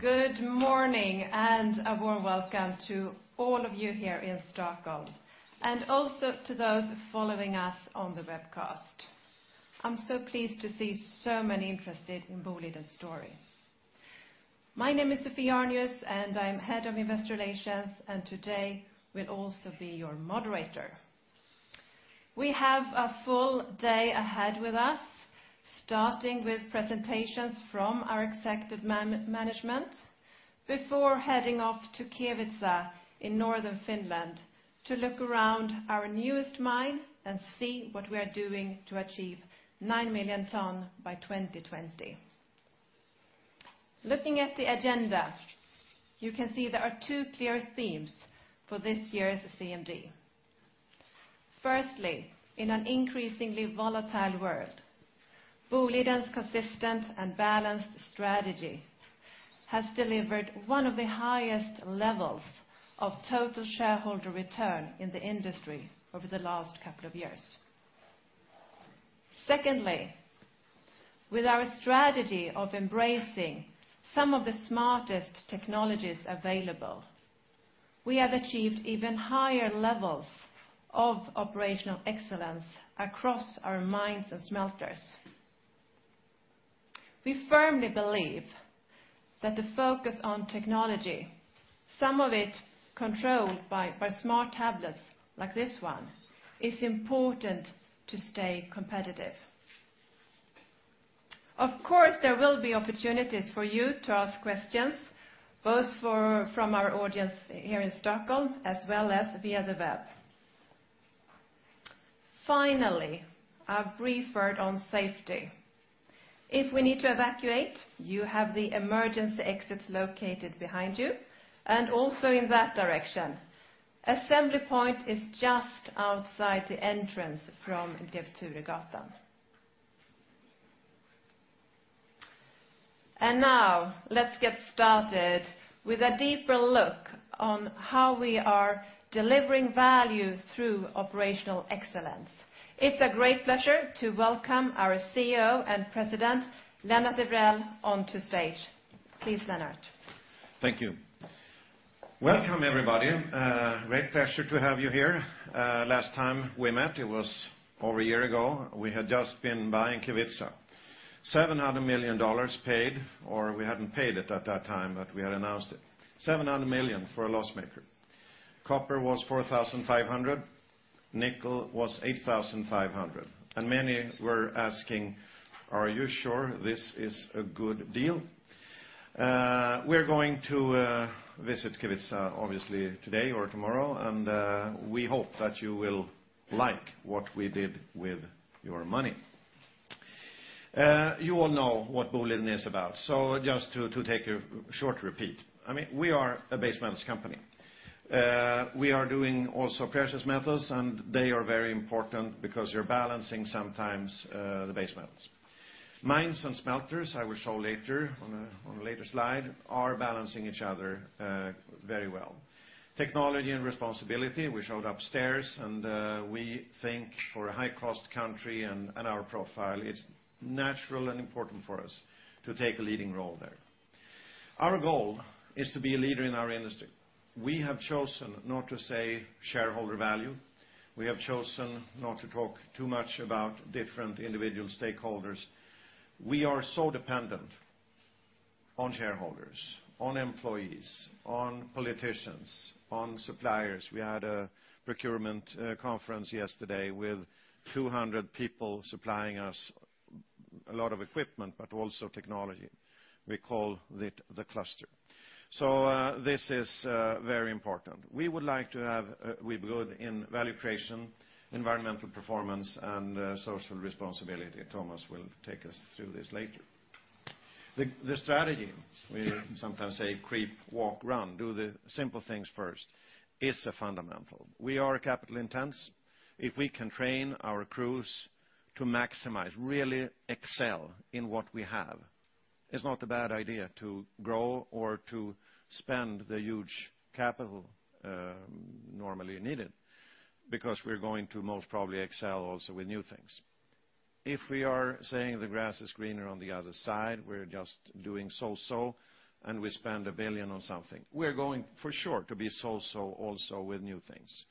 Good morning, and a warm welcome to all of you here in Stockholm, and also to those following us on the webcast. I'm so pleased to see so many interested in Boliden's story. My name is Sophie Arnius, and I'm Head of Investor Relations, and today will also be your moderator. We have a full day ahead with us, starting with presentations from our executive management, before heading off to Kevitsa in Northern Finland to look around our newest mine and see what we are doing to achieve 9 million tons by 2020. Looking at the agenda, you can see there are two clear themes for this year's CMD. Firstly, in an increasingly volatile world, Boliden's consistent and balanced strategy has delivered one of the highest levels of total shareholder return in the industry over the last couple of years. Secondly, with our strategy of embracing some of the smartest technologies available, we have achieved even higher levels of operational excellence across our mines and smelters. We firmly believe that the focus on technology, some of it controlled by smart tablets like this one, is important to stay competitive. Of course, there will be opportunities for you to ask questions, both from our audience here in Stockholm as well as via the web. Finally, a brief word on safety. If we need to evacuate, you have the emergency exits located behind you and also in that direction. Assembly point is just outside the entrance from Gävlegatan. Now, let's get started with a deeper look on how we are delivering value through operational excellence. It's a great pleasure to welcome our CEO and President, Lennart Evrell, onto stage. Please, Lennart. Thank you. Welcome, everybody. Great pleasure to have you here. Last time we met, it was over a year ago. We had just been buying Kevitsa. $700 million paid, or we hadn't paid it at that time, but we had announced it. $700 million for a loss-maker. Copper was $4,500. Nickel was $8,500. Many were asking, "Are you sure this is a good deal?" We're going to visit Kevitsa obviously today or tomorrow, and we hope that you will like what we did with your money. You all know what Boliden is about, so just to take a short repeat. We are a base metals company. We are doing also precious metals, and they are very important because you're balancing sometimes the base metals. Mines and smelters, I will show on a later slide, are balancing each other very well. Technology and responsibility we showed upstairs, and we think for a high-cost country and our profile, it's natural and important for us to take a leading role there. Our goal is to be a leader in our industry. We have chosen not to say shareholder value. We have chosen not to talk too much about different individual stakeholders. We are so dependent on shareholders, on employees, on politicians, on suppliers. We had a procurement conference yesterday with 200 people supplying us a lot of equipment, but also technology. We call it the cluster. This is very important. We would like to be good in value creation, environmental performance, and social responsibility. Thomas will take us through this later. The strategy, we sometimes say creep, walk, run, do the simple things first, is a fundamental. We are capital intense. If we can train our crews to maximize, really excel in what we have, it's not a bad idea to grow or to spend the huge capital normally needed, because we're going to most probably excel also with new things. If we are saying the grass is greener on the other side, we're just doing so-so, and we spend 1 billion on something, we're going for sure to be so-so also with new things.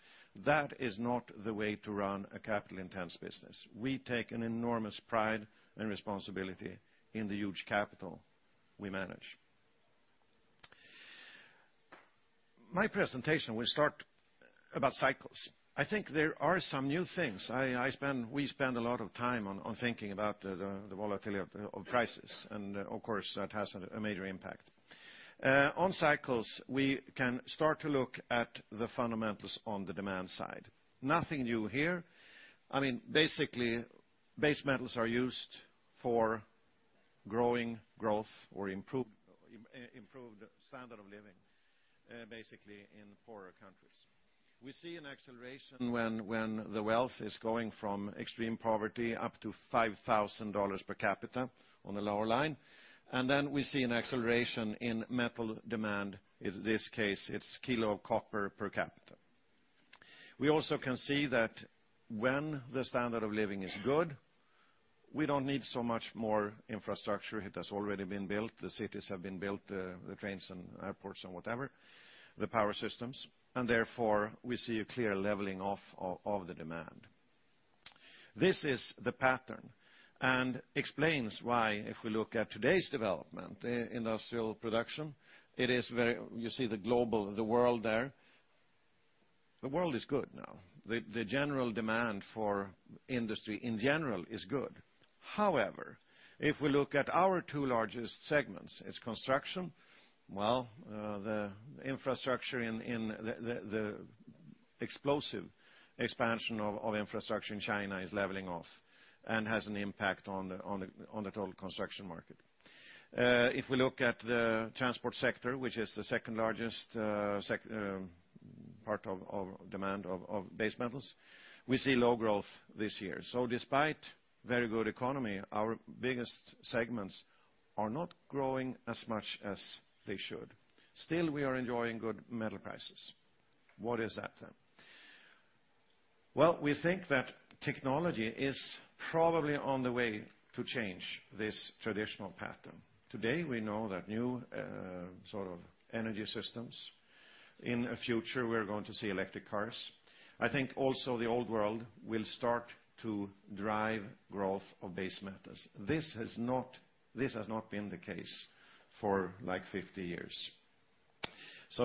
That is not the way to run a capital intense business. We take an enormous pride and responsibility in the huge capital we manage. My presentation will start about cycles. I think there are some new things. We spend a lot of time on thinking about the volatility of prices, and of course, that has a major impact. On cycles, we can start to look at the fundamentals on the demand side. Nothing new here. Basically, base metals are used for growing growth or improved standard of living, basically in poorer countries. We see an acceleration when the wealth is going from extreme poverty up to SEK 5,000 per capita on the lower line. Then we see an acceleration in metal demand. In this case, it's kilo copper per capita. We also can see that when the standard of living is good, we don't need so much more infrastructure. It has already been built. The cities have been built, the trains and airports and whatever, the power systems, and therefore, we see a clear leveling off of the demand. This is the pattern and explains why if we look at today's development, the industrial production, you see the global, the world there. The world is good now. The demand for industry in general is good. However, if we look at our two largest segments, it's construction. Well, the explosive expansion of infrastructure in China is leveling off and has an impact on the total construction market. If we look at the transport sector, which is the second-largest part of demand of base metals, we see low growth this year. Despite very good economy, our biggest segments are not growing as much as they should. Still, we are enjoying good metal prices. What is that then? Well, we think that technology is probably on the way to change this traditional pattern. Today, we know that new sort of energy systems, in a future, we're going to see electric cars. I think also the old world will start to drive growth of base metals. This has not been the case for 50 years.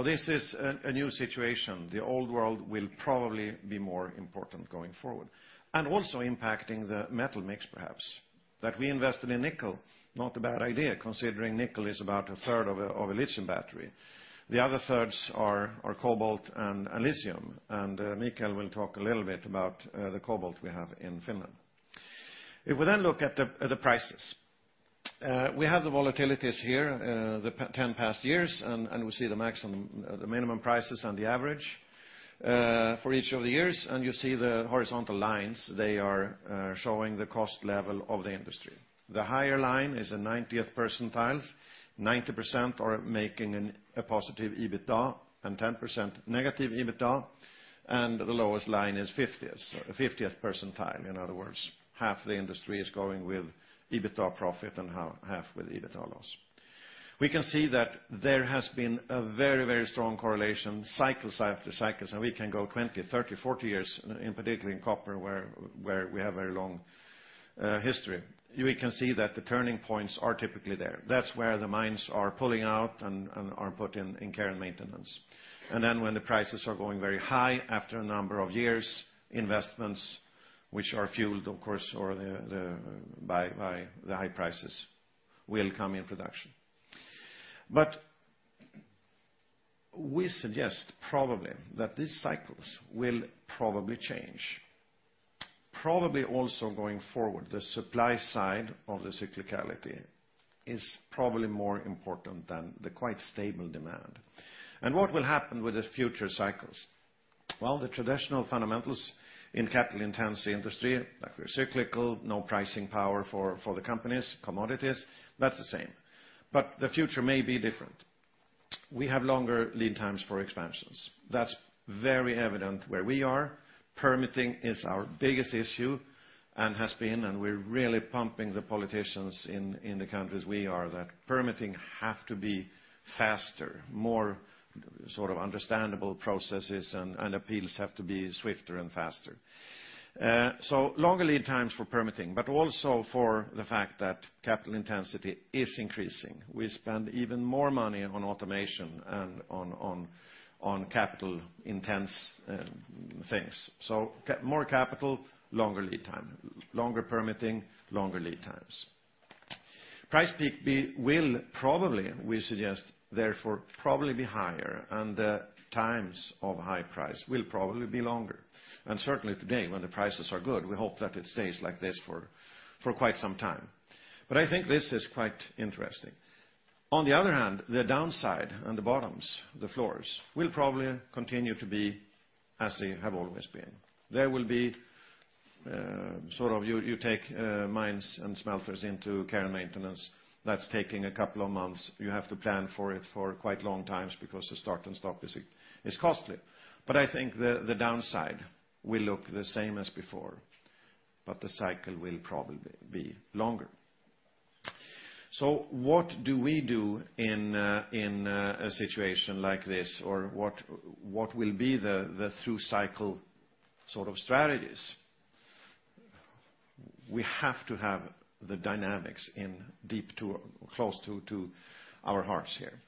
This is a new situation. The old world will probably be more important going forward, also impacting the metal mix perhaps. That we invested in nickel, not a bad idea, considering nickel is about a third of a lithium battery. The other thirds are cobalt and lithium, and Mikael will talk a little bit about the cobalt we have in Finland. If we then look at the prices. We have the volatilities here the 10 past years, we see the minimum prices and the average for each of the years, you see the horizontal lines. They are showing the cost level of the industry. The higher line is a 90th percentiles, 90% are making a positive EBITDA and 10% negative EBITDA, the lowest line is 50th percentile. In other words, half the industry is going with EBITDA profit and half with EBITDA loss. We can see that there has been a very strong correlation cycle after cycle. We can go 20, 30, 40 years, in particular in copper, where we have very long history. We can see that the turning points are typically there. That's where the mines are pulling out and are put in care and maintenance. When the prices are going very high after a number of years, investments, which are fueled, of course, by the high prices, will come in production. We suggest probably that these cycles will probably change. Probably also going forward, the supply side of the cyclicality is probably more important than the quite stable demand. What will happen with the future cycles? The traditional fundamentals in capital-intensity industry, like we're cyclical, no pricing power for the companies, commodities, that's the same. The future may be different. We have longer lead times for expansions. That's very evident where we are. Permitting is our biggest issue and has been. We're really pumping the politicians in the countries we are that permitting have to be faster, more sort of understandable processes, and appeals have to be swifter and faster. Longer lead times for permitting, but also for the fact that capital-intensity is increasing. We spend even more money on automation and on capital-intense things. More capital, longer lead time, longer permitting, longer lead times. Price peak will probably, we suggest, therefore, probably be higher, and the times of high price will probably be longer. Certainly today, when the prices are good, we hope that it stays like this for quite some time. I think this is quite interesting. On the other hand, the downside and the bottoms, the floors, will probably continue to be as they have always been. You take mines and smelters into care and maintenance. That's taking a couple of months. You have to plan for it for quite long times because the start and stop is costly. I think the downside will look the same as before, but the cycle will probably be longer. What do we do in a situation like this, or what will be the through-cycle sort of strategies? We have to have the dynamics in close to our hearts here.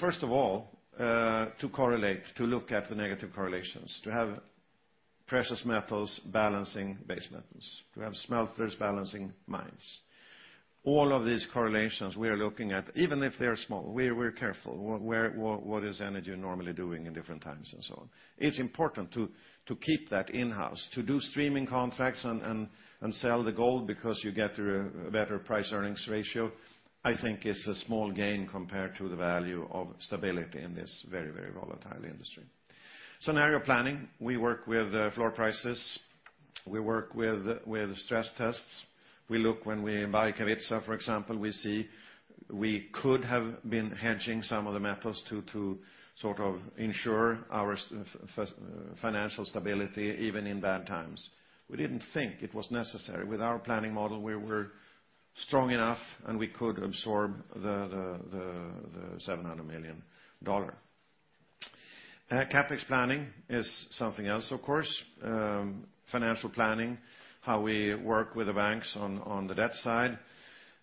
First of all, to correlate, to look at the negative correlations, to have precious metals balancing base metals, to have smelters balancing mines. All of these correlations we are looking at, even if they're small, we're careful. What is energy normally doing in different times and so on? It's important to keep that in-house, to do streaming contracts and sell the gold because you get a better price-earnings ratio, I think is a small gain compared to the value of stability in this very volatile industry. Scenario planning. We work with floor prices. We work with stress tests. When we buy Kevitsa, for example, we see we could have been hedging some of the metals to ensure our financial stability, even in bad times. We didn't think it was necessary. With our planning model, we were strong enough, and we could absorb the $700 million. CapEx planning is something else, of course. Financial planning, how we work with the banks on the debt side.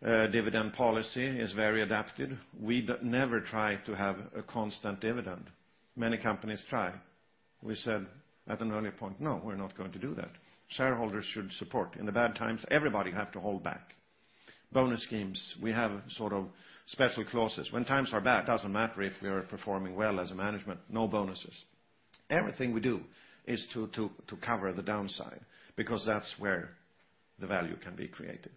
Dividend policy is very adapted. We never try to have a constant dividend. Many companies try. We said at an early point, "No, we're not going to do that." Shareholders should support. In the bad times, everybody has to hold back. Bonus schemes, we have special clauses. When times are bad, it doesn't matter if we are performing well as management, no bonuses. Everything we do is to cover the downside, because that's where the value can be created.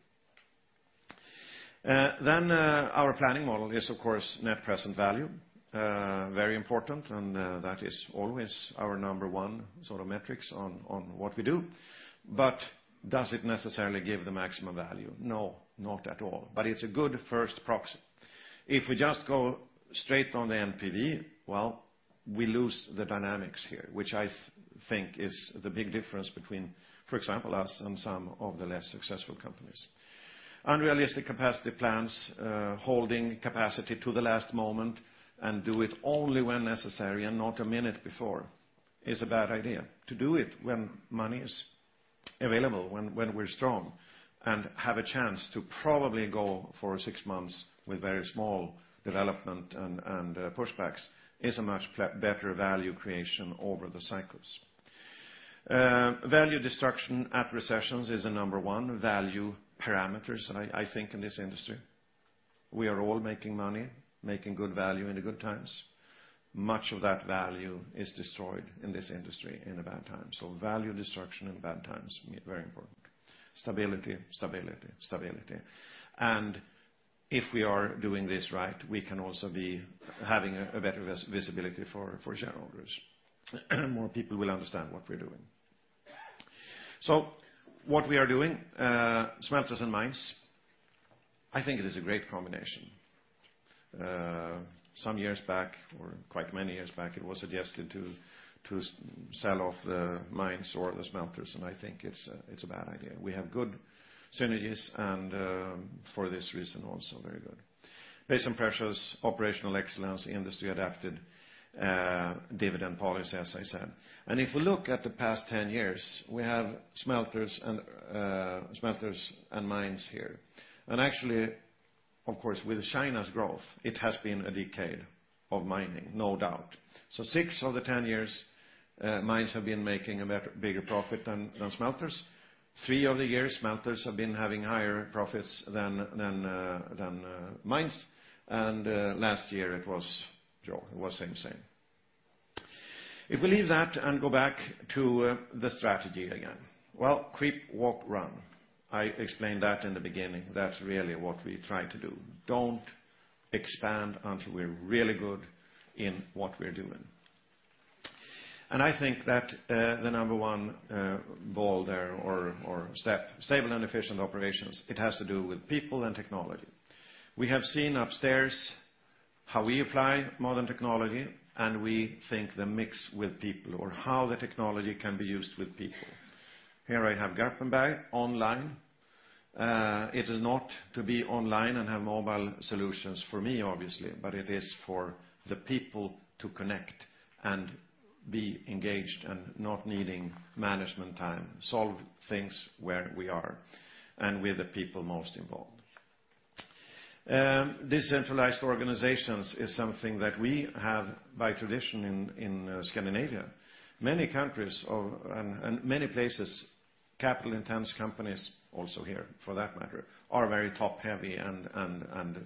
Our planning model is, of course, net present value. Very important, and that is always our number 1 metrics on what we do. Does it necessarily give the maximum value? No, not at all. It's a good first proxy. If we just go straight on the NPV, well, we lose the dynamics here, which I think is the big difference between, for example, us and some of the less successful companies. Unrealistic capacity plans, holding capacity to the last moment, do it only when necessary and not a minute before is a bad idea. To do it when money is available, when we're strong, and have a chance to probably go for 6 months with very small development and pushbacks is a much better value creation over the cycles. Value destruction at recessions is a number 1 value parameter, I think, in this industry. We are all making money, making good value in the good times. Much of that value is destroyed in this industry in the bad times. Value destruction in bad times, very important. Stability. If we are doing this right, we can also be having a better visibility for shareholders. More people will understand what we're doing. What we are doing, smelters and mines, I think it is a great combination. Some years back, or quite many years back, it was suggested to sell off the mines or the smelters, I think it's a bad idea. We have good synergies, for this reason also very good. Based on precious operational excellence, industry-adapted dividend policy, as I said. If we look at the past 10 years, we have smelters and mines here. Actually, of course, with China's growth, it has been a decade of mining, no doubt. Six of the 10 years, mines have been making a bigger profit than smelters. Three of the years, smelters have been having higher profits than mines. Last year it was same. If we leave that and go back to the strategy again. Well, creep, walk, run. I explained that in the beginning. That's really what we try to do. Don't expand until we're really good in what we're doing. I think that the number 1 boulder or step, stable and efficient operations, it has to do with people and technology. We have seen upstairs how we apply modern technology, we think the mix with people or how the technology can be used with people. Here I have Garpenberg online. It is not to be online and have mobile solutions for me, obviously, but it is for the people to connect and be engaged and not needing management time. Solve things where we are and with the people most involved. Decentralized organizations is something that we have by tradition in Scandinavia. Many countries and many places, capital-intense companies also here, for that matter, are very top-heavy and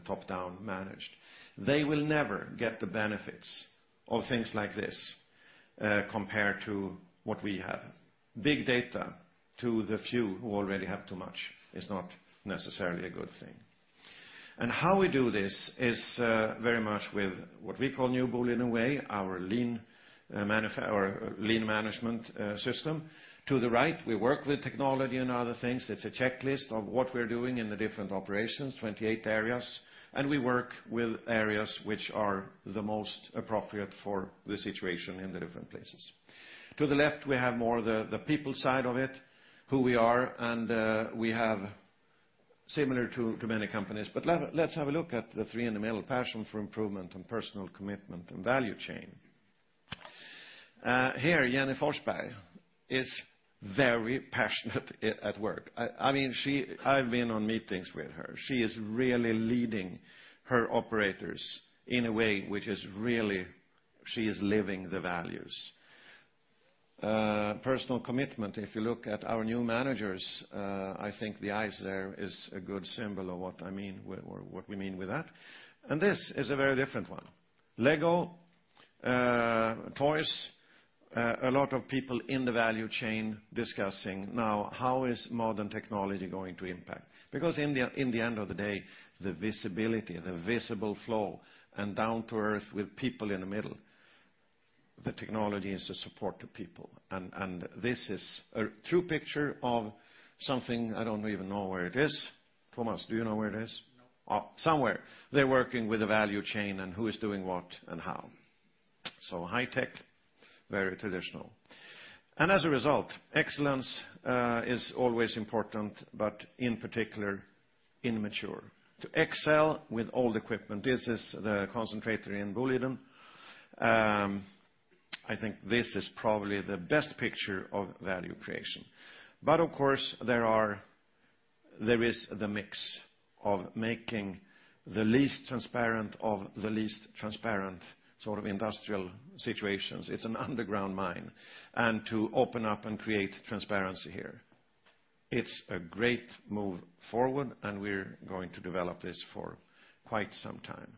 top-down managed. They will never get the benefits of things like this compared to what we have. Big data to the few who already have too much is not necessarily a good thing. How we do this is very much with what we call New Boliden Way, our lean management system. To the right, we work with technology and other things. It's a checklist of what we're doing in the different operations, 28 areas. We work with areas which are the most appropriate for the situation in the different places. To the left, we have more the people side of it, who we are, and we have similar to many companies. Let's have a look at the three in the middle, passion for improvement and personal commitment and value chain. Here, Jenny Forsberg is very passionate at work. I've been on meetings with her. She is really leading her operators in a way which is she is living the values. Personal commitment. If you look at our new managers, I think the eyes there is a good symbol of what we mean with that. This is a very different one. Lego toys. A lot of people in the value chain discussing now how is modern technology going to impact. In the end of the day, the visibility, the visible flow, and down to earth with people in the middle. The technology is to support the people. This is a true picture of something. I don't even know where it is. Thomas, do you know where it is? No. Somewhere. They're working with a value chain and who is doing what and how. High tech, very traditional. As a result, excellence is always important, but in particular, immature. To excel with old equipment, this is the concentrator in Boliden. I think this is probably the best picture of value creation. Of course, there is the mix of making the least transparent of the least transparent industrial situations. It's an underground mine. To open up and create transparency here, it's a great move forward, and we're going to develop this for quite some time.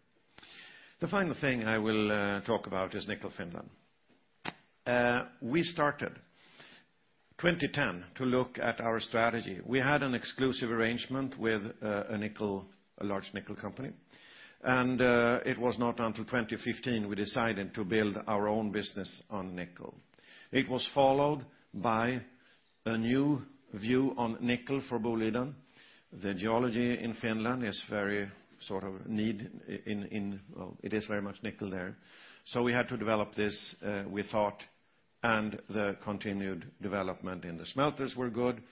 The final thing I will talk about is Nickel Finland. We started 2010 to look at our strategy. We had an exclusive arrangement with a large nickel company, and it was not until 2015 we decided to build our own business on nickel. It was followed by a new view on nickel for Boliden. The geology in Finland, it is very much nickel there. We had to develop this, we thought, and the continued development in the smelters were good.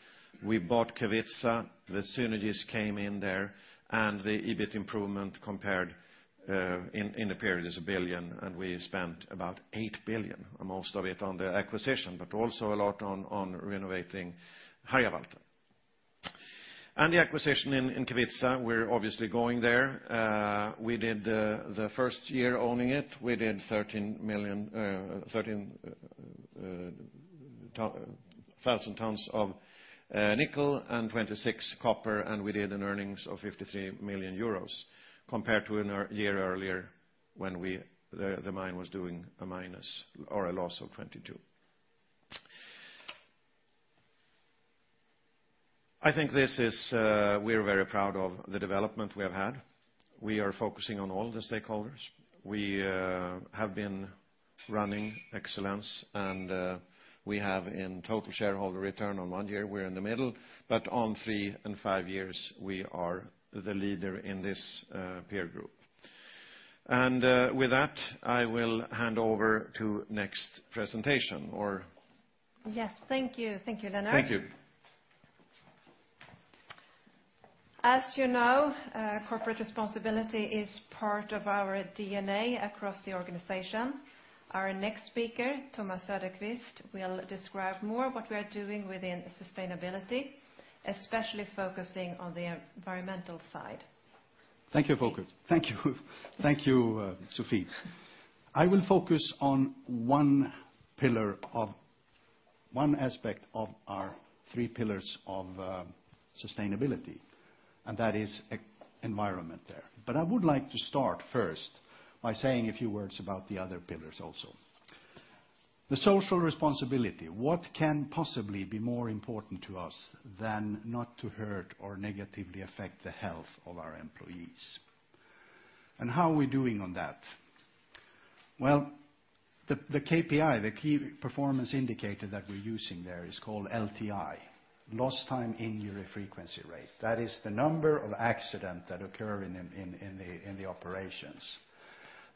We bought Kevitsa. The synergies came in there, and the EBIT improvement compared in the period is 1 billion, and we spent about $800 million, most of it on the acquisition, but also a lot on renovating Harjavalta. The acquisition in Kevitsa, we're obviously going there. We did the first year owning it. We did 13,000 tons of nickel and 26 copper, and we did an earnings of 53 million euros compared to a year earlier when the mine was doing a minus or a loss of 22. I think we are very proud of the development we have had. We are focusing on all the stakeholders. We have been running excellence, and we have in total shareholder return. On one year, we're in the middle, but on three and five years, we are the leader in this peer group. With that, I will hand over to next presentation. Yes. Thank you, Lennart. Thank you. As you know, corporate responsibility is part of our DNA across the organization. Our next speaker, Thomas Söderqvist, will describe more what we are doing within sustainability, especially focusing on the environmental side. Thank you. Thank you, Sophie. I will focus on one aspect of our three pillars of sustainability, that is environment there. I would like to start first by saying a few words about the other pillars also. The social responsibility, what can possibly be more important to us than not to hurt or negatively affect the health of our employees? How are we doing on that? Well, the KPI, the key performance indicator that we're using there is called LTI, Lost Time Injury Frequency Rate. That is the number of accidents that occur in the operations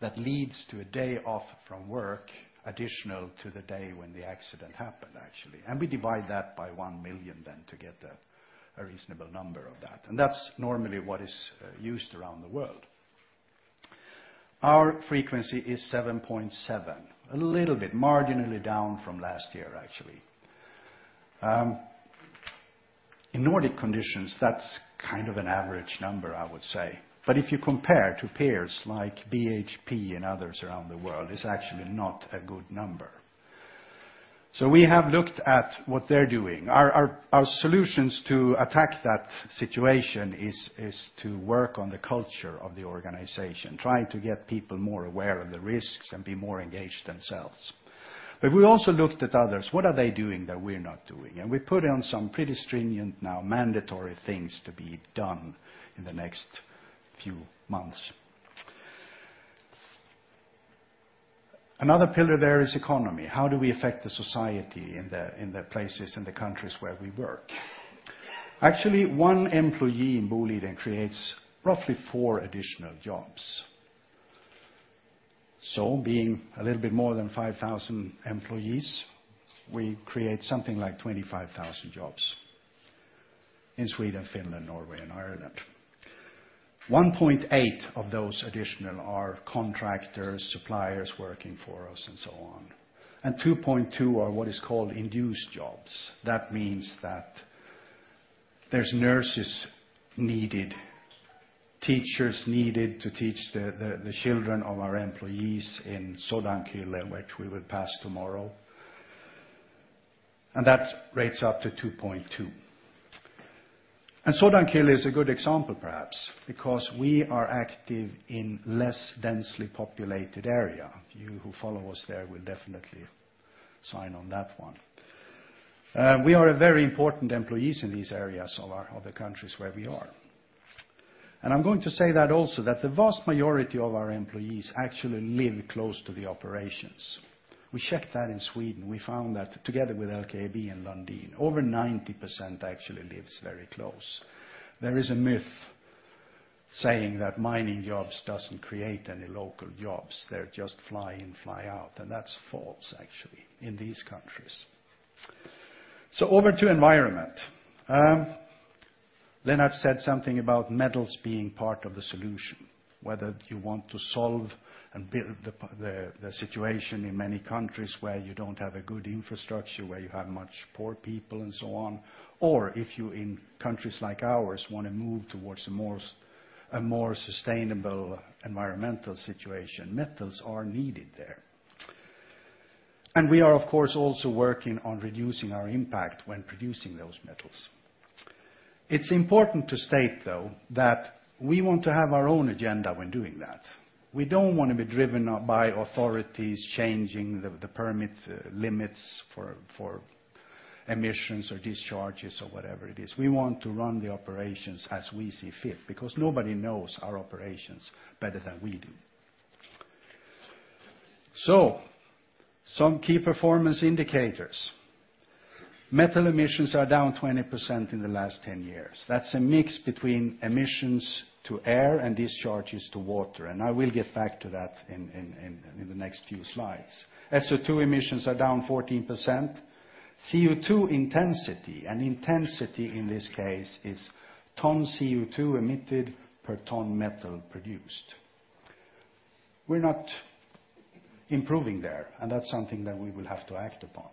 that lead to a day off from work additional to the day when the accident happened, actually. We divide that by 1 million then to get a reasonable number of that. That's normally what is used around the world. Our frequency is 7.7, a little bit marginally down from last year, actually. In Nordic conditions, that's kind of an average number, I would say. If you compare to peers like BHP and others around the world, it's actually not a good number. We have looked at what they're doing. Our solutions to attack that situation is to work on the culture of the organization, trying to get people more aware of the risks and be more engaged themselves. We also looked at others. What are they doing that we're not doing? We put on some pretty stringent, now mandatory things to be done in the next few months. Another pillar there is economy. How do we affect the society in the places, in the countries where we work? Actually, 1 employee in Boliden creates roughly 4 additional jobs. Being a little bit more than 5,000 employees, we create something like 25,000 jobs in Sweden, Finland, Norway, and Ireland. 1.8 of those additional are contractors, suppliers working for us, and so on, and 2.2 are what is called induced jobs. That means that there's nurses needed, teachers needed to teach the children of our employees in Sodankylä, which we will pass tomorrow. That rates up to 2.2. Sodankylä is a good example, perhaps, because we are active in less densely populated area. You who follow us there will definitely sign on that one. We are a very important employer in these areas of the countries where we are. I'm going to say that also that the vast majority of our employees actually live close to the operations. We checked that in Sweden. We found that together with LKAB and Lundin Mining, over 90% actually live very close. There is a myth saying that mining jobs don't create any local jobs. They're just fly in, fly out, and that's false actually in these countries. Over to environment. I've said something about metals being part of the solution, whether you want to solve and build the situation in many countries where you don't have a good infrastructure, where you have many poor people and so on. Or if you in countries like ours want to move towards a more sustainable environmental situation, metals are needed there. We are of course, also working on reducing our impact when producing those metals. It's important to state though, that we want to have our own agenda when doing that. We don't want to be driven by authorities changing the permit limits for emissions or discharges or whatever it is. We want to run the operations as we see fit because nobody knows our operations better than we do. Some key performance indicators. Metal emissions are down 20% in the last 10 years. That's a mix between emissions to air and discharges to water, and I will get back to that in the next few slides. SO2 emissions are down 14%. CO2 intensity, and intensity in this case is ton CO2 emitted per ton metal produced. We're not improving there, and that's something that we will have to act upon.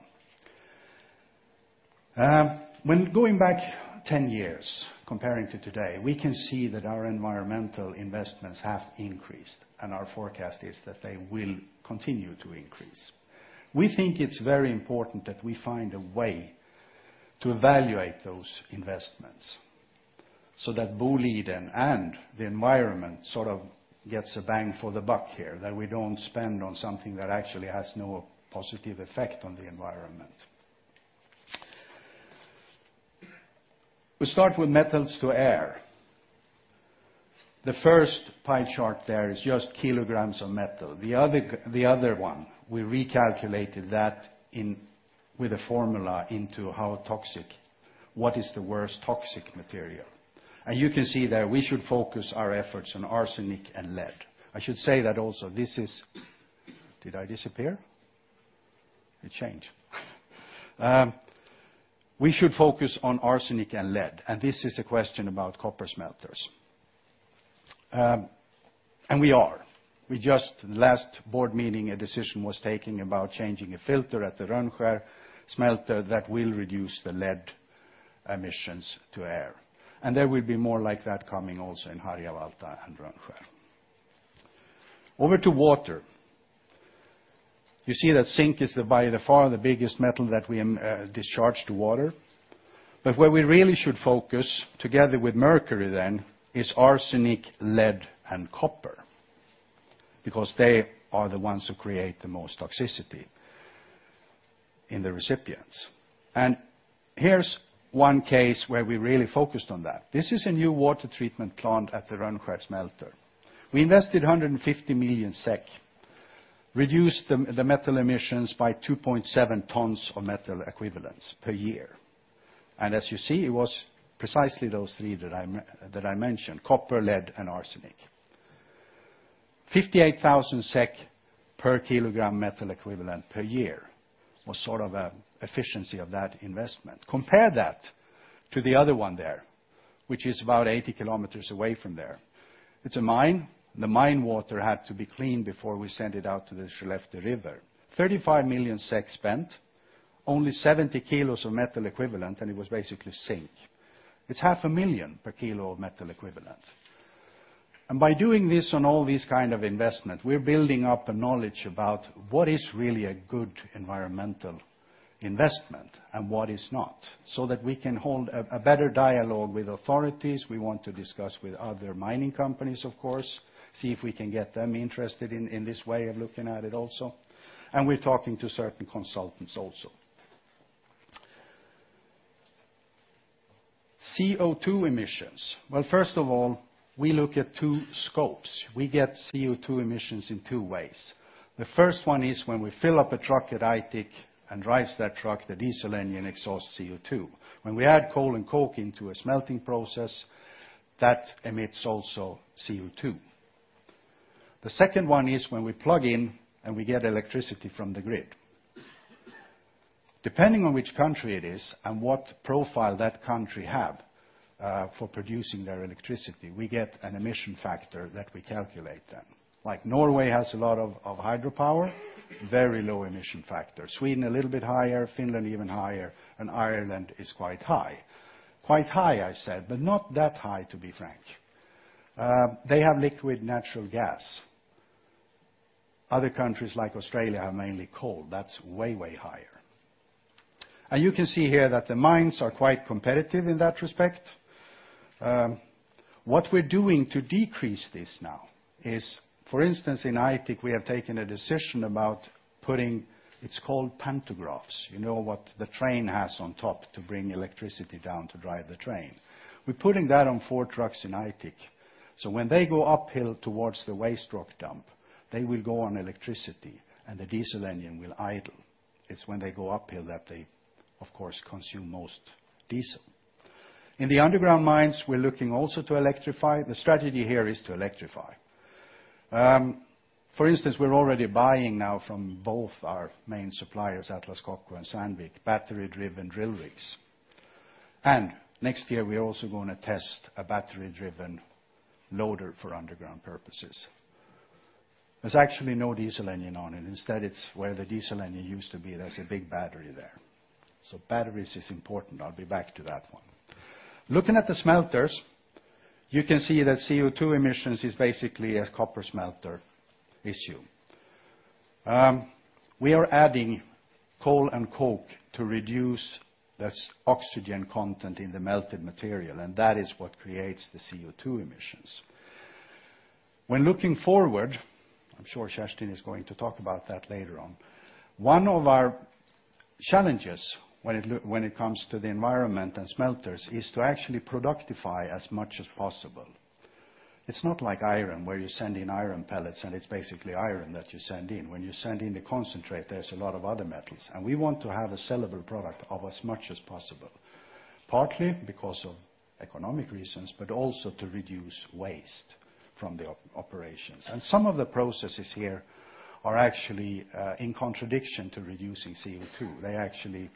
When going back 10 years comparing to today, we can see that our environmental investments have increased, and our forecast is that they will continue to increase. We think it's very important that we find a way to evaluate those investments so that Boliden and the environment sort of gets a bang for the buck here. That we don't spend on something that actually has no positive effect on the environment. We start with metals to air. The first pie chart there is just kilograms of metal. The other one, we recalculated that with a formula into how toxic, what is the worst toxic material. You can see there, we should focus our efforts on arsenic and lead. I should say that also this is Did I disappear? It changed. We should focus on arsenic and lead, and this is a question about copper smelters. We are. We just, last board meeting, a decision was taken about changing a filter at the Rönnskär smelter that will reduce the lead emissions to air. There will be more like that coming also in Harjavalta and Rönnskär. Over to water. You see that zinc is by the far the biggest metal that we discharge to water. But where we really should focus together with mercury then is arsenic, lead, and copper, because they are the ones who create the most toxicity in the recipients. Here's one case where we really focused on that. This is a new water treatment plant at the Rönnskär smelter. We invested 150 million SEK, reduced the metal emissions by 2.7 tons of metal equivalents per year. As you see, it was precisely those three that I mentioned, copper, lead, and arsenic. 58,000 SEK per kilogram metal equivalent per year was sort of a efficiency of that investment. Compare that to the other one there, which is about 80 kilometers away from there. It's a mine. The mine water had to be cleaned before we send it out to the Skellefte River. 35 million spent, only 70 kilos of metal equivalent, and it was basically zinc. It's SEK half a million per kilo of metal equivalent. By doing this on all these kind of investment, we are building up a knowledge about what is really a good environmental investment and what is not, so that we can hold a better dialogue with authorities. We want to discuss with other mining companies, of course, see if we can get them interested in this way of looking at it also. We're talking to certain consultants also. CO2 emissions. Well, first of all, we look at two scopes. We get CO2 emissions in two ways. The first one is when we fill up a truck at Aitik and drives that truck, the diesel engine exhausts CO2. When we add coal and coke into a smelting process, that emits also CO2. The second one is when we plug in and we get electricity from the grid. Depending on which country it is and what profile that country have for producing their electricity, we get an emission factor that we calculate then. Like Norway has a lot of hydropower, very low emission factor. Sweden, a little bit higher, Finland even higher, Ireland is quite high. Quite high, I said, but not that high, to be frank. They have liquid natural gas. Other countries like Australia have mainly coal. That's way higher. You can see here that the mines are quite competitive in that respect. What we're doing to decrease this now is, for instance, in Aitik we have taken a decision about putting it's called pantographs. You know what the train has on top to bring electricity down to drive the train. We're putting that on four trucks in Aitik, so when they go uphill towards the waste rock dump, they will go on electricity, and the diesel engine will idle. It's when they go uphill that they of course consume most diesel. In the underground mines, we're looking also to electrify. The strategy here is to electrify. For instance, we're already buying now from both our main suppliers, Atlas Copco and Sandvik, battery-driven drill rigs. Next year we're also going to test a battery-driven loader for underground purposes. There's actually no diesel engine on it. Instead, where the diesel engine used to be, there's a big battery there. Batteries is important. I'll be back to that one. Looking at the smelters, you can see that CO2 emissions is basically a copper smelter issue. We are adding coal and coke to reduce this oxygen content in the melted material, and that is what creates the CO2 emissions. When looking forward, I'm sure Kerstin is going to talk about that later on, one of our challenges when it comes to the environment and smelters is to actually productify as much as possible. It's not like iron, where you send in iron pellets, and it's basically iron that you send in. When you send in the concentrate, there's a lot of other metals, we want to have a sellable product of as much as possible, partly because of economic reasons, also to reduce waste from the operations. Some of the processes here are actually in contradiction to reducing CO2.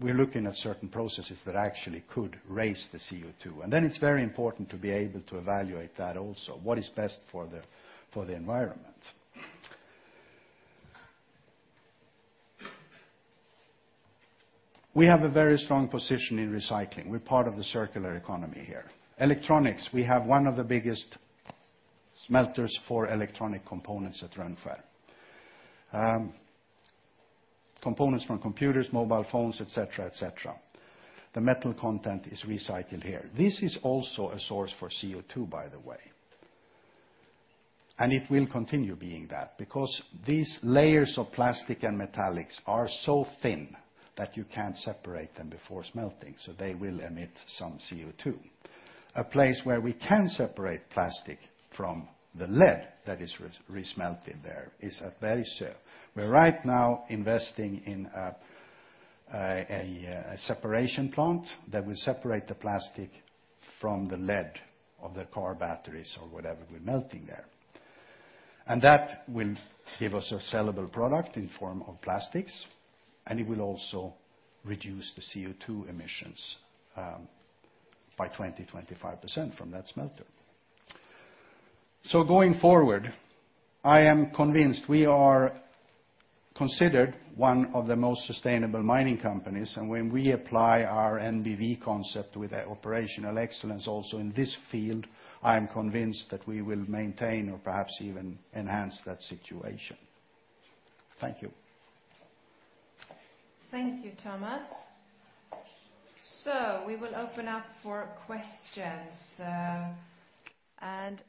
We're looking at certain processes that actually could raise the CO2, then it's very important to be able to evaluate that also, what is best for the environment. We have a very strong position in recycling. We're part of the circular economy here. Electronics, we have one of the biggest smelters for electronic components at Rönnskär. Components from computers, mobile phones, et cetera. The metal content is recycled here. This is also a source for CO2, by the way. It will continue being that, because these layers of plastic and metallics are so thin that you can't separate them before smelting, so they will emit some CO2. A place where we can separate plastic from the lead that is re-smelted there is at Bergsöe. We're right now investing in a separation plant that will separate the plastic from the lead of the car batteries or whatever we're melting there. That will give us a sellable product in form of plastics, and it will also reduce the CO2 emissions by 20%-25% from that smelter. Going forward, I am convinced we are considered one of the most sustainable mining companies. When we apply our MBV concept with the operational excellence also in this field, I am convinced that we will maintain or perhaps even enhance that situation. Thank you, Thomas. Thank you, Thomas. We will open up for questions.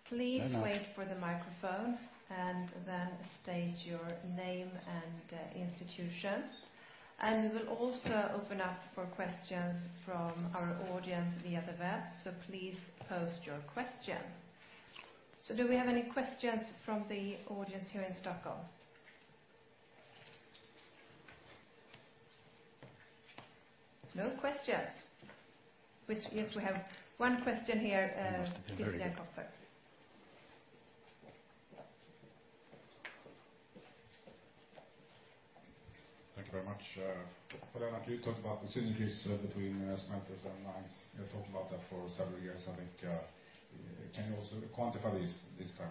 Please wait for the microphone and then state your name and institution. We will also open up for questions from our audience via the web. Please post your question. Do we have any questions from the audience here in Stockholm? No questions. Yes, we have one question here. Thank you very much. For that you talked about the synergies between smelters and mines. You have talked about that for several years, I think. Can you also quantify this time,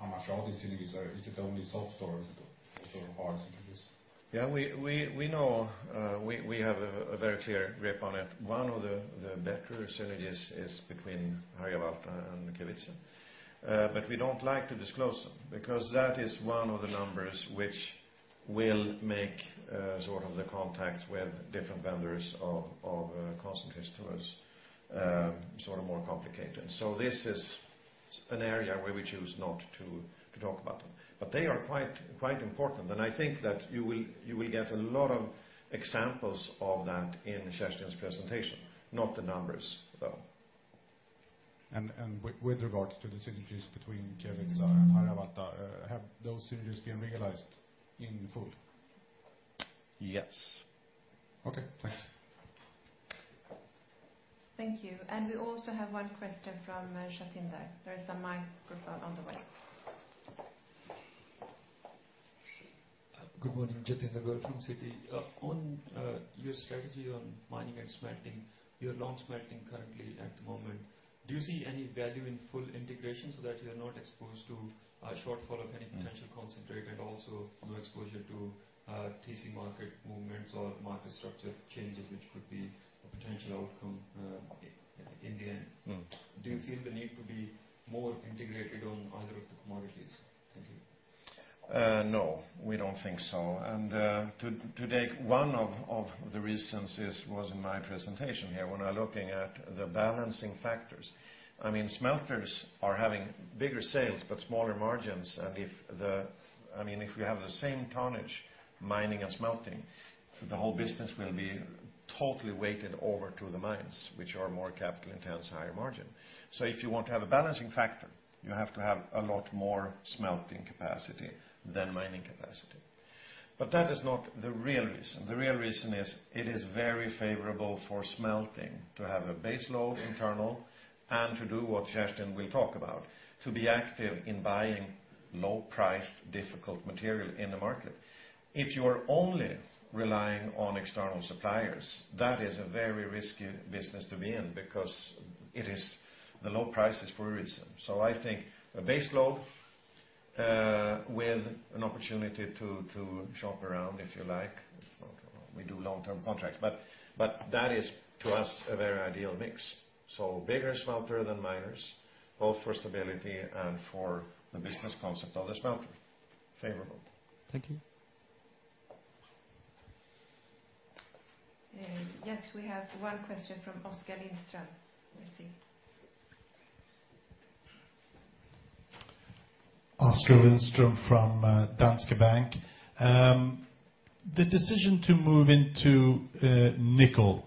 how much all these synergies are? Is it only soft or is it also hard synergies? We know we have a very clear grip on it. One of the better synergies is between Harjavalta and Kevitsa. We don't like to disclose them, because that is one of the numbers which will make sort of the contacts with different vendors of concentrates to us sort of more complicated. This is an area where we choose not to talk about them, but they are quite important, and I think that you will get a lot of examples of that in Kerstin's presentation. Not the numbers, though. With regards to the synergies between Kevitsa and Harjavalta, have those synergies been realized in full? Yes. Okay, thanks. Thank you. We also have one question from Jatinder. There is a microphone on the way. Good morning. Jatinder Gill from Citi. On your strategy on mining and smelting, you're non-smelting currently at the moment. Do you see any value in full integration so that you're not exposed to a shortfall of any potential concentrate and also no exposure to TC market movements or market structure changes, which could be a potential outcome in the end? No. Do you feel the need to be more integrated on either of the commodities? Thank you. No, we don't think so. Today, one of the reasons was in my presentation here when I'm looking at the balancing factors. Smelters are having bigger sales but smaller margins. If we have the same tonnage mining and smelting, the whole business will be totally weighted over to the mines, which are more capital intense, higher margin. If you want to have a balancing factor, you have to have a lot more smelting capacity than mining capacity. That is not the real reason. The real reason is it is very favorable for smelting to have a base load internal and to do what Kerstin will talk about, to be active in buying low-priced difficult material in the market. If you are only relying on external suppliers, that is a very risky business to be in because the low price is for a reason. I think a base load with an opportunity to shop around, if you like. We do long-term contracts, that is, to us, a very ideal mix. Bigger smelter than miners, both for stability and for the business concept of the smelter. Favorable. Thank you. Yes, we have one question from Oskar Lindström. Let's see. Oskar Lindström from Danske Bank. The decision to move into nickel,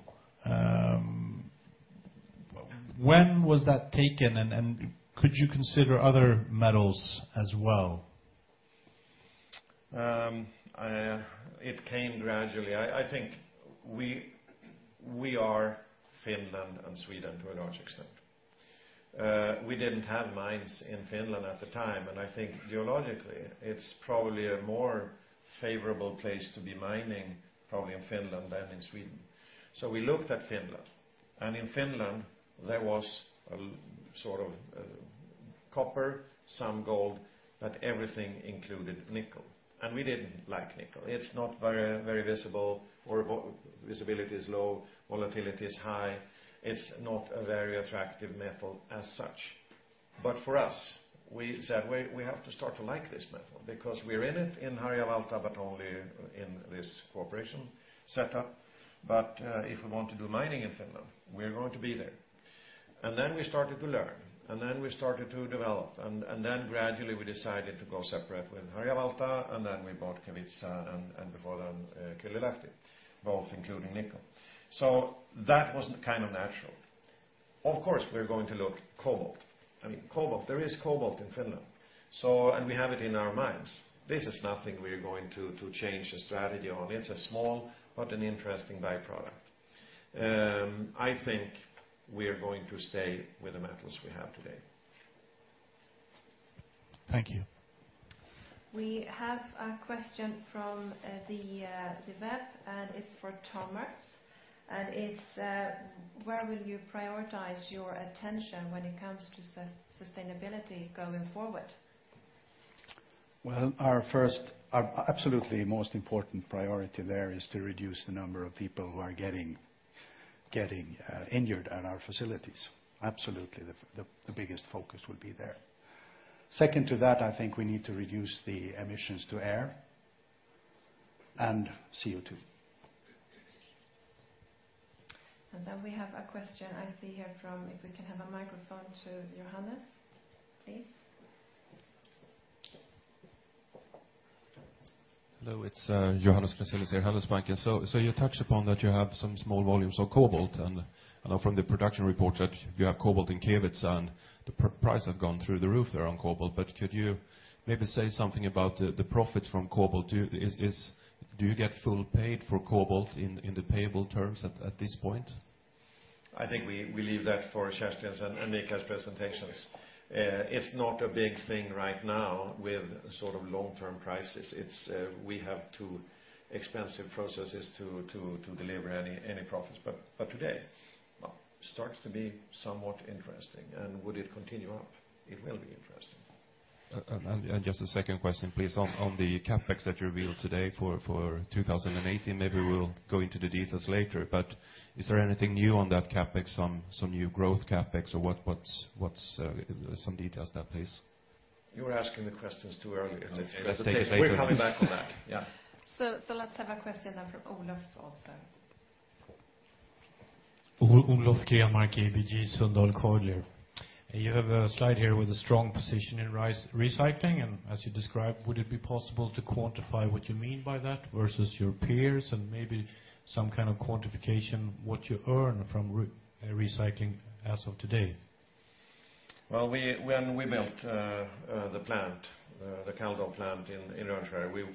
when was that taken, and could you consider other metals as well? It came gradually. I think we are Finland and Sweden to a large extent. We didn't have mines in Finland at the time, and I think geologically it's probably a more favorable place to be mining, probably in Finland than in Sweden. We looked at Finland. In Finland there was copper, some gold, but everything included nickel. We didn't like nickel. It's not very visible or visibility is low, volatility is high. It's not a very attractive metal as such. For us, we said we have to start to like this metal because we're in it in Harjavalta, but only in this cooperation setup. If we want to do mining in Finland, we're going to be there. Then we started to learn, and then we started to develop, and then gradually we decided to go separate with Harjavalta, and then we bought Kevitsa, and before then Kylylahti, both including nickel. That was kind of natural. Of course, we're going to look cobalt. There is cobalt in Finland, and we have it in our minds. This is nothing we're going to change the strategy on. It's a small but an interesting byproduct. I think we are going to stay with the metals we have today. Thank you. We have a question from the web, it's for Thomas. It's where will you prioritize your attention when it comes to sustainability going forward? Well, our first, absolutely most important priority there is to reduce the number of people who are getting injured at our facilities. Absolutely, the biggest focus will be there. second to that, I think we need to reduce the emissions to air and CO2. We have a question I see here from, if we can have a microphone to Johannes, please. Hello, it's Johannes Krisellis here, Handelsbanken. You touched upon that you have some small volumes of cobalt, and I know from the production report that you have cobalt in Kevitsa, and the price have gone through the roof there on cobalt. Could you maybe say something about the profits from cobalt? Do you get full paid for cobalt in the payable terms at this point? I think we leave that for Kerstin's and Mika's presentations. It's not a big thing right now with long-term prices. We have too expensive processes to deliver any profits. Today, starts to be somewhat interesting. Would it continue up? It will be interesting. Just a second question, please. On the CapEx that you revealed today for 2018, maybe we'll go into the details later, is there anything new on that CapEx, some new growth CapEx? What's some details there, please? You are asking the questions too early. Okay. Let's take it later. We're coming back on that. Yeah. Let's have a question then from Olof also. Olof Grenmark, ABG Sundal Collier. You have a slide here with a strong position in recycling, and as you described, would it be possible to quantify what you mean by that versus your peers and maybe some kind of quantification what you earn from recycling as of today? Well, when we built the plant, the Kaldo plant in Örnsköldsvik,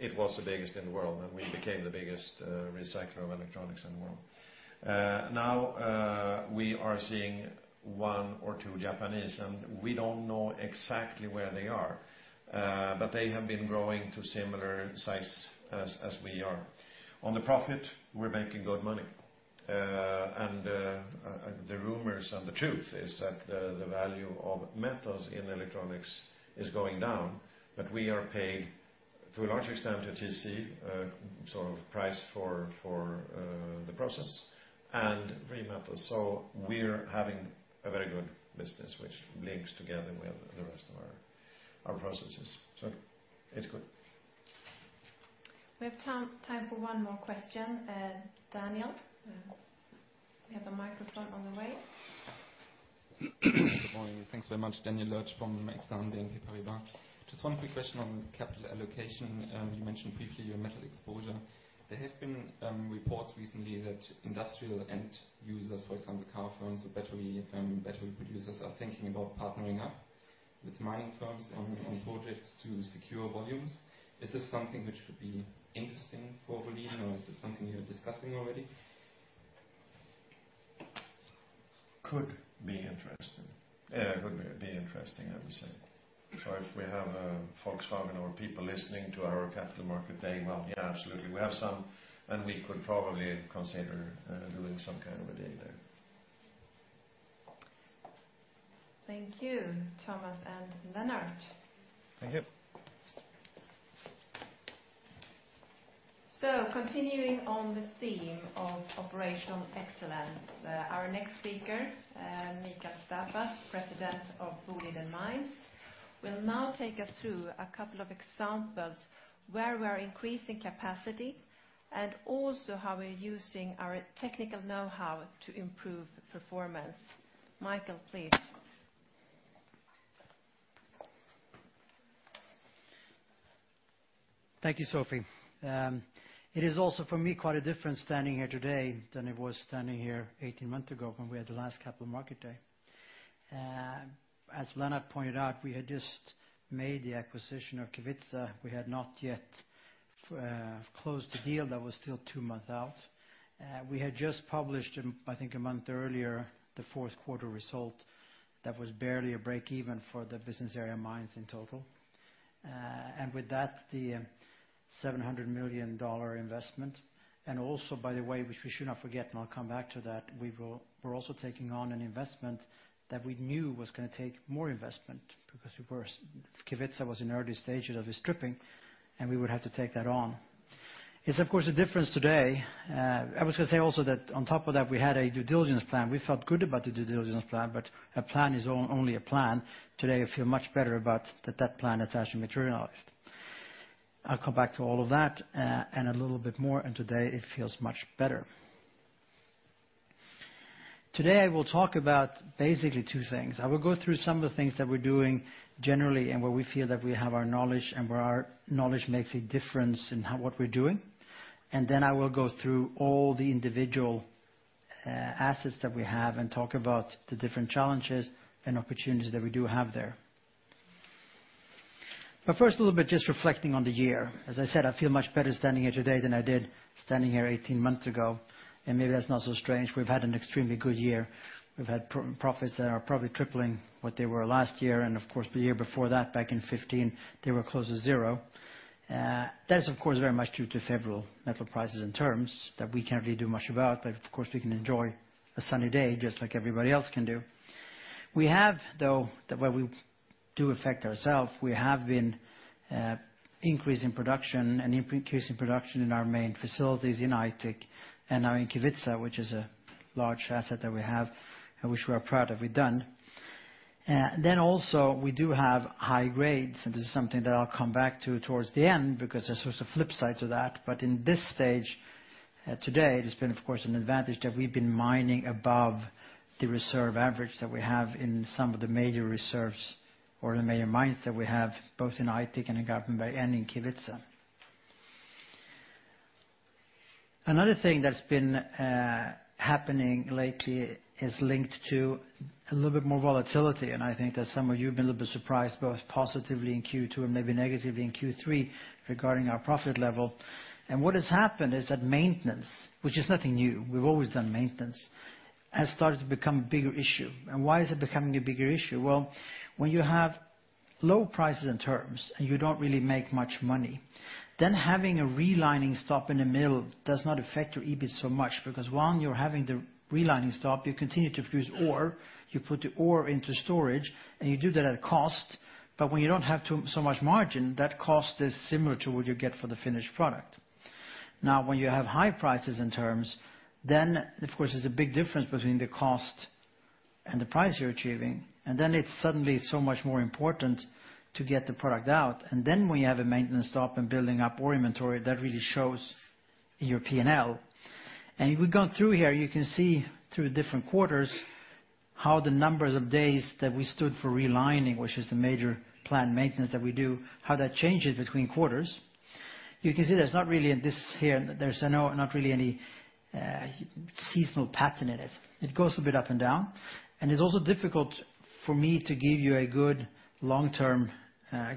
it was the biggest in the world, we became the biggest recycler of electronics in the world. Now we are seeing one or two Japanese, we don't know exactly where they are. They have been growing to similar size as we are. On the profit, we're making good money. The rumors and the truth is that the value of metals in electronics is going down, we are paid To a large extent, a TC price for the process and free metals. We're having a very good business, which links together with the rest of our processes. It's good. We have time for one more question. Daniel. We have a microphone on the way. Good morning. Thanks very much. Daniel Major from UBS. Just one quick question on capital allocation. You mentioned briefly your metal exposure. There have been reports recently that industrial end users, for example, car firms or battery producers, are thinking about partnering up with mining firms on projects to secure volumes. Is this something which would be interesting for Boliden, or is this something you're discussing already? Could be interesting. Yeah, could be interesting, I would say. If we have Volkswagen or people listening to our Capital Market Day, well yeah, absolutely. We have some, we could probably consider doing some kind of a deal there. Thank you, Thomas and Lennart. Thank you. Continuing on the theme of operational excellence, our next speaker, Mikael Staffas, President of Boliden Mines, will now take us through a couple of examples where we're increasing capacity, and also how we're using our technical know-how to improve performance. Mikael, please. Thank you, Sophie. It is also for me quite a difference standing here today than it was standing here 18 months ago when we had the last Capital Market Day. As Lennart pointed out, we had just made the acquisition of Kevitsa. We had not yet closed the deal. That was still two months out. We had just published, I think a month earlier, the fourth quarter result that was barely a break even for the business area mines in total. With that, the $700 million investment. Also, by the way, which we should not forget, and I'll come back to that, we're also taking on an investment that we knew was going to take more investment because Kevitsa was in early stages of its stripping, and we would have to take that on. It's of course a difference today. I was going to say also that on top of that, we had a due diligence plan. We felt good about the due diligence plan, but a plan is only a plan. Today I feel much better about that plan has actually materialized. I'll come back to all of that, and a little bit more, today it feels much better. Today I will talk about basically two things. I will go through some of the things that we're doing generally and where we feel that we have our knowledge and where our knowledge makes a difference in what we're doing. Then I will go through all the individual assets that we have and talk about the different challenges and opportunities that we do have there. First, a little bit just reflecting on the year. As I said, I feel much better standing here today than I did standing here 18 months ago. Maybe that's not so strange. We've had an extremely good year. We've had profits that are probably tripling what they were last year, the year before that, back in 2015, they were close to zero. That is, of course, very much due to favorable metal prices and terms that we can't really do much about, but of course, we can enjoy a sunny day just like everybody else can do. We have, though, where we do affect ourselves, we have been increasing production and increasing production in our main facilities in Aitik and now in Kevitsa, which is a large asset that we have and which we are proud of we've done. Also, we do have high grades, this is something that I'll come back to towards the end because there's sort of flip sides of that. In this stage, today, it's been, of course, an advantage that we've been mining above the reserve average that we have in some of the major reserves or the major mines that we have, both in Aitik and in Garpenberg and in Kevitsa. Another thing that's been happening lately is linked to a little bit more volatility, I think that some of you have been a little bit surprised, both positively in Q2 and maybe negatively in Q3 regarding our profit level. What has happened is that maintenance, which is nothing new, we've always done maintenance, has started to become a bigger issue. Why is it becoming a bigger issue? Well, when you have low prices and terms and you don't really make much money, then having a relining stop in the middle does not affect your EBIT so much because, one, you're having the relining stop. You continue to produce ore. You put the ore into storage, and you do that at a cost. When you don't have so much margin, that cost is similar to what you get for the finished product. Now when you have high prices and terms, then of course there's a big difference between the cost and the price you're achieving, then it's suddenly so much more important to get the product out. Then when you have a maintenance stop and building up ore inventory, that really shows in your P&L. If we go through here, you can see through different quarters how the numbers of days that we stood for relining, which is the major planned maintenance that we do, how that changes between quarters. You can see there's not really this here. There's not really any seasonal pattern in it. It goes a bit up and down. It's also difficult for me to give you a good long-term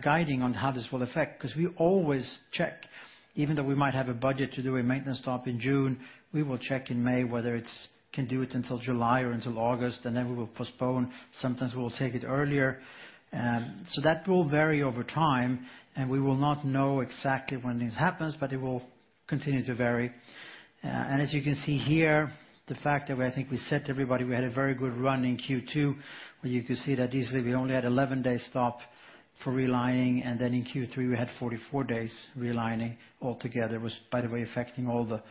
guiding on how this will affect, because we always check. Even though we might have a budget to do a maintenance stop in June, we will check in May whether it can do it until July or until August, and then we will postpone. Sometimes we will take it earlier. That will vary over time, and we will not know exactly when this happens, but it will continue to vary. As you can see here, the fact that we think we said to everybody, we had a very good run in Q2, where you could see that easily, we only had 11 day stop for relining. Then in Q3, we had 44 days relining altogether, was, by the way, affecting all the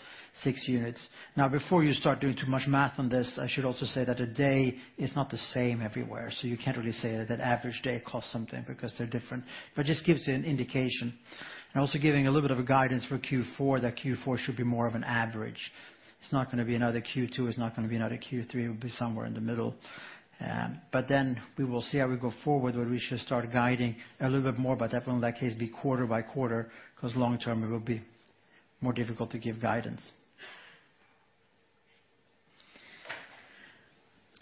six units. Before you start doing too much math on this, I should also say that a day is not the same everywhere, so you can't really say that an average day costs something because they're different. It just gives you an indication. I'm also giving a little bit of a guidance for Q4, that Q4 should be more of an average. It's not going to be another Q2, it's not going to be another Q3, it'll be somewhere in the middle. We will see how we go forward, whether we should start guiding a little bit more, but that will in that case be quarter by quarter, because long term, it will be more difficult to give guidance.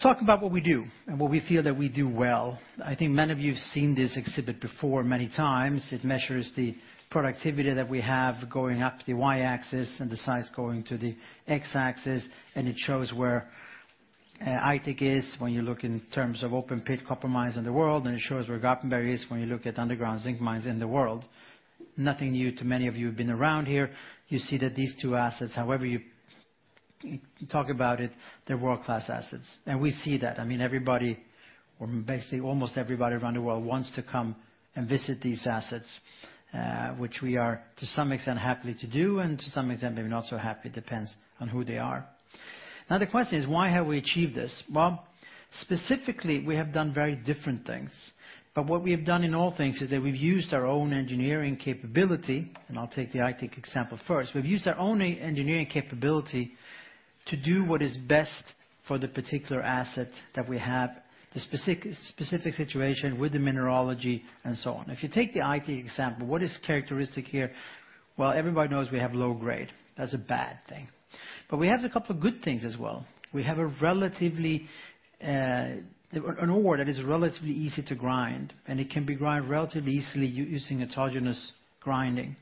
Talk about what we do and what we feel that we do well. I think many of you have seen this exhibit before many times. It measures the productivity that we have going up the Y-axis and the size going to the X-axis, and it shows where Aitik is when you look in terms of open pit copper mines in the world, and it shows where Garpenberg is when you look at underground zinc mines in the world. Nothing new to many of you who've been around here. You see that these two assets, however you talk about it, they're world-class assets. We see that. Everybody, or basically almost everybody around the world wants to come and visit these assets, which we are, to some extent happily to do, and to some extent maybe not so happy. It depends on who they are. The question is, why have we achieved this? Specifically, we have done very different things. What we have done in all things is that we've used our own engineering capability, and I'll take the Aitik example first. We've used our own engineering capability to do what is best for the particular asset that we have, the specific situation with the mineralogy and so on. If you take the Aitik example, what is characteristic here? Everybody knows we have low grade. That's a bad thing. We have a couple of good things as well. We have an ore that is relatively easy to grind, and it can be grind relatively easily using autogenous grinding.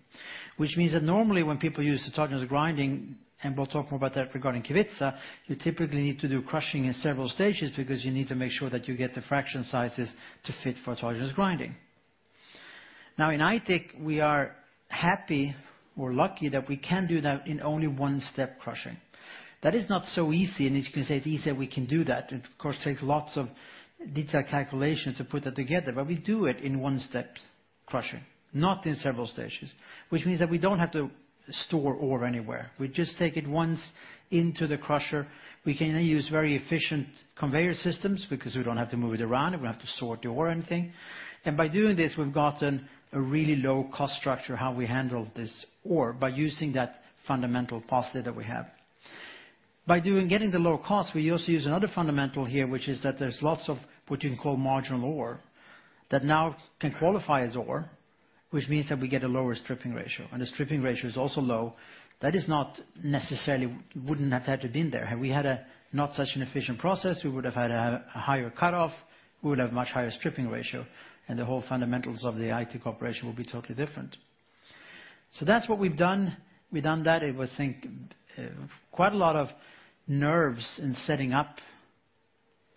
That means that normally when people use autogenous grinding, and we'll talk more about that regarding Kevitsa, you typically need to do crushing in several stages because you need to make sure that you get the fraction sizes to fit for autogenous grinding. In Aitik, we are happy or lucky that we can do that in only 1 step crushing. That is not so easy, and as you can see, it's easy we can do that. It of course takes lots of detailed calculations to put that together. We do it in 1 step crushing, not in several stages, which means that we don't have to store ore anywhere. We just take it once into the crusher. We can use very efficient conveyor systems because we don't have to move it around and we don't have to sort the ore or anything. By doing this, we've gotten a really low cost structure, how we handle this ore, by using that fundamental positive that we have. By getting the low cost, we also use another fundamental here, which is that there's lots of what you can call marginal ore that now can qualify as ore, which means that we get a lower stripping ratio. The stripping ratio is also low. That is not necessarily wouldn't have had to been there. Had we had a not such an efficient process, we would have had a higher cutoff, we would have much higher stripping ratio, and the whole fundamentals of the Aitik operation will be totally different. That's what we've done. We've done that. It was think quite a lot of nerves in setting up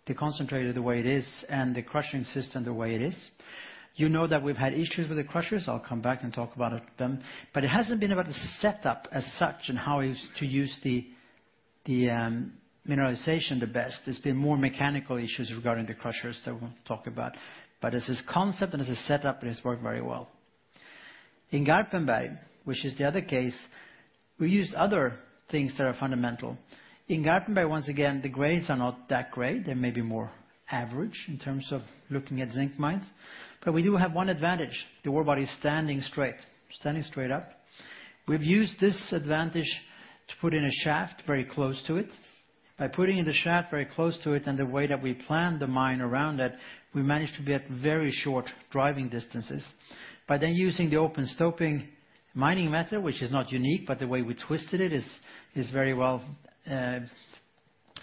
the concentrator the way it is and the crushing system the way it is. You know that we've had issues with the crushers. I'll come back and talk about them. It hasn't been about the setup as such and how is to use the mineralization the best. It's been more mechanical issues regarding the crushers that we'll talk about. As this concept and as a setup, it has worked very well. In Garpenberg, which is the other case, we used other things that are fundamental. In Garpenberg, once again, the grades are not that great. They may be more average in terms of looking at zinc mines. We do have one advantage. The ore body is standing straight, standing straight up. We've used this advantage to put in a shaft very close to it. By putting in the shaft very close to it and the way that we planned the mine around it, we managed to be at very short driving distances. By using the open stoping mining method, which is not unique, the way we twisted it is very well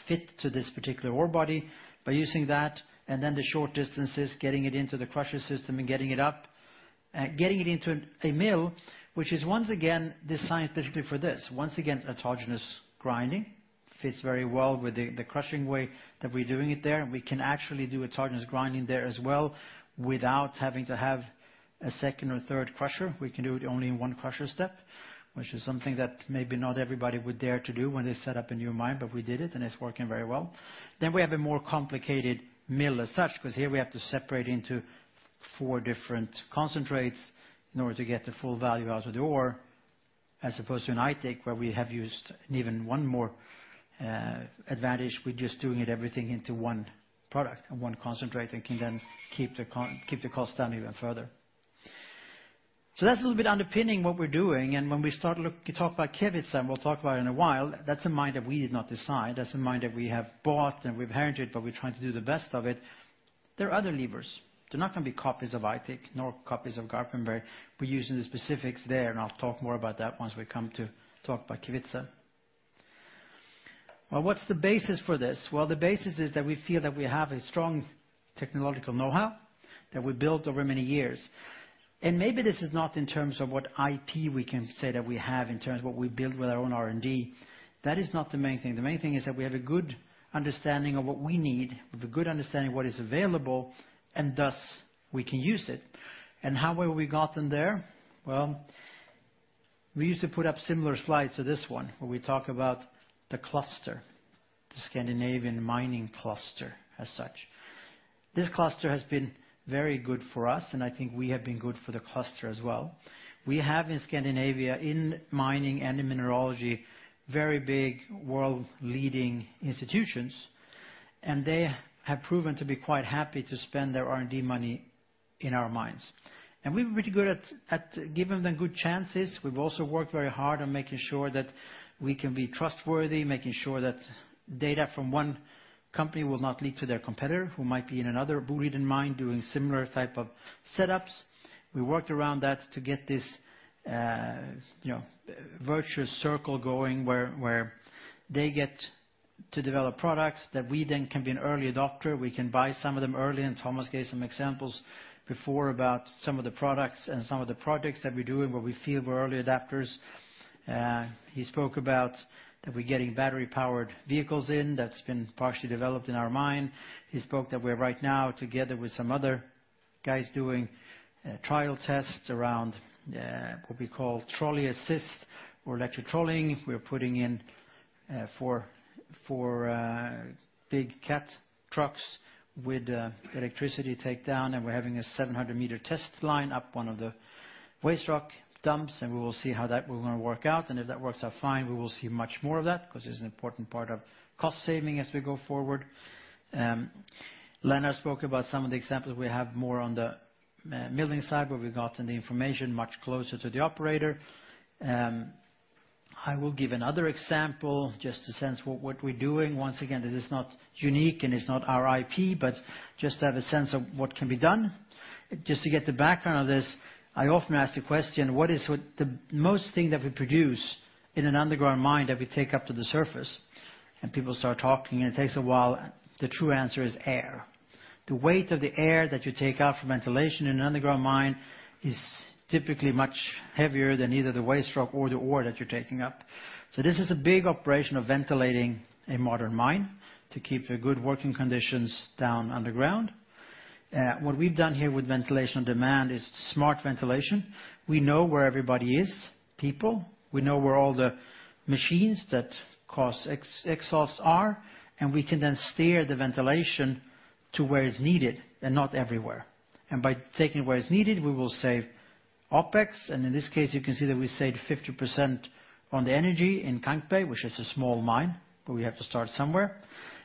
fit to this particular ore body. By using that, the short distances, getting it into the crusher system and getting it up, getting it into a mill, which is once again designed specifically for this. Once again, autogenous grinding fits very well with the crushing way that we're doing it there. We can actually do autogenous grinding there as well without having to have a second or third crusher. We can do it only in one crusher step, which is something that maybe not everybody would dare to do when they set up a new mine, but we did it, and it's working very well. We have a more complicated mill as such, because here we have to separate into four different concentrates in order to get the full value out of the ore, as opposed to in Aitik, where we have used an even one more advantage. We're just doing it everything into one product and one concentrate and can then keep the cost down even further. That's a little bit underpinning what we're doing, and when we start to talk about Kevitsa, and we'll talk about it in a while, that's a mine that we did not design. That's a mine that we have bought and we've inherited, but we're trying to do the best of it. There are other levers. They're not going to be copies of Aitik, nor copies of Garpenberg. We're using the specifics there, and I'll talk more about that once we come to talk about Kevitsa. What's the basis for this? The basis is that we feel that we have a strong technological know-how that we've built over many years. Maybe this is not in terms of what IP we can say that we have in terms of what we've built with our own R&D. That is not the main thing. The main thing is that we have a good understanding of what we need, we have a good understanding of what is available, and thus we can use it. How have we gotten there? We used to put up similar slides to this one, where we talk about the cluster, the Scandinavian mining cluster as such. This cluster has been very good for us, and I think we have been good for the cluster as well. We have in Scandinavia, in mining and in mineralogy, very big world-leading institutions, and they have proven to be quite happy to spend their R&D money in our mines. We've been really good at giving them good chances. We've also worked very hard on making sure that we can be trustworthy, making sure that data from one company will not lead to their competitor, who might be in another Boliden mine doing similar type of setups. We worked around that to get this virtuous circle going where they get to develop products that we then can be an early adopter. We can buy some of them early. Thomas gave some examples before about some of the products and some of the projects that we're doing where we feel we're early adapters. He spoke about that we're getting battery-powered vehicles in that's been partially developed in our mine. He spoke that we're right now together with some other guys doing trial tests around what we call trolley assist or electric trolleys. We're putting in four big Cat trucks with electricity take down, and we're having a 700-meter test line up one of the waste rock dumps, and we will see how that will going to work out. If that works out fine, we will see much more of that because it's an important part of cost saving as we go forward. Lennart spoke about some of the examples we have more on the milling side, where we've gotten the information much closer to the operator. I will give another example just to sense what we're doing. Once again, this is not unique and it's not our IP, but just to have a sense of what can be done. Just to get the background of this, I often ask the question, what is the most thing that we produce in an underground mine that we take up to the surface? People start talking, and it takes a while. The true answer is air. The weight of the air that you take out from ventilation in an underground mine is typically much heavier than either the waste rock or the ore that you're taking up. This is a big operation of ventilating a modern mine to keep the good working conditions down underground. What we've done here with ventilation on demand is smart ventilation. We know where everybody is, people. We know where all the machines that cause exhausts are, and we can then steer the ventilation to where it's needed and not everywhere. By taking where it's needed, we will save OpEx, and in this case, you can see that we saved 50% on the energy in Kankberg, which is a small mine, but we have to start somewhere.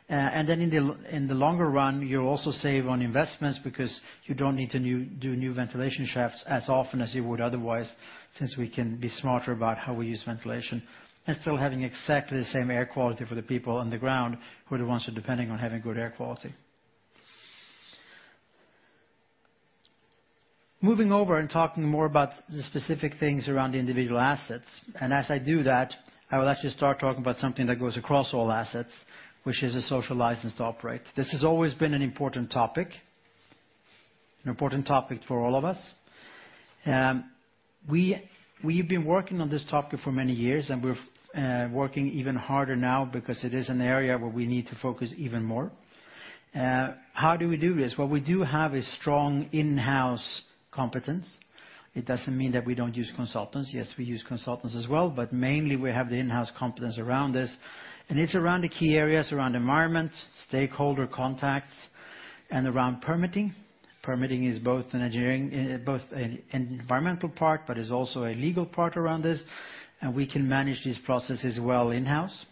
In the longer run, you'll also save on investments because you don't need to do new ventilation shafts as often as you would otherwise, since we can be smarter about how we use ventilation and still having exactly the same air quality for the people underground who are the ones who are depending on having good air quality. Moving over and talking more about the specific things around the individual assets. As I do that, I will actually start talking about something that goes across all assets, which is a social license to operate. This has always been an important topic for all of us. We've been working on this topic for many years, and we're working even harder now because it is an area where we need to focus even more. How do we do this? We do have a strong in-house competence. It doesn't mean that we don't use consultants. Yes, we use consultants as well, but mainly we have the in-house competence around this, and it's around the key areas, around environment, stakeholder contacts, and around permitting. Permitting is both an engineering, both an environmental part, but it's also a legal part around this, and we can manage these processes well in-house.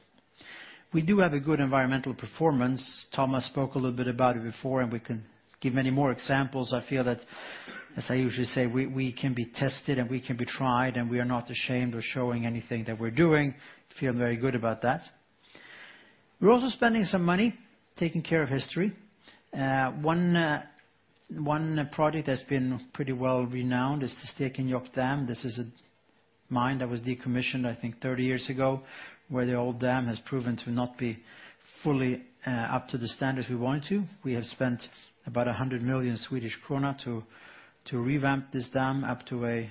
We do have a good environmental performance. Thomas spoke a little bit about it before, and we can give many more examples. I feel that, as I usually say, we can be tested and we can be tried, and we are not ashamed of showing anything that we're doing. Feel very good about that. We're also spending some money taking care of history. One project that's been pretty well renowned is the Stekenjokk dam. This is a mine that was decommissioned, I think, 30 years ago, where the old dam has proven to not be fully up to the standards we want it to. We have spent about 100 million Swedish krona to revamp this dam up to a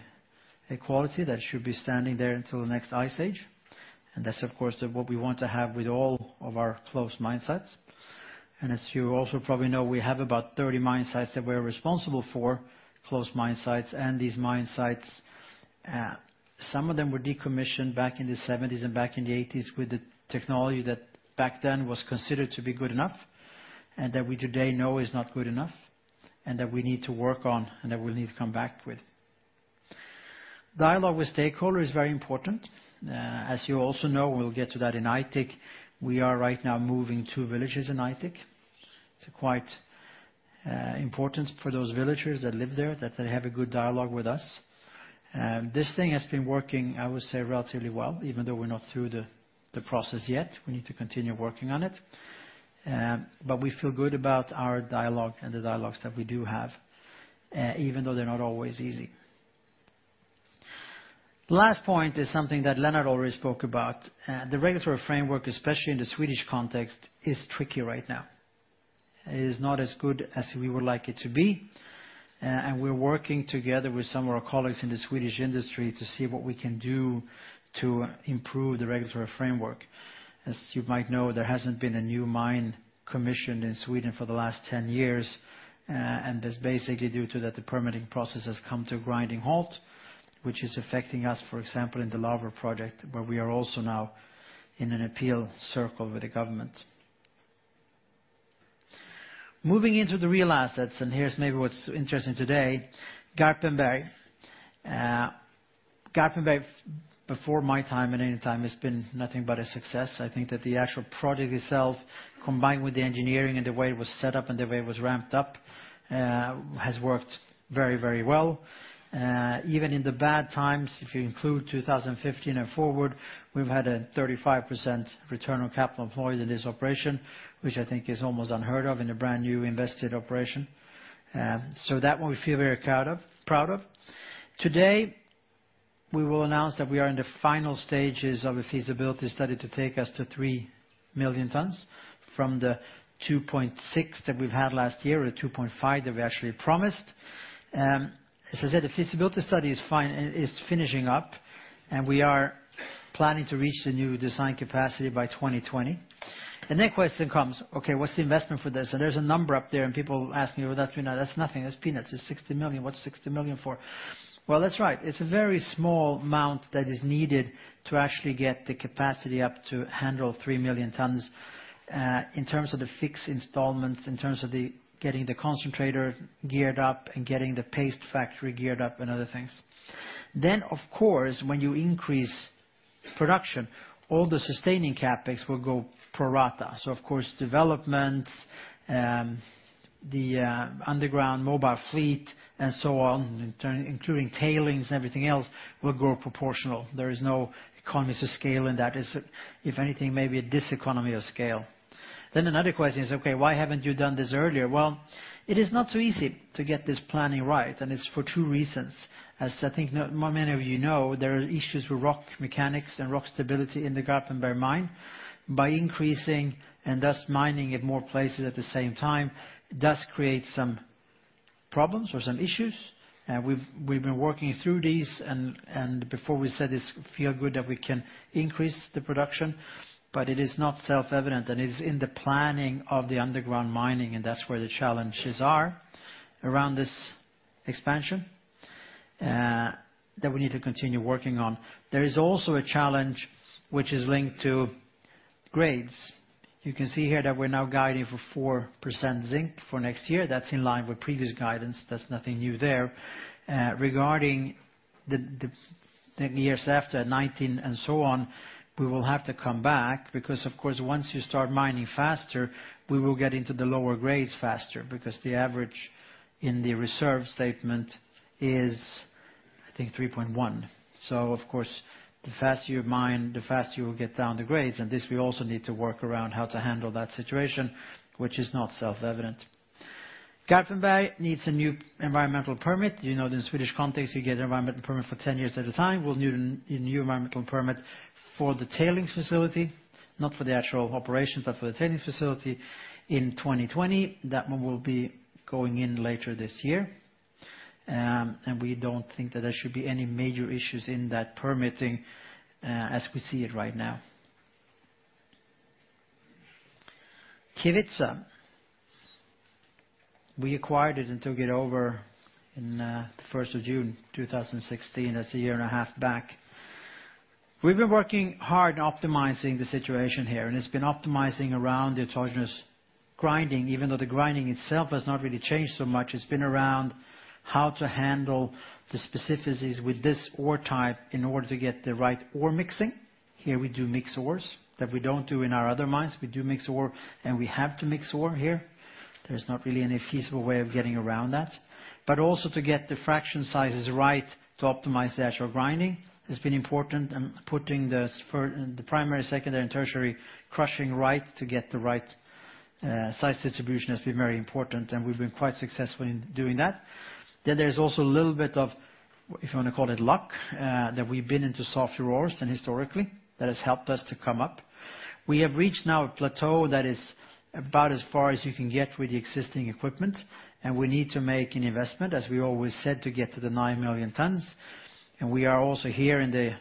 quality that should be standing there until the next ice age. That's, of course, what we want to have with all of our closed mine sites. As you also probably know, we have about 30 mine sites that we're responsible for, closed mine sites. These mine sites, some of them were decommissioned back in the '70s and back in the '80s with the technology that back then was considered to be good enough, and that we today know is not good enough, and that we need to work on and that we'll need to come back with. Dialogue with stakeholder is very important. As you also know, we'll get to that in Aitik. We are right now moving two villages in Aitik. It's quite important for those villagers that live there that they have a good dialogue with us. This thing has been working, I would say, relatively well, even though we're not through the process yet. We need to continue working on it. We feel good about our dialogue and the dialogues that we do have, even though they're not always easy. Last point is something that Lennart already spoke about. The regulatory framework, especially in the Swedish context, is tricky right now. It is not as good as we would like it to be, and we're working together with some of our colleagues in the Swedish industry to see what we can do to improve the regulatory framework. As you might know, there hasn't been a new mine commissioned in Sweden for the last 10 years, that's basically due to that the permitting process has come to a grinding halt, which is affecting us, for example, in the Laver project, where we are also now in an appeal circle with the government. Moving into the real assets, here's maybe what's interesting today, Garpenberg. Garpenberg, before my time and any time, has been nothing but a success. I think that the actual project itself, combined with the engineering and the way it was set up and the way it was ramped up has worked very well. Even in the bad times, if you include 2015 and forward, we've had a 35% return on capital employed in this operation, which I think is almost unheard of in a brand-new invested operation. That one we feel very proud of. Today, we will announce that we are in the final stages of a feasibility study to take us to 3 million tons from the 2.6 that we've had last year or 2.5 that we actually promised. As I said, the feasibility study is finishing up, we are planning to reach the new design capacity by 2020. The next question comes, okay, what's the investment for this? There's a number up there, and people ask me, "Well, that's nothing. That's peanuts. It's 60 million. What's 60 million for?" Well, that's right. It's a very small amount that is needed to actually get the capacity up to handle 3 million tons in terms of the fixed installments, in terms of getting the concentrator geared up and getting the paste plant geared up, and other things. Of course, when you increase production, all the sustaining CapEx will go pro rata. Of course, development, the underground mobile fleet and so on, including tailings and everything else, will grow proportional. There is no economies of scale in that. If anything, maybe a diseconomy of scale. Another question is, okay, why haven't you done this earlier? It is not so easy to get this planning right, and it is for two reasons. As I think many of you know, there are issues with rock mechanics and rock stability in the Garpenberg mine. By increasing and thus mining at more places at the same time, it does create some problems or some issues. We've been working through these, and before we said this, feel good that we can increase the production. It is not self-evident, and it is in the planning of the underground mining, and that's where the challenges are around this expansion that we need to continue working on. There is also a challenge which is linked to grades. You can see here that we're now guiding for 4% zinc for next year. That's in line with previous guidance. There's nothing new there. Regarding the years after 2019 and so on, we will have to come back because, of course, once you start mining faster, we will get into the lower grades faster because the average in the reserve statement is, I think, 3.1. Of course, the faster you mine, the faster you will get down the grades. This we also need to work around how to handle that situation, which is not self-evident. Garpenberg needs a new environmental permit. You know in the Swedish context, you get an environmental permit for 10 years at a time. We'll need a new environmental permit for the tailings facility, not for the actual operations, but for the tailings facility in 2020. That one will be going in later this year. We don't think that there should be any major issues in that permitting as we see it right now. Kevitsa. We acquired it and took it over on the 1st of June 2016. That's a year and a half back. We've been working hard on optimizing the situation here, and it's been optimizing around the autogenous grinding, even though the grinding itself has not really changed so much. It's been around how to handle the specificities with this ore type in order to get the right ore mixing. Here we do mix ores that we don't do in our other mines. We do mix ore, and we have to mix ore here. There's not really any feasible way of getting around that. Also to get the fraction sizes right to optimize the actual grinding has been important, and putting the primary, secondary, and tertiary crushing right to get the right size distribution has been very important, and we've been quite successful in doing that. There's also a little bit of, if you want to call it luck, that we've been into softer ores than historically. That has helped us to come up. We have reached now a plateau that is about as far as you can get with the existing equipment, and we need to make an investment, as we always said, to get to the nine million tons. We are also here in the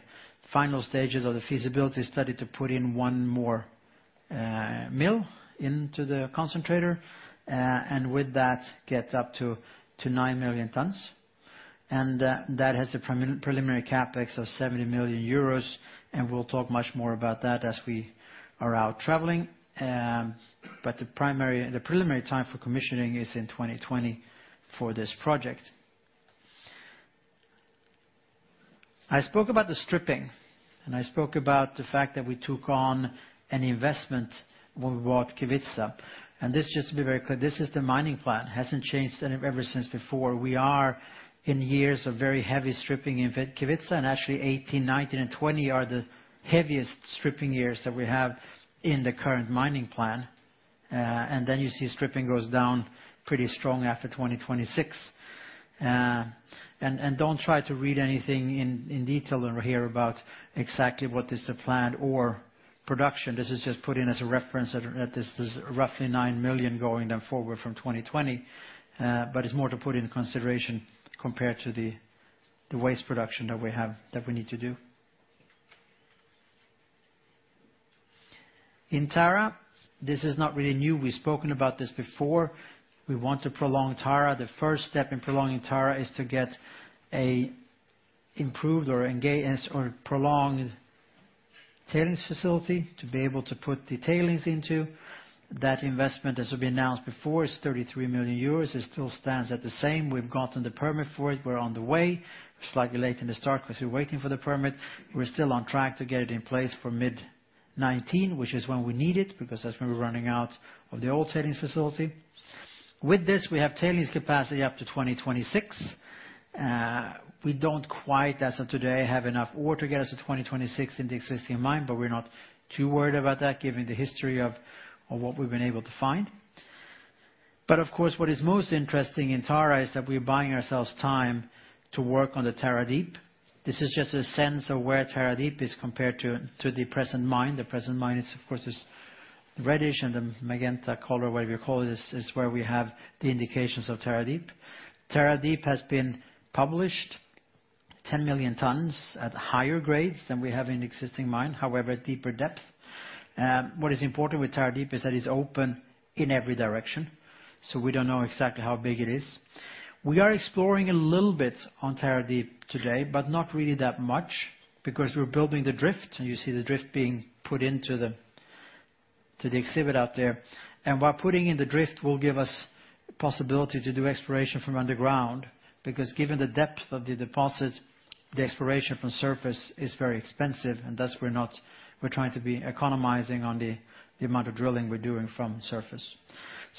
final stages of the feasibility study to put in one more mill into the concentrator, with that get up to nine million tons. That has a preliminary CapEx of 70 million euros, we'll talk much more about that as we are out traveling. The preliminary time for commissioning is in 2020 for this project. I spoke about the stripping, I spoke about the fact that we took on an investment when we bought Kevitsa. Just to be very clear, this is the mining plan. Hasn't changed ever since before. We are in years of very heavy stripping in Kevitsa, actually 2018, 2019, and 2020 are the heaviest stripping years that we have in the current mining plan. Then you see stripping goes down pretty strong after 2026. Don't try to read anything in detail in here about exactly what is the plan or production. This is just put in as a reference that this is roughly nine million going then forward from 2020. It's more to put into consideration compared to the waste production that we have that we need to do. In Tara, this is not really new. We've spoken about this before. We want to prolong Tara. The first step in prolonging Tara is to get a improved or prolonged tailings facility to be able to put the tailings into. That investment, as has been announced before, is 33 million euros. It still stands at the same. We've gotten the permit for it. We're on the way. We're slightly late in the start because we're waiting for the permit. We're still on track to get it in place for mid 2019, which is when we need it, because that's when we're running out of the old tailings facility. With this, we have tailings capacity up to 2026. We don't quite, as of today, have enough ore to get us to 2026 in the existing mine, we're not too worried about that given the history of what we've been able to find. Of course, what is most interesting in Tara is that we're buying ourselves time to work on the Tara Deep. This is just a sense of where Tara Deep is compared to the present mine. The present mine, of course, is reddish and the magenta color, whatever you call it, is where we have the indications of Tara Deep. Tara Deep has been published 10 million tons at higher grades than we have in the existing mine, however, deeper depth. What is important with Tara Deep is that it's open in every direction, so we don't know exactly how big it is. We are exploring a little bit on Tara Deep today, but not really that much because we're building the drift, and you see the drift being put into the exhibit out there. While putting in the drift will give us possibility to do exploration from underground, because given the depth of the deposit, the exploration from surface is very expensive, thus we're trying to be economizing on the amount of drilling we're doing from surface.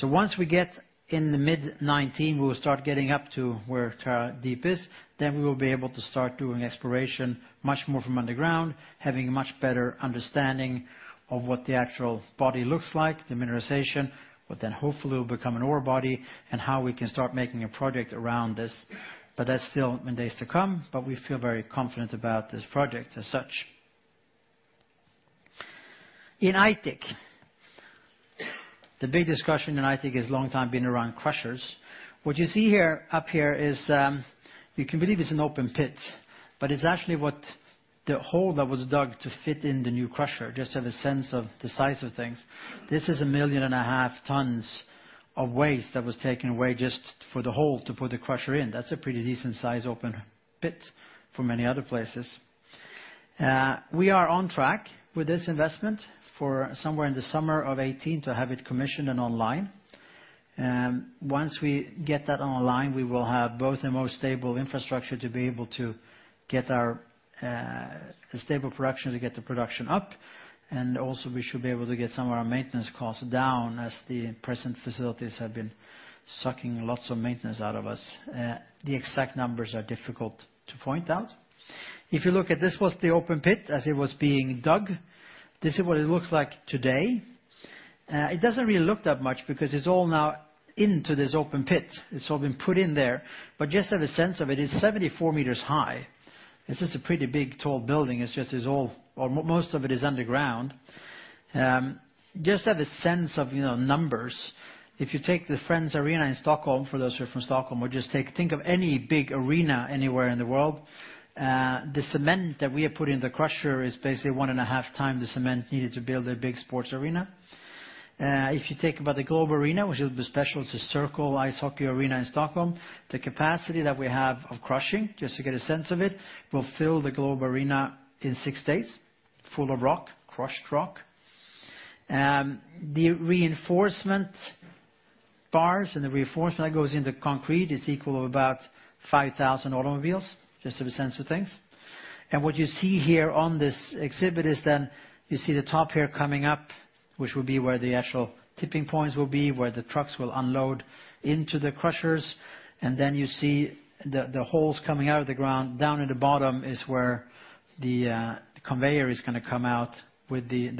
Once we get in the mid 2019, we will start getting up to where Tara Deep is, then we will be able to start doing exploration much more from underground, having a much better understanding of what the actual body looks like, the mineralization, what then hopefully will become an ore body, and how we can start making a project around this. That's still in days to come, but we feel very confident about this project as such. In Aitik, the big discussion in Aitik has long time been around crushers. What you see up here is, you can believe it's an open pit, it's actually what the hole that was dug to fit in the new crusher, just to have a sense of the size of things. This is 1.5 million tons of waste that was taken away just for the hole to put the crusher in. That's a pretty decent size open pit for many other places. We are on track with this investment for somewhere in the summer of 2018 to have it commissioned and online. Once we get that online, we will have both a more stable infrastructure to be able to get a stable production to get the production up. Also we should be able to get some of our maintenance costs down as the present facilities have been sucking lots of maintenance out of us. The exact numbers are difficult to point out. If you look at this was the open pit as it was being dug. This is what it looks like today. It doesn't really look that much because it's all now into this open pit. It's all been put in there. Just to have a sense of it's 74 meters high. This is a pretty big, tall building. It's just all, or most of it is underground. Just to have a sense of numbers. If you take the Friends Arena in Stockholm, for those who are from Stockholm, or just think of any big arena anywhere in the world. The cement that we have put in the crusher is basically 1.5 times the cement needed to build a big sports arena. If you think about the Globe Arena, which will be special, it's a circle ice hockey arena in Stockholm. The capacity that we have of crushing, just to get a sense of it, will fill the Globe Arena in six days, full of rock, crushed rock. The reinforcement bars and the reinforcement that goes into concrete is equal to about 5,000 automobiles, just to have a sense of things. What you see here on this exhibit is then you see the top here coming up, which will be where the actual tipping points will be, where the trucks will unload into the crushers. Then you see the holes coming out of the ground. Down at the bottom is where the conveyor is going to come out with the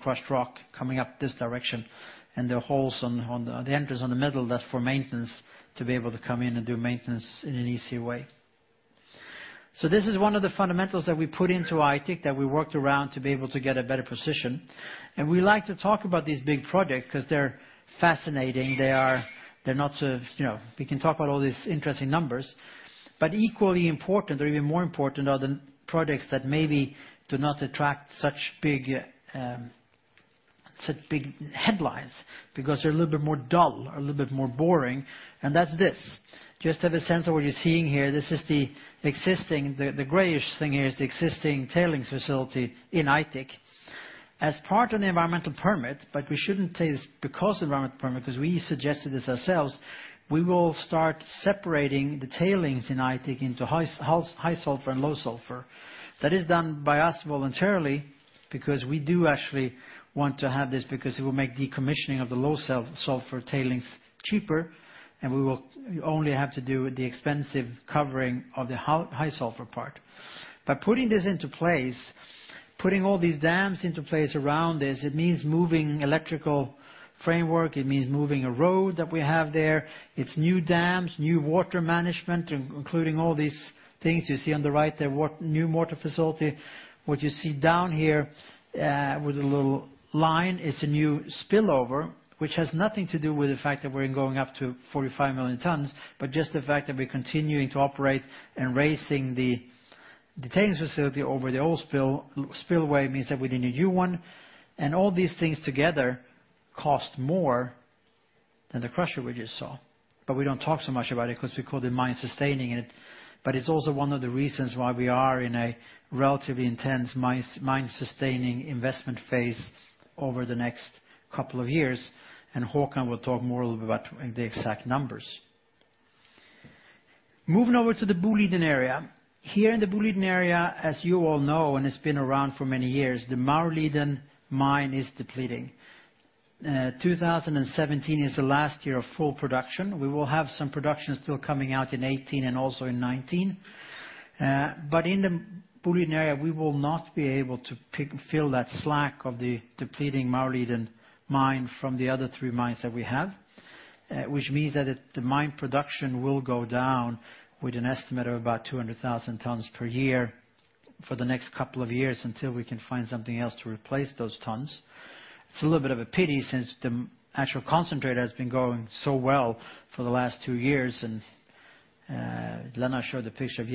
crushed rock coming up this direction, and the entries on the middle, that's for maintenance, to be able to come in and do maintenance in an easy way. This is one of the fundamentals that we put into Aitik that we worked around to be able to get a better position. We like to talk about these big projects because they're fascinating. We can talk about all these interesting numbers. Equally important, or even more important, are the projects that maybe do not attract such big headlines because they're a little bit more dull or a little bit more boring, and that's this. Just to have a sense of what you're seeing here, the grayish thing here is the existing tailings facility in Aitik. As part of the environmental permit, we shouldn't say it's because of the environmental permit, because we suggested this ourselves, we will start separating the tailings in Aitik into high sulfur and low sulfur. That is done by us voluntarily, because we do actually want to have this because it will make decommissioning of the low sulfur tailings cheaper, and we will only have to do the expensive covering of the high sulfur part. By putting this into place, putting all these dams into place around this, it means moving electrical framework, it means moving a road that we have there. It's new dams, new water management, including all these things you see on the right there, new water facility. What you see down here, with the little line, is a new spillover, which has nothing to do with the fact that we're going up to 45 million tons, just the fact that we're continuing to operate and raising the tailings facility over the old spillway means that we need a new one. All these things together cost more than the crusher we just saw. We don't talk so much about it because we call it mine-sustaining. It's also one of the reasons why we are in a relatively intense mine-sustaining investment phase over the next couple of years. Håkan will talk more about the exact numbers. Moving over to the Boliden area. Here in the Boliden area, as you all know, and it's been around for many years, the Maurliden mine is depleting. 2017 is the last year of full production. We will have some production still coming out in 2018 and also in 2019. In the Boliden area, we will not be able to fill that slack of the depleting Maurliden mine from the other three mines that we have. Which means that the mine production will go down with an estimate of about 200,000 tons per year for the next couple of years until we can find something else to replace those tons. It's a little bit of a pity since the actual concentrator has been going so well for the last two years, and Lennart showed a picture of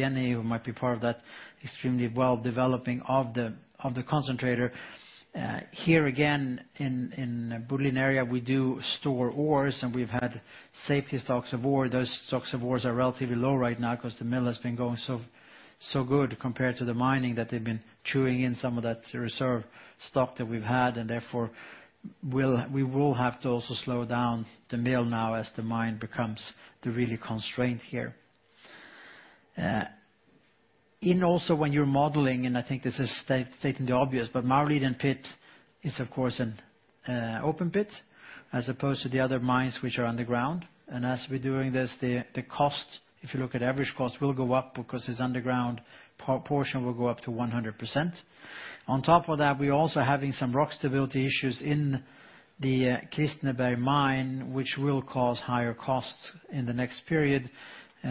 A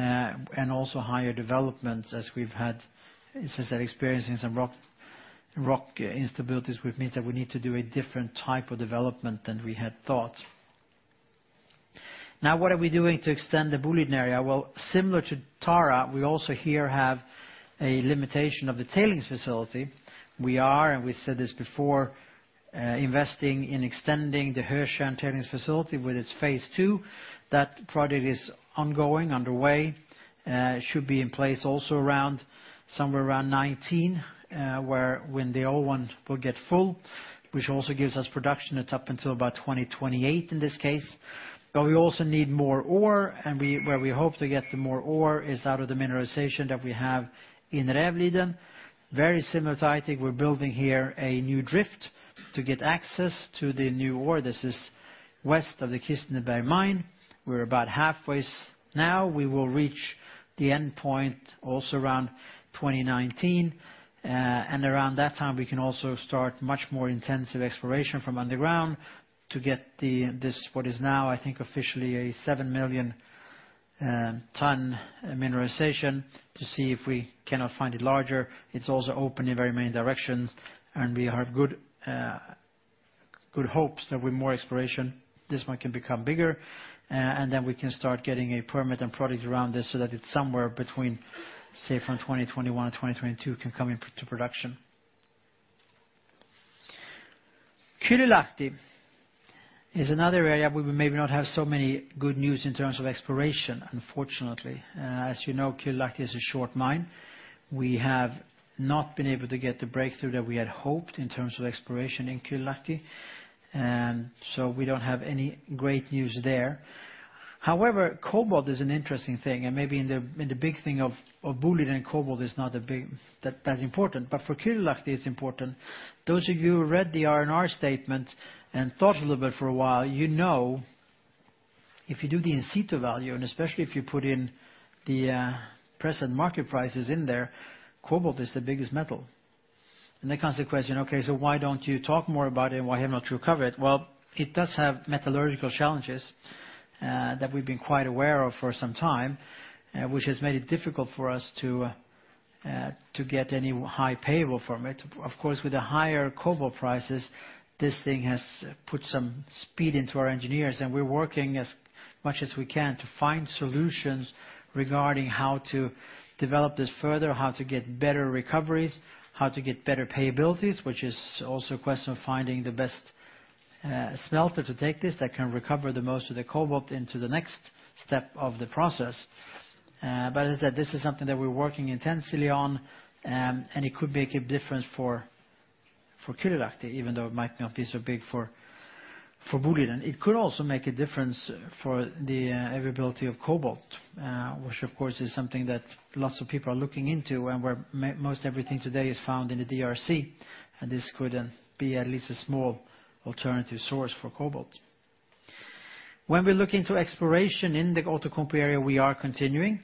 smelter to take this that can recover the most of the cobalt into the next step of the process. As I said, this is something that we're working intensely on, and it could make a difference for Kylylahti, even though it might not be so big for Boliden. It could also make a difference for the availability of cobalt, which of course, is something that lots of people are looking into and where most everything today is found in the DRC, and this could be at least a small alternative source for cobalt. When we look into exploration in the Outokumpu area, we are continuing.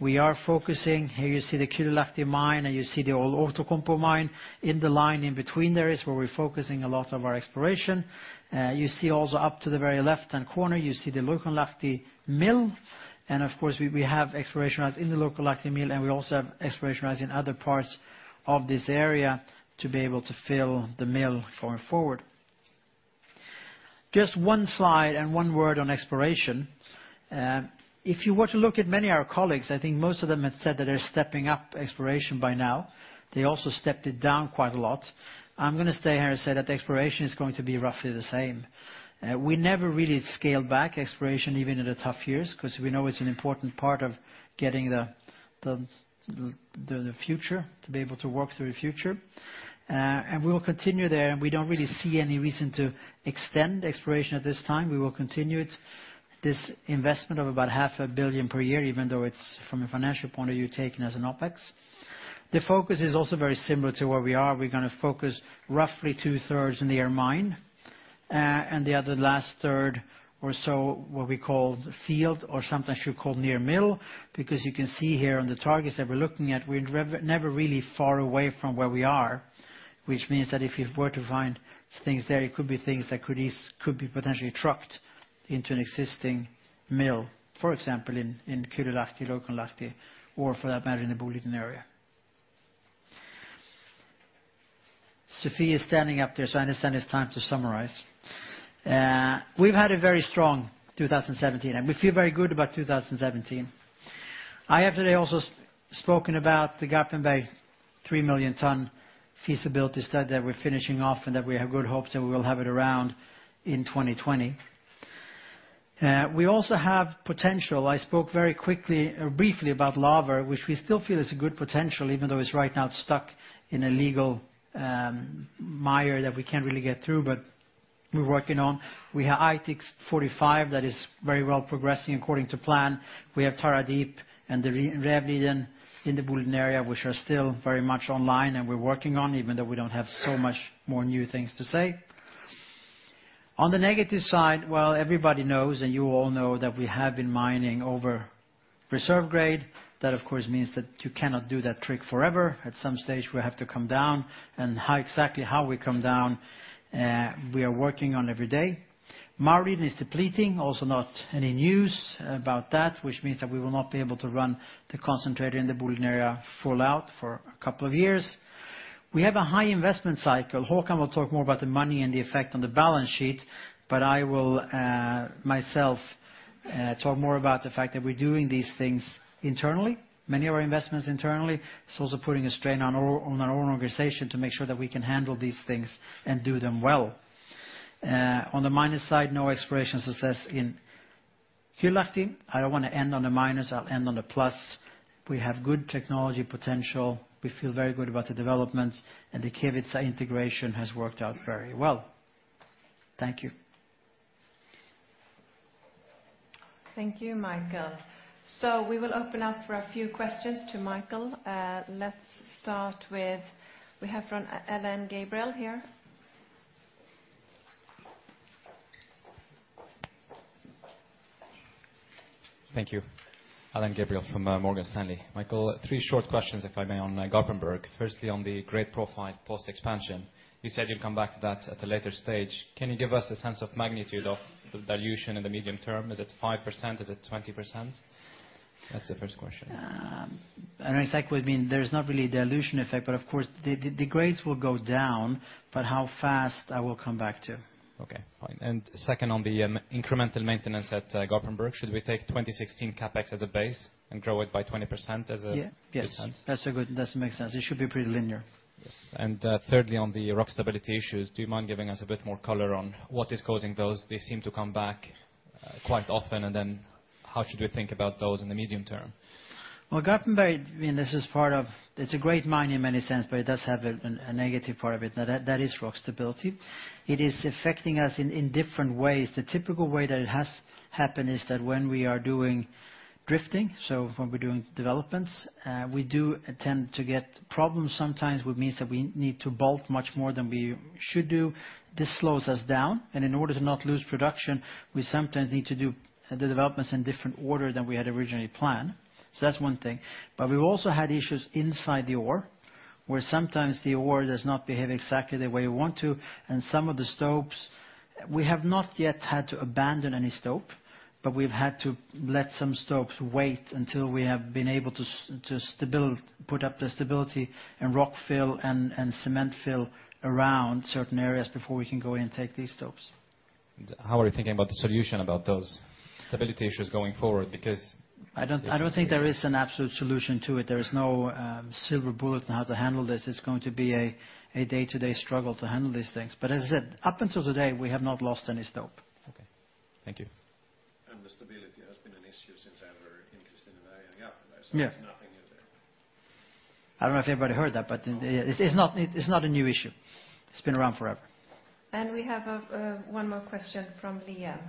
We are focusing. Here you see the Kylylahti mine, and you see the old Outokumpu mine. In the line in between there is where we're focusing a lot of our exploration. You see also up to the very left-hand corner, you see the Lokanlahti mill. Of course, we have exploration rights in the Lokanlahti mill, and we also have exploration rights in other parts of this area to be able to fill the mill going forward. Just one slide and one word on exploration. If you were to look at many of our colleagues, I think most of them have said that they're stepping up exploration by now. They also stepped it down quite a lot. I'm going to stay here and say that exploration is going to be roughly the same. We never really scaled back exploration, even in the tough years, because we know it's an important part of getting the future, to be able to work through the future. We will continue there, and we don't really see any reason to extend exploration at this time. We will continue this investment of about half a billion SEK per year, even though it's from a financial point of view taken as an OpEx. The focus is also very similar to where we are. We're going to focus roughly two-thirds near mine, and the other last third or so, what we call field or sometimes should call near mill, because you can see here on the targets that we're looking at, we're never really far away from where we are, which means that if we were to find things there, it could be things that could be potentially trucked into an existing mill, for example, in Kylylahti, Lokanlahti, or for that matter, in the Boliden Area. Sophie is standing up there, so I understand it's time to summarize. We've had a very strong 2017, and we feel very good about 2017. I have today also spoken about the Garpenberg three million ton feasibility study that we're finishing off and that we have good hopes that we will have it around in 2020. We also have potential. I spoke very quickly or briefly about Laver, which we still feel is a good potential, even though it's right now stuck in a legal mire that we can't really get through, but we're working on. We have Aitik 45 that is very well progressing according to plan. We have Tara Deep and the Rävliden in the Boliden Area, which are still very much online and we're working on, even though we don't have so much more new things to say. On the negative side, well, everybody knows, and you all know that we have been mining over reserve grade. That, of course, means that you cannot do that trick forever. At some stage, we have to come down, and exactly how we come down, we are working on every day. Maurliden is depleting, also not any news about that, which means that we will not be able to run the concentrator in the Boliden Area full out for a couple of years. We have a high investment cycle. Håkan will talk more about the money and the effect on the balance sheet, but I will myself talk more about the fact that we're doing these things internally, many of our investments internally. It's also putting a strain on our own organization to make sure that we can handle these things and do them well. On the minus side, no exploration success in Kylylahti. I don't want to end on a minus, I'll end on a plus. We have good technology potential. We feel very good about the developments, the Kevitsa integration has worked out very well. Thank you. Thank you, Mikael. We will open up for a few questions to Mikael. Let's start with, we have from Alain Gabriel here. Thank you. Alain Gabriel from Morgan Stanley. Mikael, three short questions, if I may, on Garpenberg. Firstly, on the grade profile post-expansion, you said you'd come back to that at a later stage. Can you give us a sense of magnitude of the dilution in the medium term? Is it 5%? Is it 20%? That's the first question. Exactly what you mean, there's not really a dilution effect, of course, the grades will go down, how fast I will come back to. Okay, fine. Second on the incremental maintenance at Garpenberg, should we take 2016 CapEx as a base and grow it by 20% as a good sense? Yes. That makes sense. It should be pretty linear. Yes. Thirdly, on the rock stability issues, do you mind giving us a bit more color on what is causing those? They seem to come back quite often, how should we think about those in the medium term? Well, Garpenberg, it's a great mine in many sense, but it does have a negative part of it, and that is rock stability. It is affecting us in different ways. The typical way that it has happened is that when we are doing drifting, so when we're doing developments, we do tend to get problems sometimes, which means that we need to bolt much more than we should do. This slows us down, and in order to not lose production, we sometimes need to do the developments in different order than we had originally planned. That's one thing. We've also had issues inside the ore, where sometimes the ore does not behave exactly the way we want to, and some of the stopes, we have not yet had to abandon any stope, but we've had to let some stopes wait until we have been able to put up the stability and rock fill and cement fill around certain areas before we can go in and take these stopes. How are you thinking about the solution about those stability issues going forward? I don't think there is an absolute solution to it. There is no silver bullet on how to handle this. It's going to be a day-to-day struggle to handle these things. As I said, up until today, we have not lost any stope. Okay. Thank you. The stability has been an issue since I have an interest in day one, yeah. Yeah. It's nothing new there. I don't know if everybody heard that, but it's not a new issue. It's been around forever. We have one more question from Liam.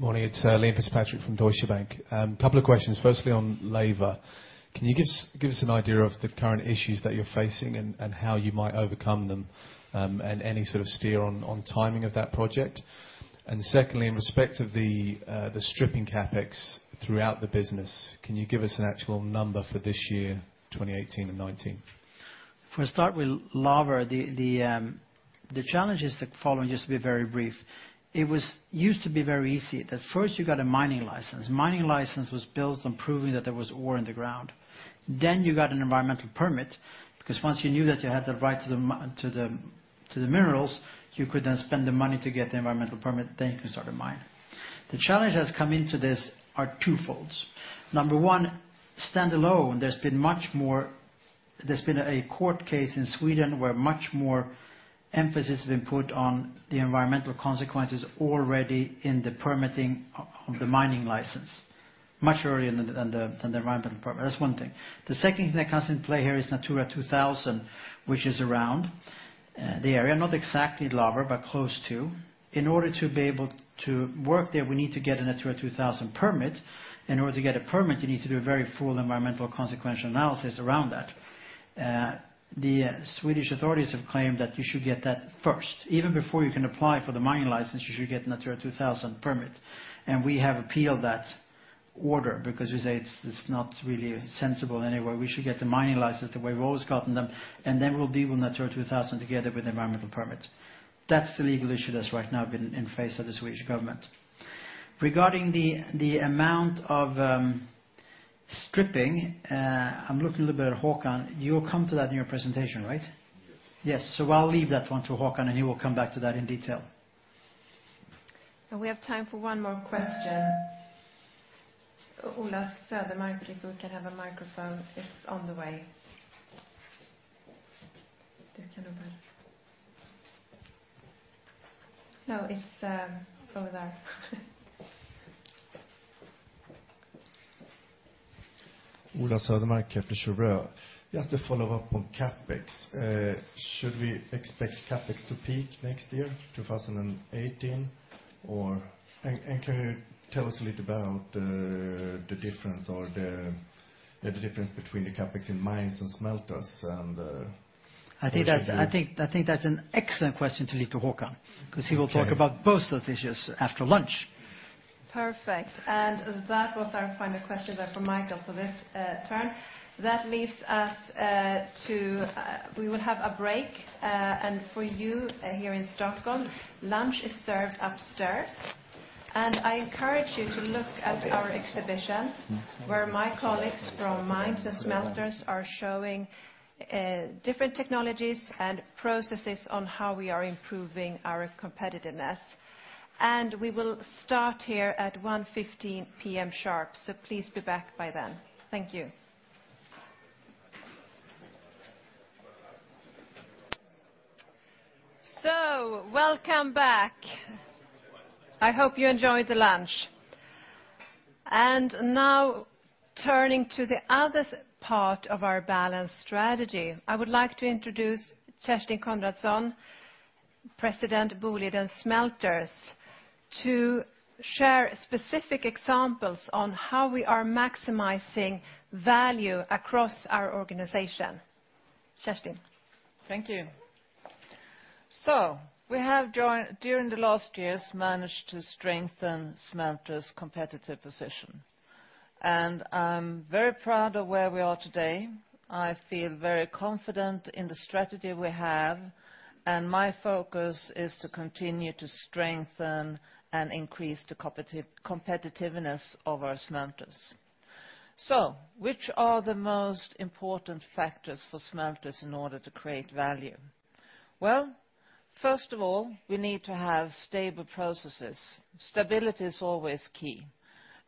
Morning. It's Liam Fitzpatrick from Deutsche Bank. Couple of questions. Firstly, on Laver. Can you give us an idea of the current issues that you're facing and how you might overcome them? Any sort of steer on timing of that project. Secondly, in respect of the stripping CapEx throughout the business, can you give us an actual number for this year, 2018 and 2019? For a start, with Laver, the challenges that follow, and just to be very brief, it used to be very easy. First you got a mining license. Mining license was built on proving that there was ore in the ground. You got an environmental permit, because once you knew that you had the right to the minerals, you could then spend the money to get the environmental permit, then you can start to mine. The challenge that has come into this are twofold. Number one, standalone. There's been a court case in Sweden where much more emphasis has been put on the environmental consequences already in the permitting of the mining license. Much earlier than the environmental permit. That's one thing. The second thing that comes into play here is Natura 2000, which is around the area. Not exactly Laver, but close to. In order to be able to work there, we need to get a Natura 2000 permit. In order to get a permit, you need to do a very full environmental consequential analysis around that. The Swedish authorities have claimed that you should get that first. Even before you can apply for the mining license, you should get Natura 2000 permit. We have appealed that order because we say it's not really sensible anyway. We should get the mining license the way we've always gotten them, and then we'll deal with Natura 2000 together with environmental permits. That's the legal issue that's right now been in face of the Swedish government. Regarding the amount of stripping, I'm looking a little bit at Håkan. You'll come to that in your presentation, right? Yes. Yes. I'll leave that one to Håkan, and he will come back to that in detail. We have time for one more question. Ola Södermark, if you can have a microphone. It's on the way. No, it's over there. Ola Södermark, Kepler Cheuvreux. Just a follow-up on CapEx. Should we expect CapEx to peak next year, 2018? Can you tell us a little about the difference between the CapEx in mines and smelters? I think that's an excellent question to leave to Håkan, because he will talk about both those issues after lunch. Perfect. That was our final question from Michael for this turn. We will have a break. For you here in Stockholm, lunch is served upstairs. I encourage you to look at our exhibition, where my colleagues from Boliden Mines and Boliden Smelters are showing different technologies and processes on how we are improving our competitiveness. We will start here at 1:15 P.M. sharp, so please be back by then. Thank you. Welcome back. I hope you enjoyed the lunch. Now turning to the other part of our balanced strategy. I would like to introduce Kerstin Konradsson, President Boliden Smelters, to share specific examples on how we are maximizing value across our organization. Kerstin. Thank you. We have, during the last years, managed to strengthen smelters' competitive position, and I'm very proud of where we are today. I feel very confident in the strategy we have, and my focus is to continue to strengthen and increase the competitiveness of our smelters. Which are the most important factors for smelters in order to create value? First of all, we need to have stable processes. Stability is always key.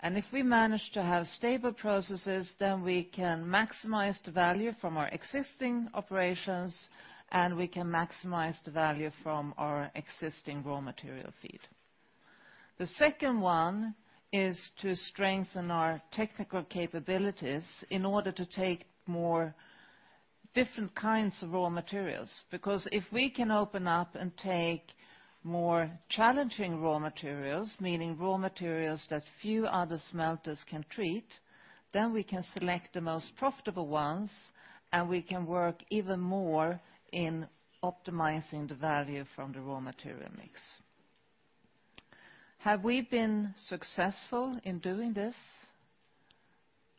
If we manage to have stable processes, then we can maximize the value from our existing operations, and we can maximize the value from our existing raw material feed. The second one is to strengthen our technical capabilities in order to take more different kinds of raw materials. If we can open up and take more challenging raw materials, meaning raw materials that few other smelters can treat, then we can select the most profitable ones, and we can work even more in optimizing the value from the raw material mix. Have we been successful in doing this?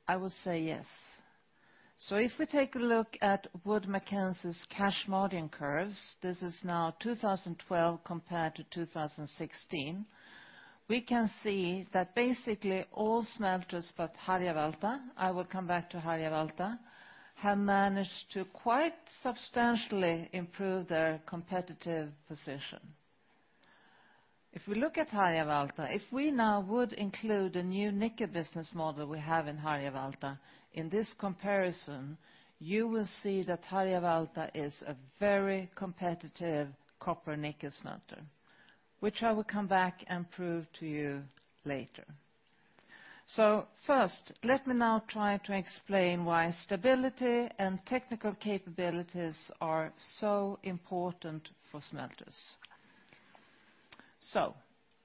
I would say yes. If we take a look at Wood Mackenzie's cash margin curves, this is now 2012 compared to 2016. We can see that basically all smelters but Harjavalta, I will come back to Harjavalta, have managed to quite substantially improve their competitive position. If we look at Harjavalta, if we now would include a new nickel business model we have in Harjavalta, in this comparison, you will see that Harjavalta is a very competitive copper nickel smelter, which I will come back and prove to you later. First, let me now try to explain why stability and technical capabilities are so important for smelters.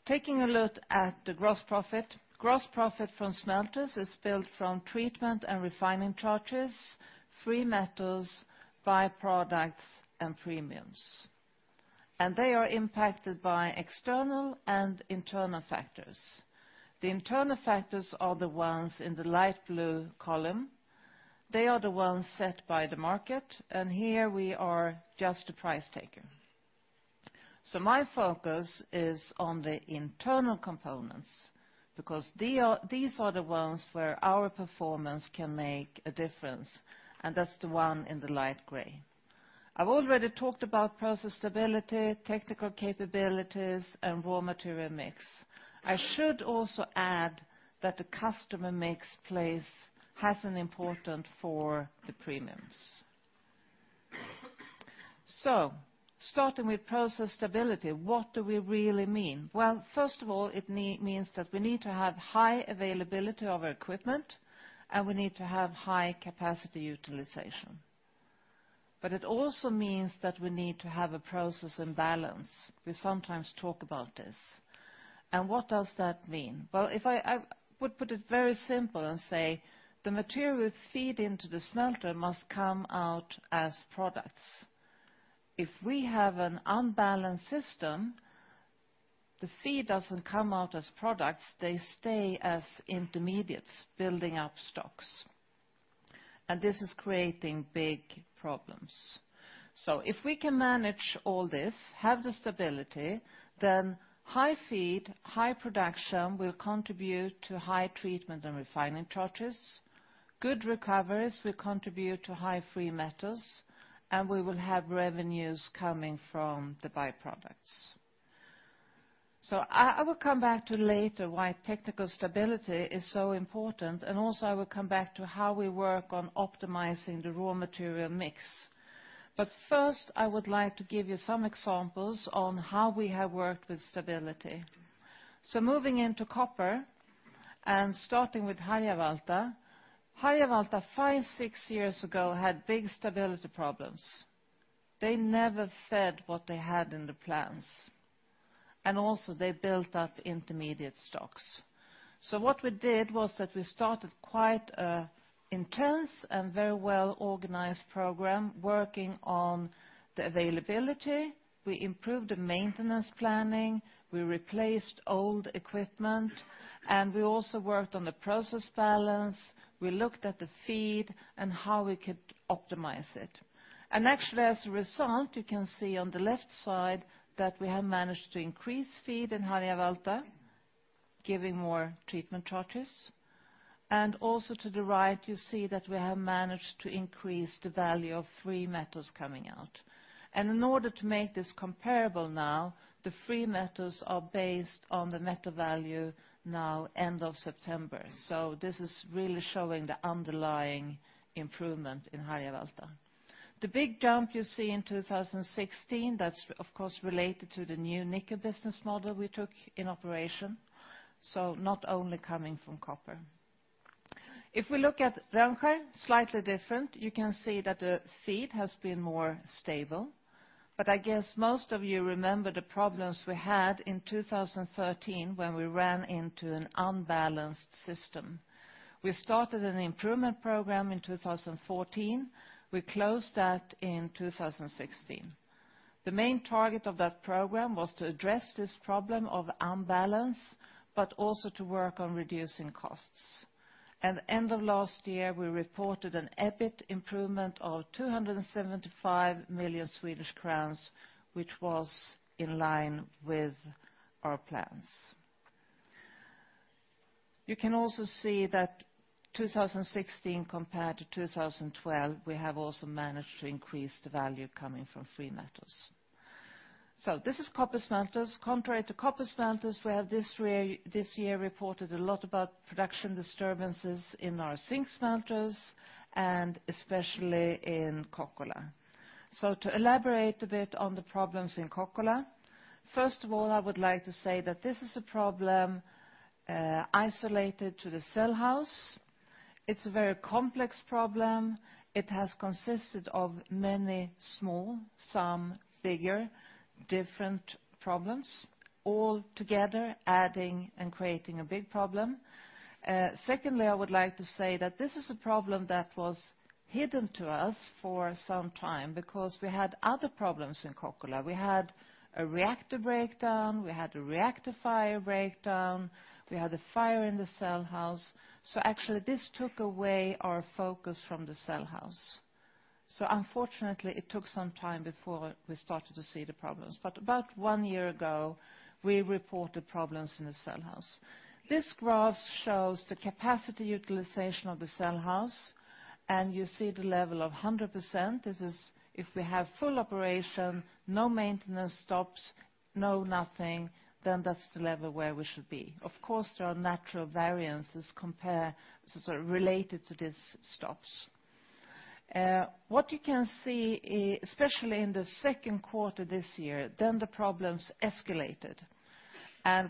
Taking a look at the gross profit. Gross profit from smelters is built from treatment and refining charges, free metals, byproducts, and premiums. They are impacted by external and internal factors. The internal factors are the ones in the light blue column. They are the ones set by the market, and here we are just a price taker. My focus is on the internal components, because these are the ones where our performance can make a difference, and that's the one in the light gray. I've already talked about process stability, technical capabilities, and raw material mix. I should also add that the customer mix has an important for the premiums. Starting with process stability, what do we really mean? First of all, it means that we need to have high availability of our equipment, and we need to have high capacity utilization. It also means that we need to have a process in balance. We sometimes talk about this. What does that mean? If I would put it very simple and say the material we feed into the smelter must come out as products. If we have an unbalanced system, the feed doesn't come out as products, they stay as intermediates, building up stocks. This is creating big problems. If we can manage all this, have the stability, then high feed, high production will contribute to high treatment and refining charges. Good recoveries will contribute to high free metals, and we will have revenues coming from the byproducts. I will come back to later why technical stability is so important, and also I will come back to how we work on optimizing the raw material mix. First, I would like to give you some examples on how we have worked with stability. Moving into copper and starting with Harjavalta. Harjavalta, five, six years ago, had big stability problems. They never fed what they had in the plants. Also they built up intermediate stocks. What we did was that we started quite an intense and very well-organized program working on the availability. We improved the maintenance planning, we replaced old equipment, and we also worked on the process balance. We looked at the feed and how we could optimize it. Actually, as a result, you can see on the left side that we have managed to increase feed in Harjavalta, giving more treatment charges. Also to the right, you see that we have managed to increase the value of free metals coming out. In order to make this comparable now, the free metals are based on the metal value now end of September. This is really showing the underlying improvement in Harjavalta. The big jump you see in 2016, that's of course related to the new nickel business model we took in operation, not only coming from copper. If we look at Rönnskär, slightly different. You can see that the feed has been more stable, but I guess most of you remember the problems we had in 2013 when we ran into an unbalanced system. We started an improvement program in 2014. We closed that in 2016. The main target of that program was to address this problem of unbalance, but also to work on reducing costs. At the end of last year, we reported an EBIT improvement of 275 million Swedish crowns, which was in line with our plans. You can also see that 2016 compared to 2012, we have also managed to increase the value coming from free metals. This is copper smelters. Contrary to copper smelters, we have this year reported a lot about production disturbances in our zinc smelters, and especially in Kokkola. To elaborate a bit on the problems in Kokkola, first of all, I would like to say that this is a problem isolated to the cell house. It's a very complex problem. It has consisted of many small, some bigger, different problems, all together adding and creating a big problem. Secondly, I would like to say that this is a problem that was hidden to us for some time because we had other problems in Kokkola. We had a reactor breakdown. We had a reactor fire breakdown. We had a fire in the cell house. Actually this took away our focus from the cell house. Unfortunately, it took some time before we started to see the problems. About one year ago, we reported problems in the cell house. This graph shows the capacity utilization of the cell house, and you see the level of 100%. This is if we have full operation, no maintenance stops, no nothing, then that's the level where we should be. Of course, there are natural variances sort of related to these stops. What you can see, especially in the second quarter this year, then the problems escalated.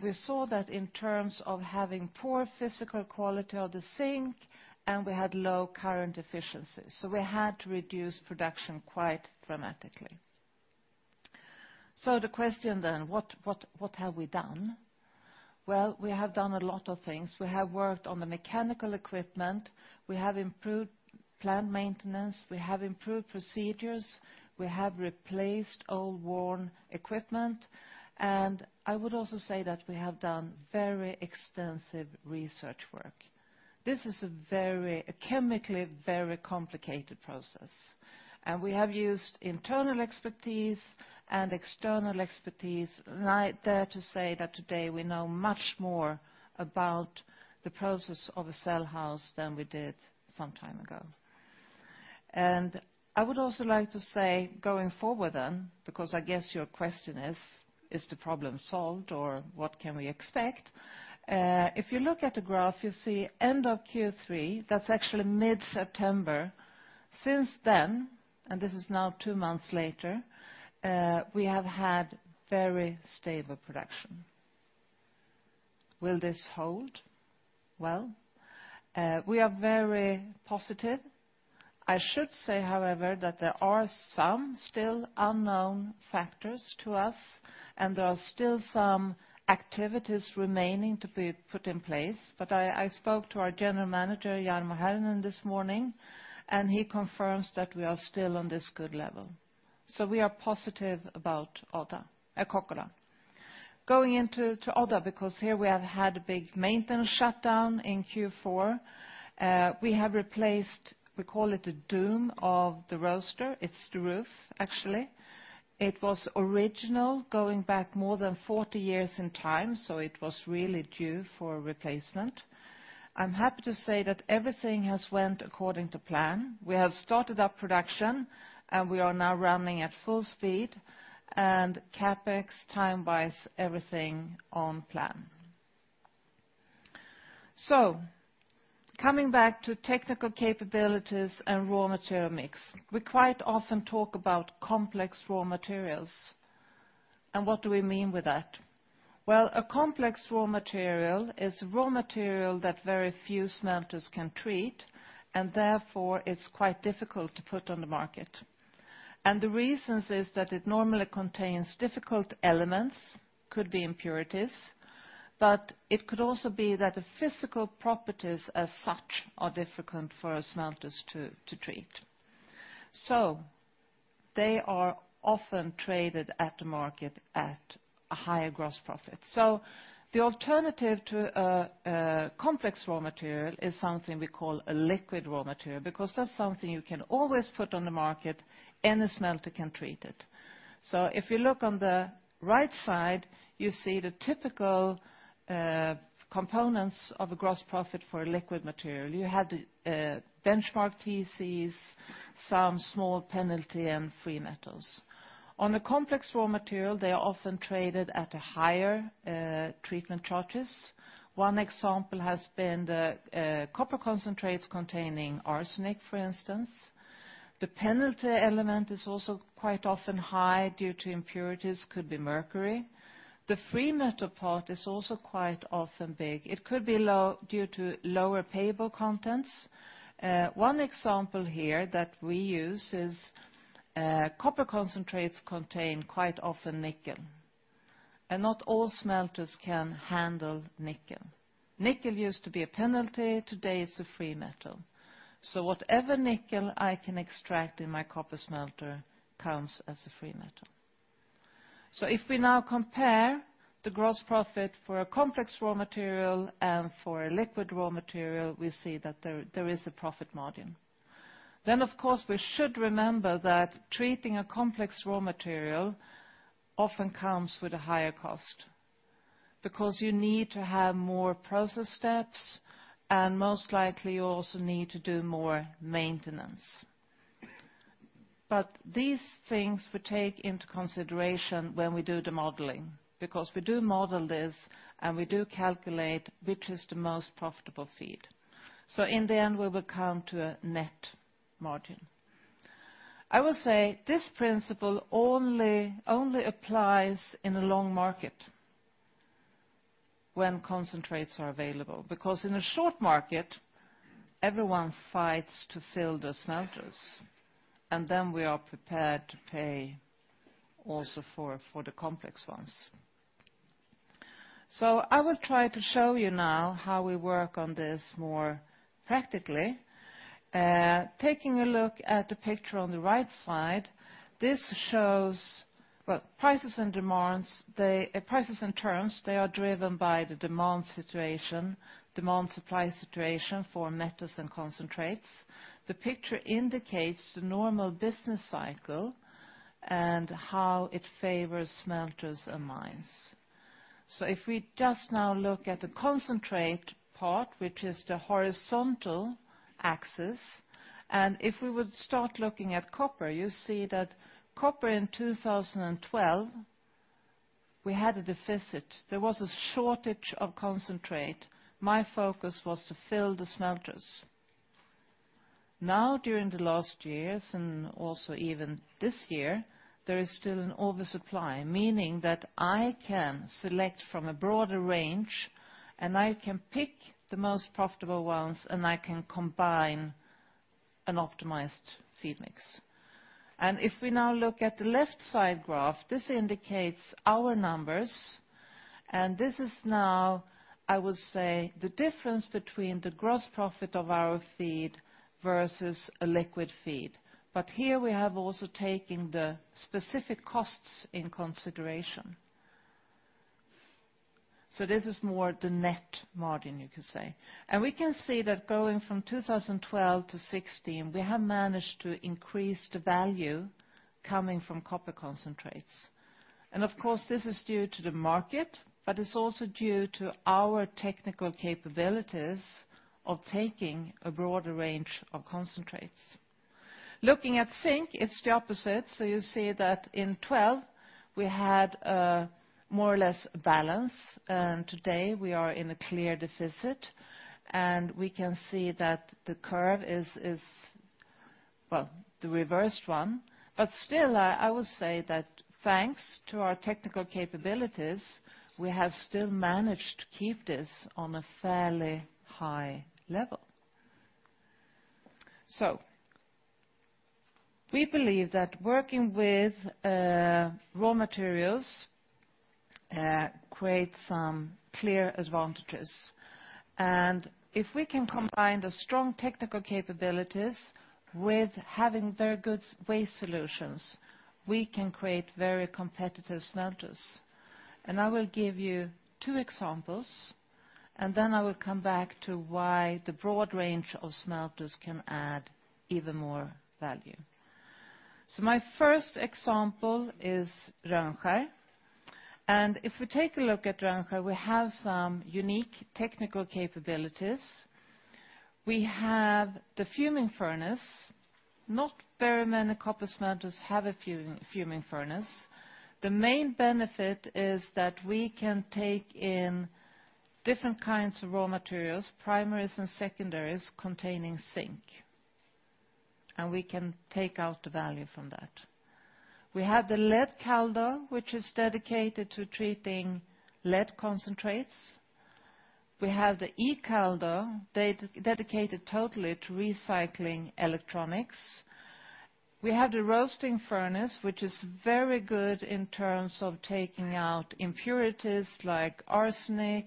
We saw that in terms of having poor physical quality of the zinc, we had low current efficiency, we had to reduce production quite dramatically. The question then, what have we done? Well, we have done a lot of things. We have worked on the mechanical equipment. We have improved plant maintenance. We have improved procedures. We have replaced old worn equipment. I would also say that we have done very extensive research work. This is a chemically very complicated process, we have used internal expertise and external expertise. I dare to say that today we know much more about the process of a cell house than we did some time ago. I would also like to say going forward then, because I guess your question is the problem solved or what can we expect? If you look at the graph, you see end of Q3, that's actually mid-September. Since then, this is now two months later, we have had very stable production. Will this hold? Well, we are very positive. I should say, however, that there are some still unknown factors to us, there are still some activities remaining to be put in place. I spoke to our general manager, Janne Moilanen this morning, he confirms that we are still on this good level. We are positive about Kokkola. Going into Odda, because here we have had a big maintenance shutdown in Q4. We have replaced, we call it the dome of the roaster. It's the roof, actually. It was original going back more than 40 years in time, so it was really due for replacement. I'm happy to say that everything has went according to plan. We have started up production, we are now running at full speed, CapEx, time-wise, everything on plan. Coming back to technical capabilities and raw material mix. We quite often talk about complex raw materials. What do we mean with that? Well, a complex raw material is raw material that very few smelters can treat, therefore it's quite difficult to put on the market. The reasons is that it normally contains difficult elements, could be impurities, but it could also be that the physical properties as such are difficult for a smelter to treat. They are often traded at the market at a higher gross profit. The alternative to a complex raw material is something we call a liquid raw material, because that's something you can always put on the market, any smelter can treat it. If you look on the right side, you see the typical components of a gross profit for a liquid material. You have the benchmark TCs, some small penalty and free metals. On a complex raw material, they are often traded at higher treatment charges. One example has been the copper concentrates containing arsenic, for instance. The penalty element is also quite often high due to impurities, could be mercury. The free metal part is also quite often big. It could be low due to lower payable contents. One example here that we use is copper concentrates contain quite often nickel, not all smelters can handle nickel. Nickel used to be a penalty, today it's a free metal. Whatever nickel I can extract in my copper smelter counts as a free metal. If we now compare the gross profit for a complex raw material and for a liquid raw material, we see that there is a profit margin. Of course, we should remember that treating a complex raw material often comes with a higher cost, because you need to have more process steps, and most likely you also need to do more maintenance. These things we take into consideration when we do the modeling, because we do model this, and we do calculate which is the most profitable feed. In the end, we will come to a net margin. I will say this principle only applies in a long market when concentrates are available, because in a short market, everyone fights to fill the smelters, and then we are prepared to pay also for the complex ones. I will try to show you now how we work on this more practically. Taking a look at the picture on the right side, this shows. Prices and terms, they are driven by the demand situation, demand supply situation for metals and concentrates. The picture indicates the normal business cycle and how it favors smelters and mines. If we just now look at the concentrate part, which is the horizontal axis, and if we would start looking at copper, you see that copper in 2012, we had a deficit. There was a shortage of concentrate. My focus was to fill the smelters. Now during the last years, and also even this year, there is still an oversupply, meaning that I can select from a broader range, and I can pick the most profitable ones, and I can combine an optimized feed mix. If we now look at the left side graph, this indicates our numbers, and this is now, I would say, the difference between the gross profit of our feed versus a liquid feed. Here we have also taken the specific costs in consideration. This is more the net margin, you could say. We can see that going from 2012 to 2016, we have managed to increase the value coming from copper concentrates. Of course, this is due to the market, but it's also due to our technical capabilities of taking a broader range of concentrates. Looking at zinc, it's the opposite. You see that in 2012, we had more or less balance, and today we are in a clear deficit, and we can see that the curve is, well, the reversed one. Still, I would say that thanks to our technical capabilities, we have still managed to keep this on a fairly high level. We believe that working with raw materials creates some clear advantages. If we can combine the strong technical capabilities with having very good waste solutions, we can create very competitive smelters. I will give you two examples, and then I will come back to why the broad range of smelters can add even more value. My first example is Rönnskär. If we take a look at Rönnskär, we have some unique technical capabilities. We have the fuming furnace. Not very many copper smelters have a fuming furnace. The main benefit is that we can take in different kinds of raw materials, primaries and secondaries containing zinc, and we can take out the value from that. We have the lead Kaldo, which is dedicated to treating lead concentrates. We have the e-Kaldo dedicated totally to recycling electronics. We have the roasting furnace, which is very good in terms of taking out impurities like arsenic,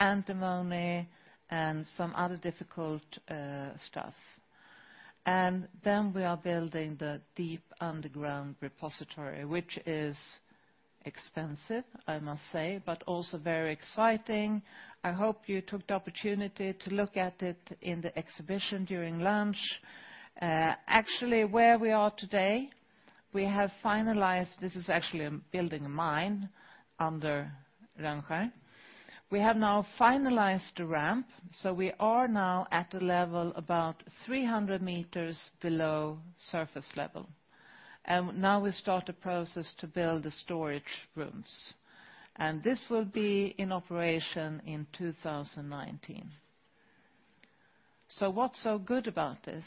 antimony, and some other difficult stuff. We are building the deep underground repository, which is expensive, I must say, but also very exciting. I hope you took the opportunity to look at it in the exhibition during lunch. Actually, where we are today, we have finalized this is actually building a mine under Rönnskär. We have now finalized the ramp, so we are now at a level about 300 meters below surface level. Now we start a process to build the storage rooms. This will be in operation in 2019. What's so good about this?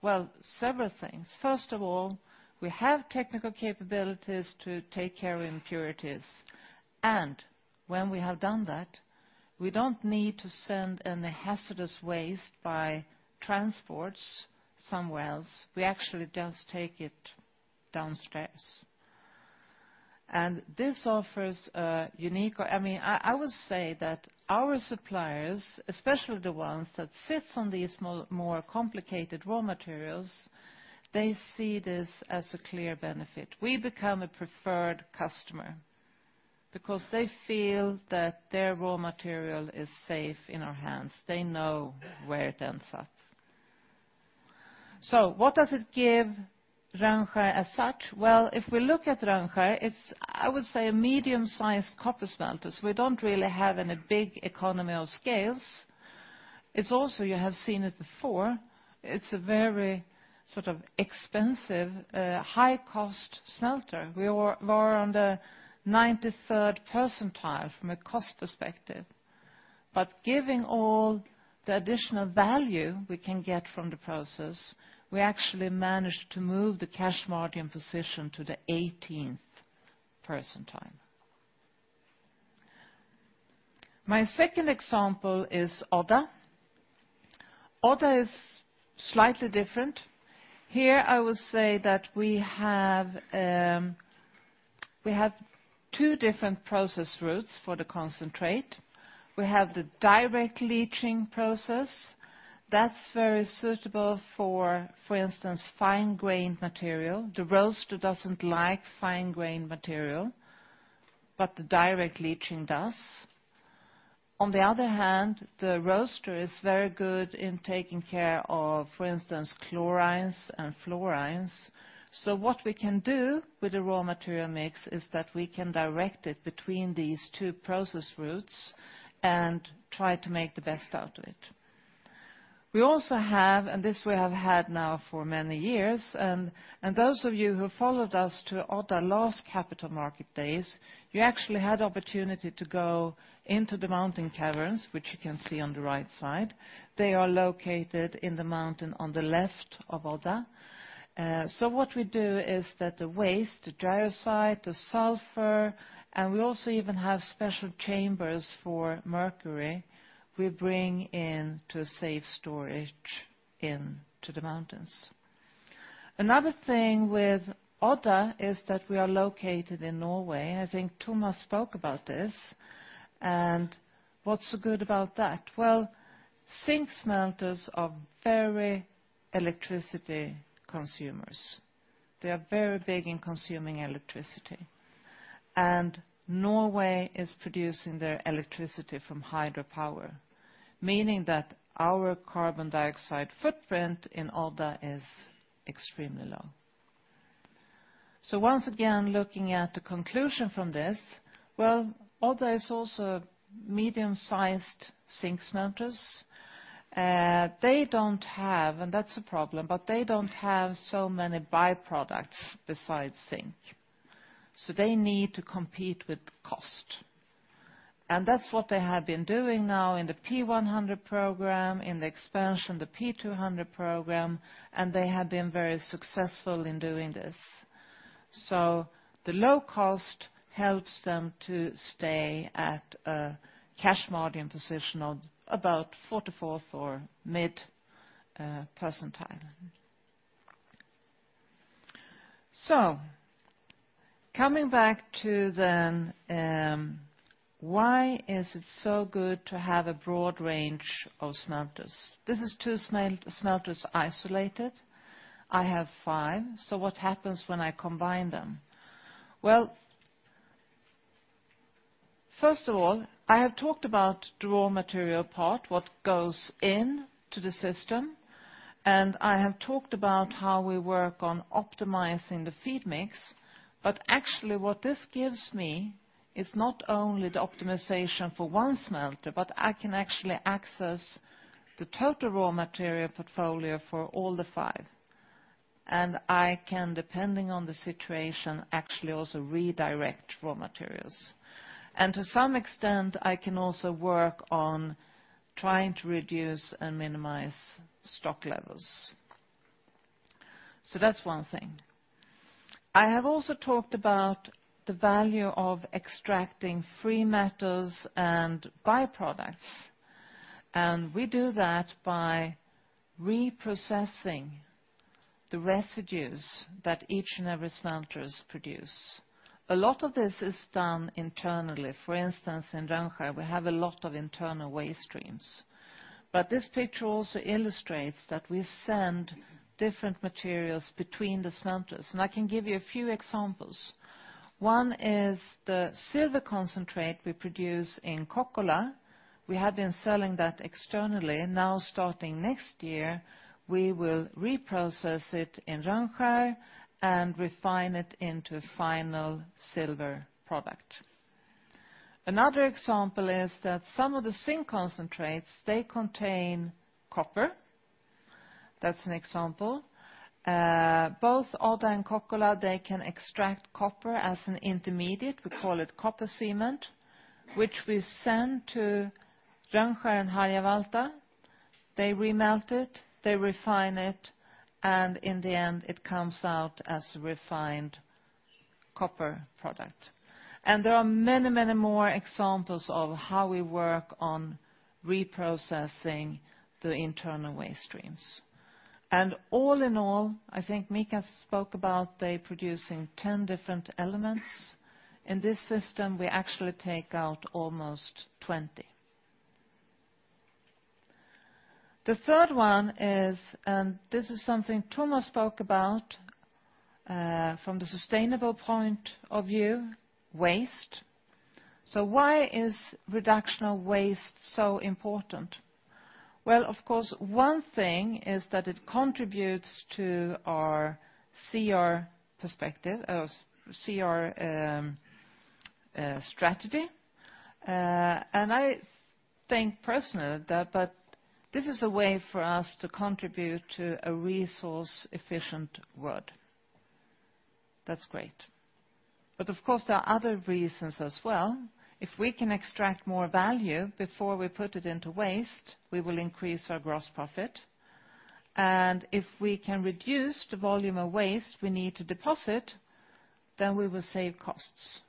Well, several things. First of all, we have technical capabilities to take care of impurities. When we have done that, we don't need to send any hazardous waste by transports somewhere else. We actually just take it downstairs. This offers a unique I would say that our suppliers, especially the ones that sits on these more complicated raw materials, they see this as a clear benefit. We become a preferred customer because they feel that their raw material is safe in our hands. They know where it ends up. What does it give Rönnskär as such? Well, if we look at Rönnskär, it's, I would say, a medium-sized copper smelter. We don't really have any big economy of scales. It's also, you have seen it before, it's a very sort of expensive, high-cost smelter. We were on the 93rd percentile from a cost perspective. Giving all the additional value we can get from the process, we actually managed to move the cash margin position to the 18th percentile. My second example is Odda. Odda is slightly different. Here I would say that we have two different process routes for the concentrate. We have the direct leaching process. That's very suitable for instance, fine grain material. The roaster doesn't like fine grain material, but the direct leaching does. On the other hand, the roaster is very good in taking care of, for instance, chlorides and fluorides. What we can do with the raw material mix is that we can direct it between these two process routes and try to make the best out of it. We also have, and this we have had now for many years, those of you who followed us to Odda last Capital Market Days, you actually had the opportunity to go into the mountain caverns, which you can see on the right side. They are located in the mountain on the left of Odda. What we do is that the waste, the jarosite, the sulfur, and we also even have special chambers for mercury, we bring into safe storage into the mountains. Another thing with Odda is that we are located in Norway. I think Thomas spoke about this. What's so good about that? Well, zinc smelters are very electricity consumers. They are very big in consuming electricity. Norway is producing their electricity from hydropower, meaning that our carbon dioxide footprint in Odda is extremely low. Once again, looking at the conclusion from this, well, Odda is also a medium-sized zinc smelters. They don't have, and that's a problem, but they don't have so many byproducts besides zinc, they need to compete with cost. That's what they have been doing now in the P100 Program, in the expansion, the P200 Program, and they have been very successful in doing this. The low cost helps them to stay at a cash margin position of about 44th or mid percentile. Coming back to then, why is it so good to have a broad range of smelters? This is two smelters isolated. I have five. What happens when I combine them? Well, first of all, I have talked about the raw material part, what goes into the system, and I have talked about how we work on optimizing the feed mix. Actually, what this gives me is not only the optimization for one smelter, but I can actually access the total raw material portfolio for all the five. I can, depending on the situation, actually also redirect raw materials. To some extent, I can also work on trying to reduce and minimize stock levels. That's one thing. I have also talked about the value of extracting free metals and byproducts, and we do that by reprocessing the residues that each and every smelters produce. A lot of this is done internally. For instance, in Rönnskär, we have a lot of internal waste streams. This picture also illustrates that we send different materials between the smelters. I can give you a few examples. One is the silver concentrate we produce in Kokkola. We have been selling that externally. Now, starting next year, we will reprocess it in Rönnskär and refine it into a final silver product. Another example is that some of the zinc concentrates, they contain copper. That's an example. Both Odda and Kokkola, they can extract copper as an intermediate. We call it copper cement, which we send to Rönnskär and Harjavalta. They remelt it, they refine it, and in the end, it comes out as refined copper product. There are many, many more examples of how we work on reprocessing the internal waste streams. All in all, I think Mika spoke about they producing 10 different elements. In this system, we actually take out almost 20. The third one is, this is something Thomas spoke about from the sustainable point of view, waste. Why is reduction of waste so important? Well, of course, one thing is that it contributes to our CR perspective or CR strategy. I think personally that this is a way for us to contribute to a resource-efficient world. That's great. Of course, there are other reasons as well. If we can extract more value before we put it into waste, we will increase our gross profit. If we can reduce the volume of waste we need to deposit, we will save costs.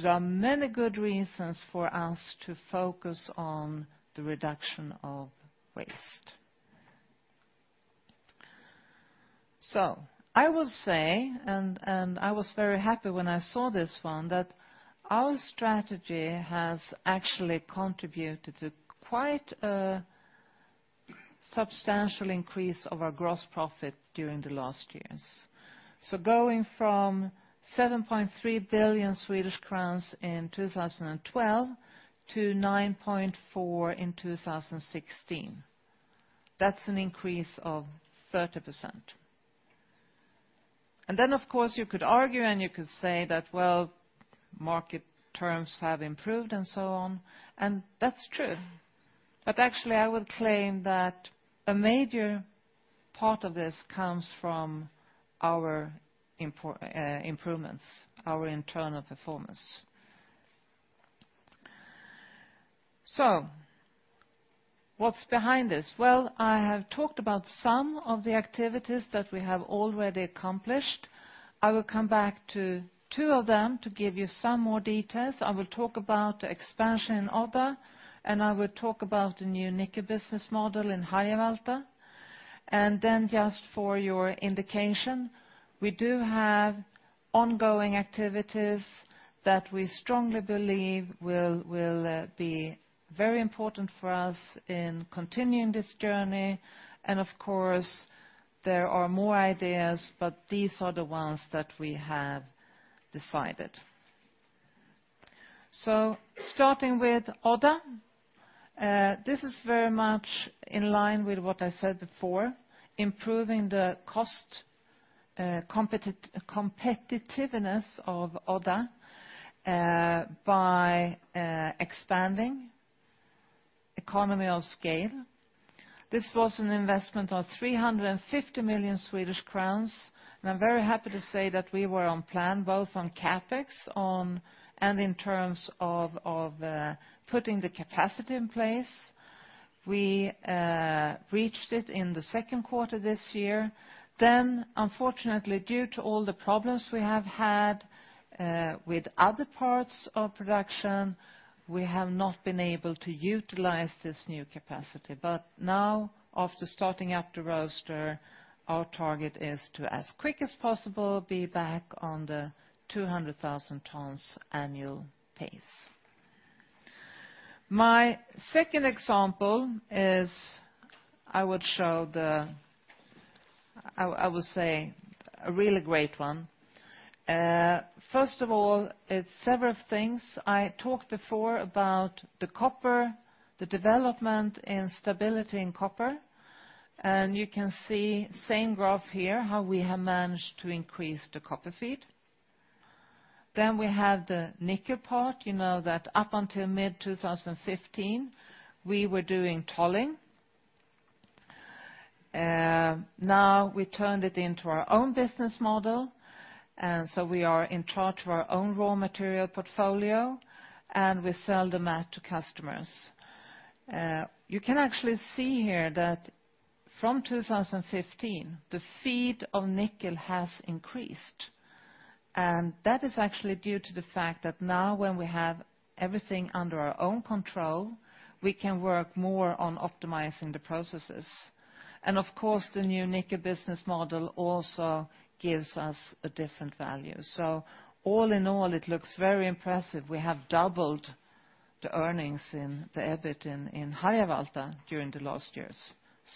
There are many good reasons for us to focus on the reduction of waste. I will say, I was very happy when I saw this one, that our strategy has actually contributed to quite a substantial increase of our gross profit during the last years. Going from 7.3 billion Swedish crowns in 2012 to 9.4 billion in 2016. That's an increase of 30%. Of course, you could argue and you could say that, well, market terms have improved and so on, and that's true. Actually, I would claim that a major part of this comes from our improvements, our internal performance. What's behind this? I have talked about some of the activities that we have already accomplished. I will come back to two of them to give you some more details. I will talk about expansion in Odda, and I will talk about the new nickel business model in Harjavalta. Just for your indication, we do have ongoing activities that we strongly believe will be very important for us in continuing this journey. Of course, there are more ideas, but these are the ones that we have decided. Starting with Odda. This is very much in line with what I said before, improving the cost competitiveness of Odda by expanding economy of scale. This was an investment of 350 million Swedish crowns, and I'm very happy to say that we were on plan, both on CapEx and in terms of putting the capacity in place. We reached it in the second quarter this year. Unfortunately, due to all the problems we have had with other parts of production, we have not been able to utilize this new capacity. Now, after starting up the roaster, our target is to, as quick as possible, be back on the 200,000 tons annual pace. My second example is, I would say, a really great one. First of all, it's several things. I talked before about the copper, the development in stability in copper, you can see same graph here, how we have managed to increase the copper feed. We have the nickel part, you know that up until mid-2015, we were doing tolling. Now we turned it into our own business model, we are in charge of our own raw material portfolio, we sell the mat to customers. You can actually see here that from 2015, the feed of nickel has increased. That is actually due to the fact that now when we have everything under our own control, we can work more on optimizing the processes. Of course, the new nickel business model also gives us a different value. All in all, it looks very impressive. We have doubled the earnings in the EBIT in Harjavalta during the last years.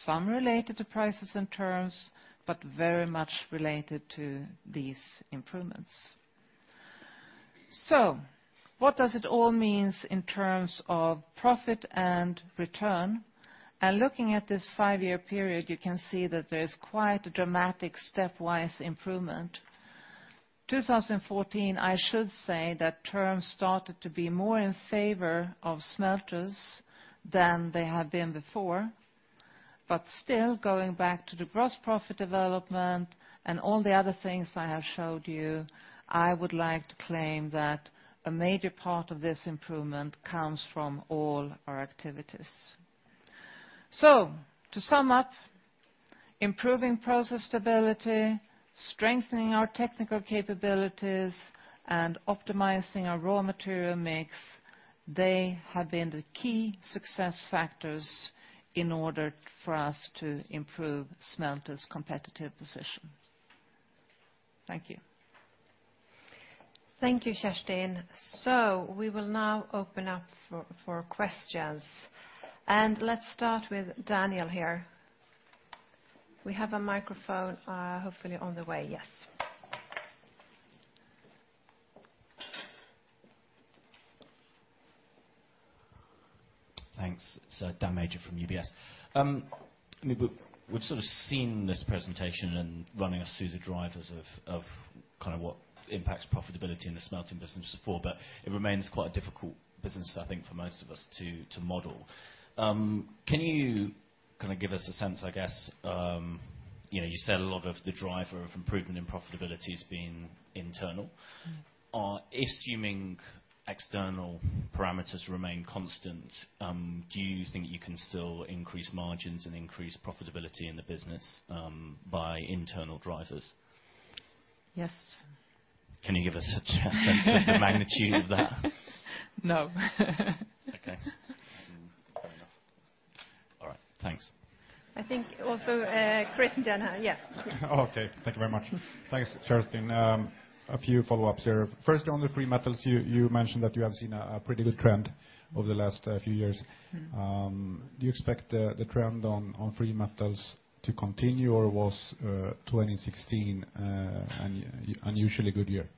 Some related to prices and terms, very much related to these improvements. What does it all mean in terms of profit and return? Looking at this five-year period, you can see that there is quite a dramatic stepwise improvement. 2014, I should say that terms started to be more in favor of smelters than they had been before. Still, going back to the gross profit development and all the other things I have showed you, I would like to claim that a major part of this improvement comes from all our activities. To sum up, improving process stability, strengthening our technical capabilities, and optimizing our raw material mix, they have been the key success factors in order for us to improve smelters' competitive position. Thank you. Thank you, Kerstin. We will now open up for questions. Let's start with Daniel here. We have a microphone hopefully on the way. Yes. Thanks. It's Dan Major from UBS. We've sort of seen this presentation and running us through the drivers of kind of what impacts profitability in the smelting business before, it remains quite a difficult business, I think, for most of us to model. Can you kind of give us a sense, I guess, you said a lot of the driver of improvement in profitability has been internal. Assuming external parameters remain constant, do you think you can still increase margins and increase profitability in the business by internal drivers? Yes. Can you give us a sense of the magnitude of that? No. Okay. All right, thanks. I think also Chris and Jenna. Yeah. Okay. Thank you very much. Thanks, Kerstin. A few follow-ups here. First, on the free metals, you mentioned that you have seen a pretty good trend over the last few years. Do you expect the trend on free metals to continue, or was 2016 an unusually good year?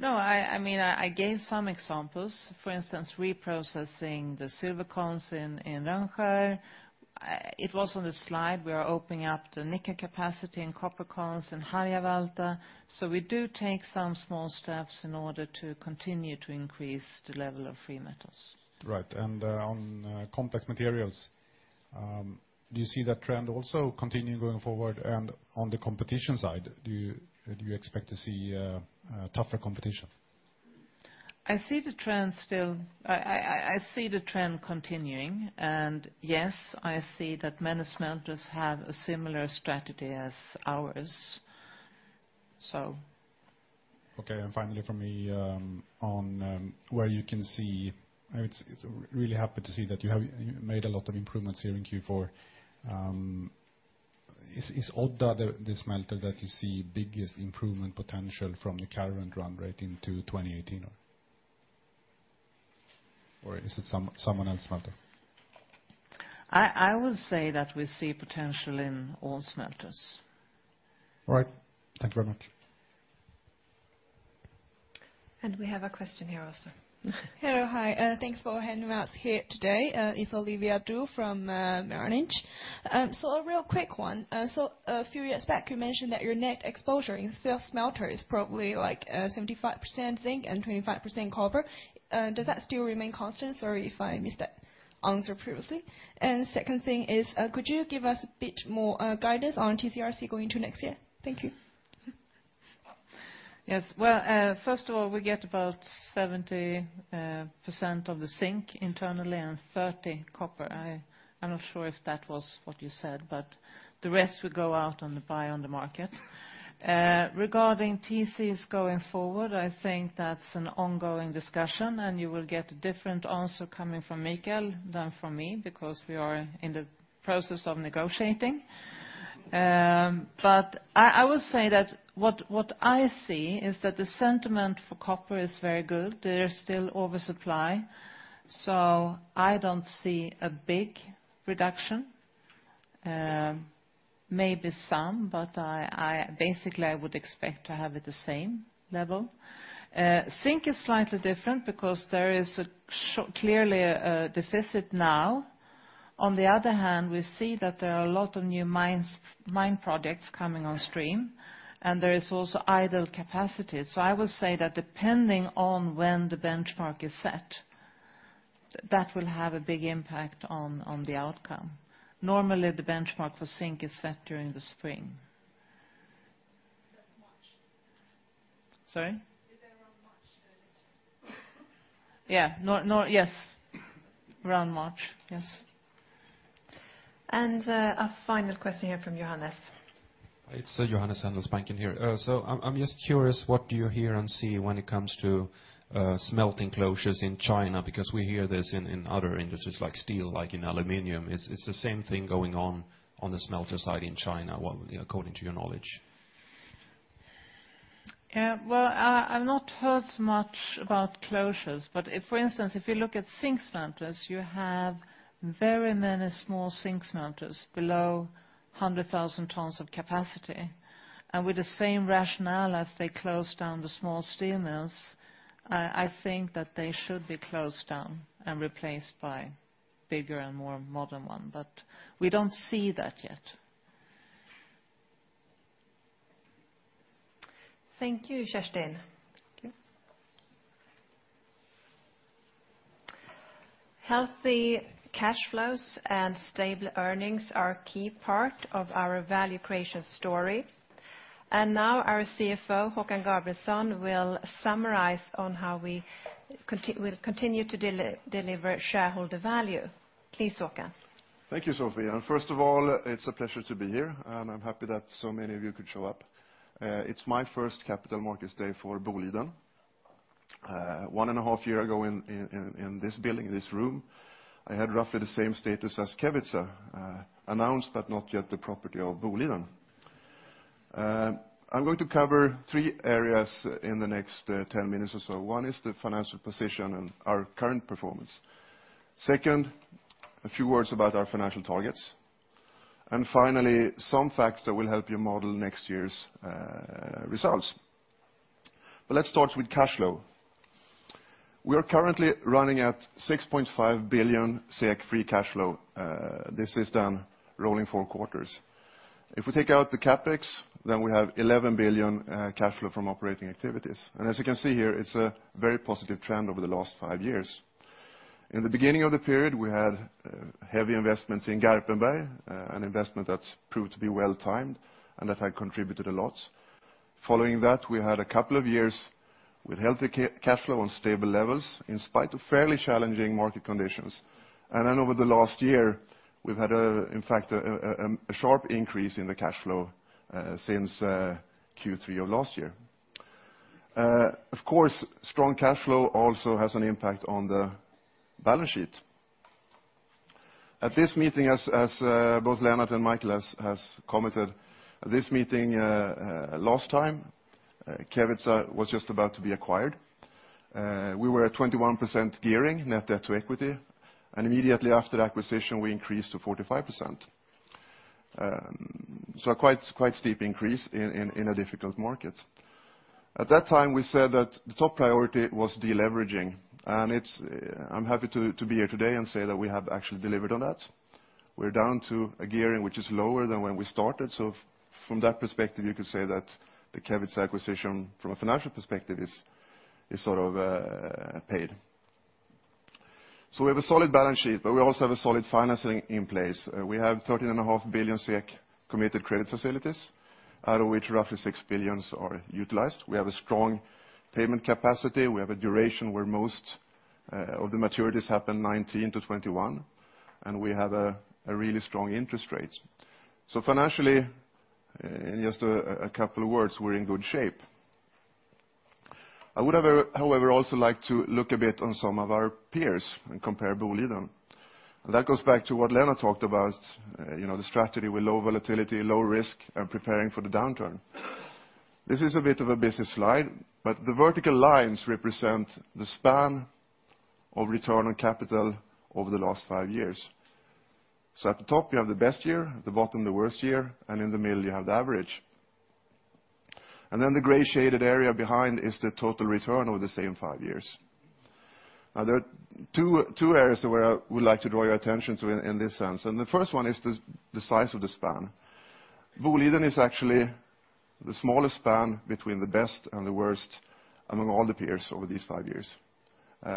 No. I gave some examples. For instance, reprocessing the silver concentrate in Rönnskär. It was on the slide, we are opening up the nickel capacity and copper concentrate in Harjavalta. We do take some small steps in order to continue to increase the level of free metals. Right. On complex materials, do you see that trend also continuing going forward? On the competition side, do you expect to see tougher competition? I see the trend continuing. Yes, I see that many smelters have a similar strategy as ours. Okay, finally from me, I was really happy to see that you have made a lot of improvements here in Q4. Is Odda the smelter that you see biggest improvement potential from the current run rate into 2018? Is it someone else smelter? I would say that we see potential in all smelters. All right. Thank you very much. We have a question here also. Hello. Hi. Thanks for having us here today. It's Olivia Du from Merrill Lynch. A real quick one. A few years back, you mentioned that your net exposure in smelter is probably like 75% zinc and 25% copper. Does that still remain constant? Sorry if I missed that answer previously. Second thing is, could you give us a bit more guidance on TCRC going to next year? Thank you. Yes. Well, first of all, we get about 70% of the zinc internally and 30% copper. I'm not sure if that was what you said, the rest will go out on the buy on the market. Regarding TCs going forward, I think that's an ongoing discussion, and you will get a different answer coming from Mikael than from me because we are in the process of negotiating. I would say that what I see is that the sentiment for copper is very good. There is still oversupply. I don't see a big reduction. Maybe some, but basically I would expect to have it the same level. Zinc is slightly different because there is clearly a deficit now. We see that there are a lot of new mine projects coming on stream, and there is also idle capacity. I would say that depending on when the benchmark is set, that will have a big impact on the outcome. Normally, the benchmark for zinc is set during the spring. That's March. Sorry? Is around March, the benchmark. Yes. Around March. Yes. A final question here from Johannes. It's Johannes, Handelsbanken here. I'm just curious, what do you hear and see when it comes to smelting closures in China? Because we hear this in other industries like steel, like in aluminum. Is the same thing going on the smelter side in China, according to your knowledge? Well, I've not heard much about closures. For instance, if you look at zinc smelters, you have very many small zinc smelters below 100,000 tons of capacity. With the same rationale as they closed down the small steel mills, I think that they should be closed down and replaced by bigger and more modern one. We don't see that yet. Thank you, Kerstin. Thank you. Healthy cash flows and stable earnings are a key part of our value creation story. Now our CFO, Håkan Gabrielsson, will summarize on how we will continue to deliver shareholder value. Please, Håkan. Thank you, Sophie. First of all, it's a pleasure to be here, and I am happy that so many of you could show up. It's my first Capital Markets Day for Boliden. One and a half years ago in this building, this room, I had roughly the same status as Kevitsa. Announced, but not yet the property of Boliden. I am going to cover three areas in the next 10 minutes or so. One is the financial position and our current performance. Second, a few words about our financial targets. Finally, some facts that will help you model next year's results. Let's start with cash flow. We are currently running at 6.5 billion SEK free cash flow. This is done rolling four quarters. If we take out the CapEx, we have 11 billion cash flow from operating activities. As you can see here, it's a very positive trend over the last five years. In the beginning of the period, we had heavy investments in Garpenberg, an investment that's proved to be well-timed and that had contributed a lot. Following that, we had a couple of years with healthy cash flow on stable levels in spite of fairly challenging market conditions. Over the last year, we've had, in fact, a sharp increase in the cash flow since Q3 of last year. Of course, strong cash flow also has an impact on the balance sheet. At this meeting, as both Lennart and Mikael has commented, this meeting last time, Kevitsa was just about to be acquired. We were at 21% gearing net debt to equity, and immediately after the acquisition, we increased to 45%. A quite steep increase in a difficult market. At that time, we said that the top priority was deleveraging, and I am happy to be here today and say that we have actually delivered on that. We are down to a gearing which is lower than when we started. From that perspective, you could say that the Kevitsa acquisition from a financial perspective is sort of paid. We have a solid balance sheet, we also have a solid financing in place. We have 13.5 billion SEK committed credit facilities, out of which roughly 6 billion are utilized. We have a strong payment capacity. We have a duration where most of the maturities happen 2019 to 2021, and we have a really strong interest rate. Financially, in just a couple of words, we are in good shape. I would, however, also like to look a bit on some of our peers and compare Boliden. That goes back to what Lennart talked about, the strategy with low volatility, low risk, and preparing for the downturn. This is a bit of a busy slide, the vertical lines represent the span of return on capital over the last five years. At the top, you have the best year, at the bottom, the worst year, and in the middle, you have the average. The gray shaded area behind is the total return over the same five years. There are two areas where I would like to draw your attention to in this sense, the first one is the size of the span. Boliden is actually the smallest span between the best and the worst among all the peers over these five years,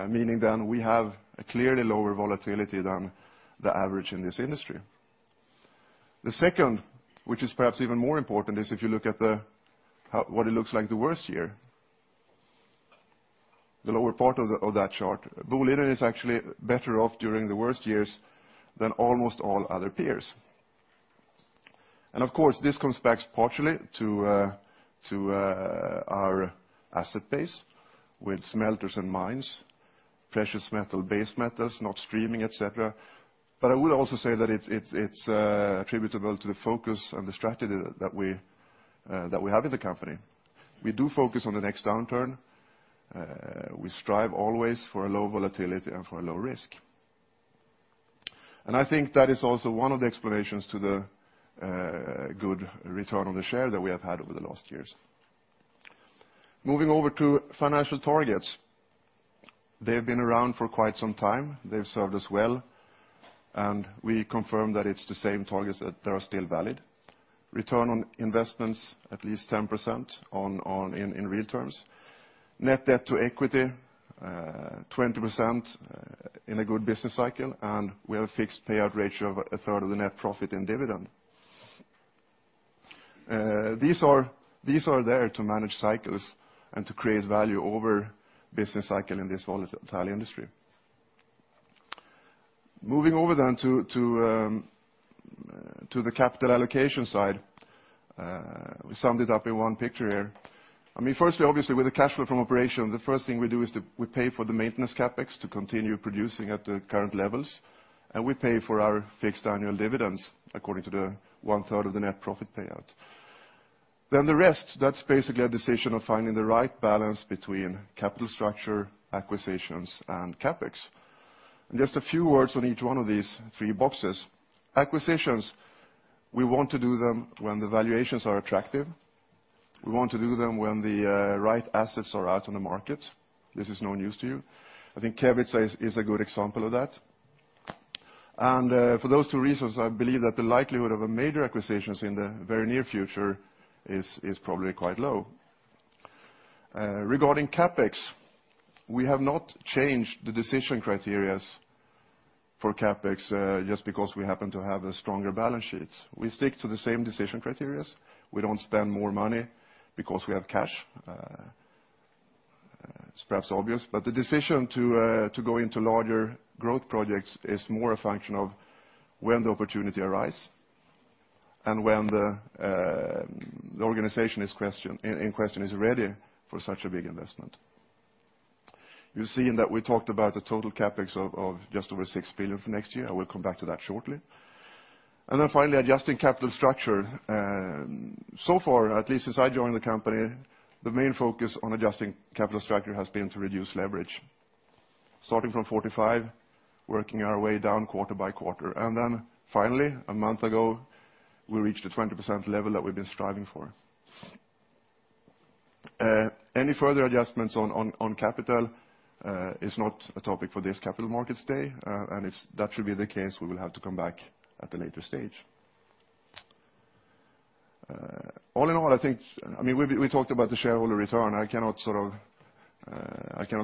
meaning we have a clearly lower volatility than the average in this industry. The second, which is perhaps even more important, is if you look at what it looks like the worst year. The lower part of that chart. Boliden is actually better off during the worst years than almost all other peers. Of course, this comes back partially to our asset base with smelters and mines, precious metal, base metals, not streaming, et cetera. I would also say that it's attributable to the focus and the strategy that we have in the company. We do focus on the next downturn. We strive always for a low volatility and for a low risk. I think that is also one of the explanations to the good return on the share that we have had over the last years. Moving over to financial targets. They've been around for quite some time. They've served us well, and we confirm that it's the same targets that they are still valid. Return on investments, at least 10% in real terms. Net debt to equity, 20% in a good business cycle, and we have a fixed payout ratio of a third of the net profit in dividend. These are there to manage cycles and to create value over business cycle in this volatile industry. Moving over to the capital allocation side. We summed it up in one picture here. Firstly, obviously, with the cash flow from operation, the first thing we do is we pay for the maintenance CapEx to continue producing at the current levels, and we pay for our fixed annual dividends according to the one-third of the net profit payout. The rest, that's basically a decision of finding the right balance between capital structure, acquisitions, and CapEx. Just a few words on each one of these three boxes. Acquisitions, we want to do them when the valuations are attractive. We want to do them when the right assets are out on the market. This is no news to you. I think Kevitsa is a good example of that. For those two reasons, I believe that the likelihood of a major acquisitions in the very near future is probably quite low. Regarding CapEx, we have not changed the decision criterias for CapEx just because we happen to have a stronger balance sheet. We stick to the same decision criterias. We don't spend more money because we have cash. It's perhaps obvious. The decision to go into larger growth projects is more a function of when the opportunity arise and when the organization in question is ready for such a big investment. You've seen that we talked about the total CapEx of just over 6 billion for next year. I will come back to that shortly. Finally, adjusting capital structure. So far, at least since I joined the company, the main focus on adjusting capital structure has been to reduce leverage. Starting from 45%, working our way down quarter by quarter. Finally, a month ago, we reached a 20% level that we've been striving for. Any further adjustments on capital is not a topic for this Capital Markets Day, and if that should be the case, we will have to come back at a later stage. All in all, we talked about the shareholder return. I cannot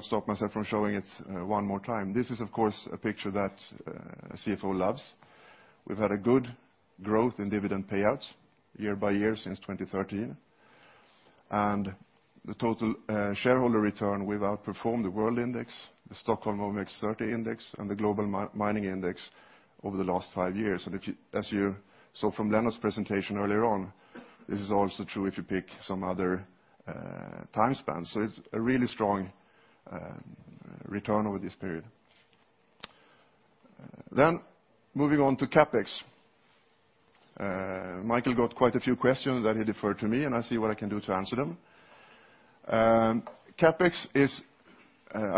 stop myself from showing it one more time. This is, of course, a picture that a CFO loves. We've had a good growth in dividend payouts year by year since 2013. The total shareholder return, we've outperformed the world index, the Stockholm OMX30 index, and the Global Mining index over the last five years. As you saw from Lennart's presentation earlier on, this is also true if you pick some other time span. It's a really strong return over this period. Moving on to CapEx. Mikael got quite a few questions that he deferred to me, and I'll see what I can do to answer them. Our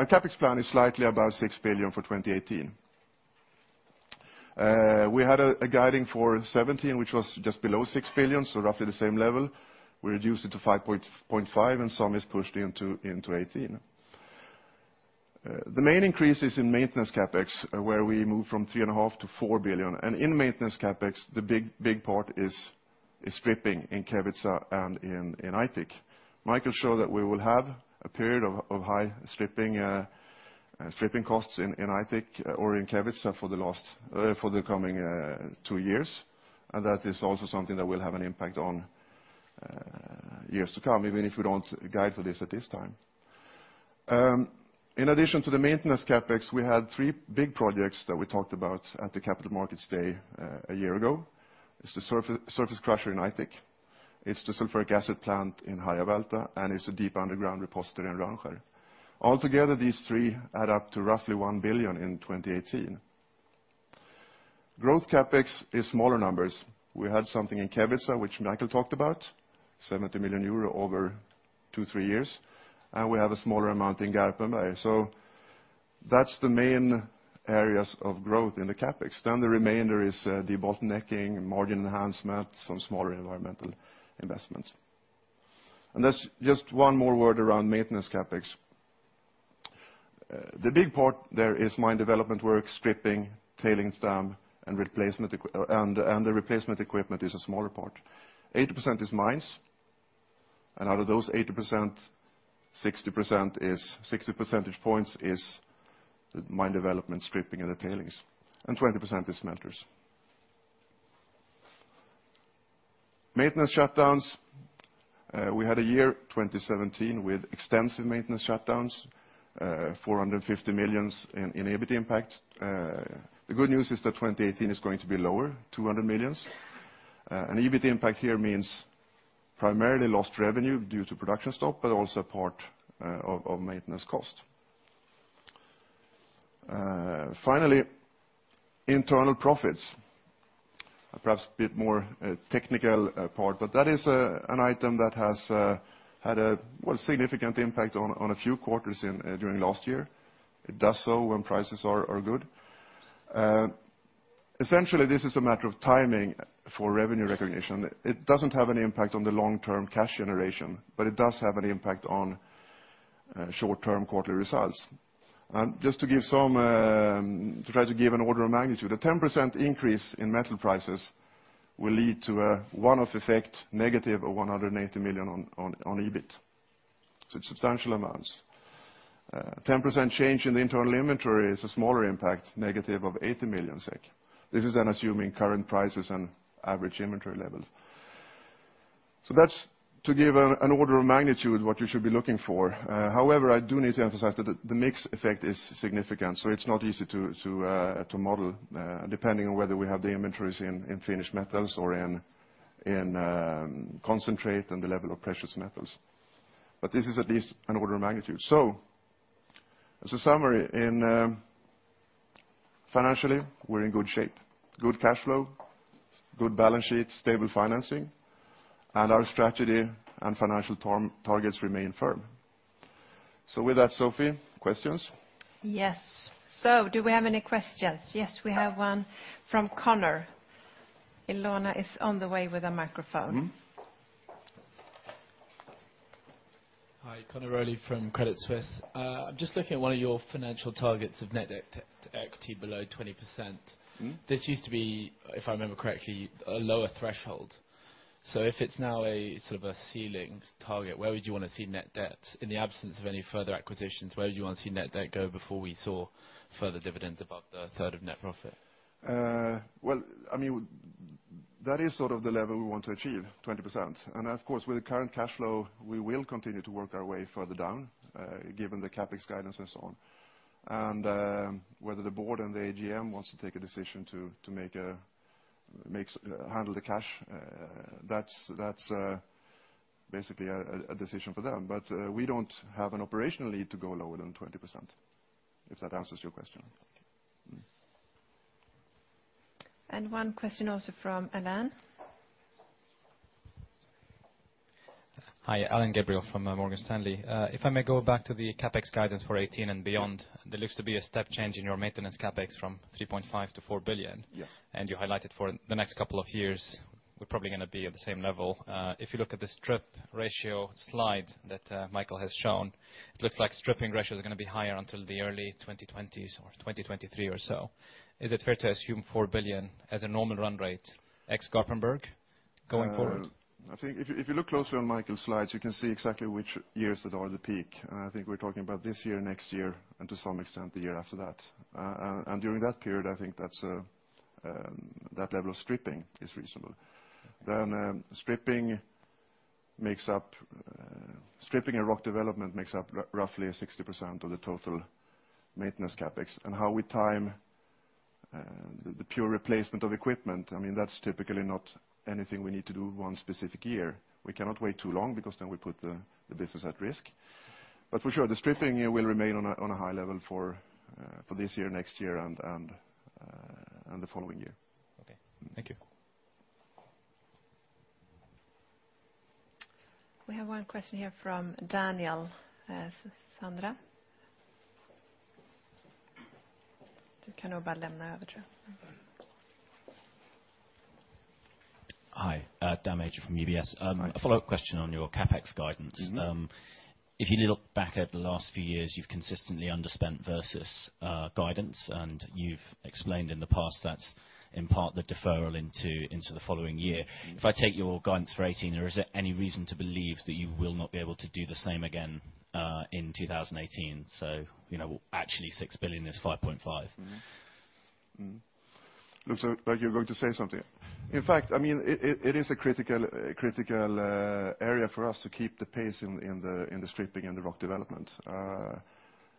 CapEx plan is slightly above 6 billion for 2018. We had a guiding for 2017, which was just below 6 billion, so roughly the same level. We reduced it to 5.5 billion and some is pushed into 2018. The main increase is in maintenance CapEx, where we move from 3.5 billion-4 billion. In maintenance CapEx, the big part is stripping in Kevitsa and in Aitik. Mikael showed that we will have a period of high stripping costs in Aitik or in Kevitsa for the coming two years. That is also something that will have an impact on years to come, even if we don't guide for this at this time. In addition to the maintenance CapEx, we had three big projects that we talked about at the Capital Markets Day a year ago. It's the surface crusher in Aitik, it's the sulfuric acid plant in Harjavalta, and it's a deep underground repository in Rönnskär. Altogether, these three add up to roughly 1 billion in 2018. Growth CapEx is smaller numbers. We had something in Kevitsa, which Mikael talked about, 70 million euro over two, three years. We have a smaller amount in Garpenberg. That's the main areas of growth in the CapEx. The remainder is debottlenecking, margin enhancement, some smaller environmental investments. Just one more word around maintenance CapEx. The big part there is mine development work, stripping, tailings dam, and the replacement equipment is a smaller part. 80% is mines, and out of those 80%, 60 percentage points is the mine development stripping and the tailings, and 20% is smelters. Maintenance shutdowns. We had a year, 2017, with extensive maintenance shutdowns, 450 million in EBIT impact. The good news is that 2018 is going to be lower, 200 million. EBIT impact here means primarily lost revenue due to production stop, but also a part of maintenance cost. Finally, internal profits. Perhaps a bit more technical part, but that is an item that has had a significant impact on a few quarters during last year. It does so when prices are good. Essentially, this is a matter of timing for revenue recognition. It doesn't have any impact on the long-term cash generation, but it does have an impact on short-term quarterly results. Just to try to give an order of magnitude, a 10% increase in metal prices will lead to a one-off effect negative of 180 million on EBIT. It's substantial amounts. 10% change in the internal inventory is a smaller impact, negative of 80 million SEK. This is then assuming current prices and average inventory levels. That's to give an order of magnitude what you should be looking for. However, I do need to emphasize that the mix effect is significant, so it's not easy to model depending on whether we have the inventories in finished metals or in concentrate and the level of precious metals. This is at least an order of magnitude. As a summary, financially, we're in good shape. Good cash flow, good balance sheet, stable financing, and our strategy and financial targets remain firm. With that, Sophie, questions? Yes. Do we have any questions? Yes, we have one from Conor. Ilona is on the way with a microphone. Hi. Conor Rowley from Credit Suisse. I'm just looking at one of your financial targets of net debt to equity below 20%. This used to be, if I remember correctly, a lower threshold. If it's now a sort of a ceiling target, where would you want to see net debt? In the absence of any further acquisitions, where would you want to see net debt go before we saw further dividends above the third of net profit? Well, that is sort of the level we want to achieve, 20%. Of course, with the current cash flow, we will continue to work our way further down, given the CapEx guidance and so on. Whether the board and the AGM wants to take a decision to handle the cash, that's basically a decision for them. We don't have an operational need to go lower than 20%, if that answers your question. Okay. One question also from Alain. Hi. Alain Gabriel from Morgan Stanley. If I may go back to the CapEx guidance for 2018 and beyond. There looks to be a step change in your maintenance CapEx from 3.5 billion-4 billion. Yes. You highlighted for the next couple of years, we're probably going to be at the same level. If you look at the strip ratio slide that Mikael has shown, it looks like stripping ratios are going to be higher until the early 2020s or 2023 or so. Is it fair to assume 4 billion as a normal run rate ex Garpenberg going forward? I think if you look closely on Mikael's slides, you can see exactly which years that are the peak. I think we're talking about this year, next year, and to some extent the year after that. During that period, I think that level of stripping is reasonable. Stripping and rock development makes up roughly 60% of the total maintenance CapEx. How we time the pure replacement of equipment, that's typically not anything we need to do one specific year. We cannot wait too long, because then we put the business at risk. For sure, the stripping will remain on a high level for this year, next year, and the following year. Okay. Thank you. We have one question here from Daniel Major. You can over to him. Hi. Daniel Major from UBS. Hi. A follow-up question on your CapEx guidance. If you look back at the last few years, you've consistently underspent versus guidance, and you've explained in the past that's in part the deferral into the following year. If I take your guidance for 2018, is there any reason to believe that you will not be able to do the same again, in 2018? Actually 6 billion is 5.5. Looks like you're going to say something. In fact, it is a critical area for us to keep the pace in the stripping and the rock development.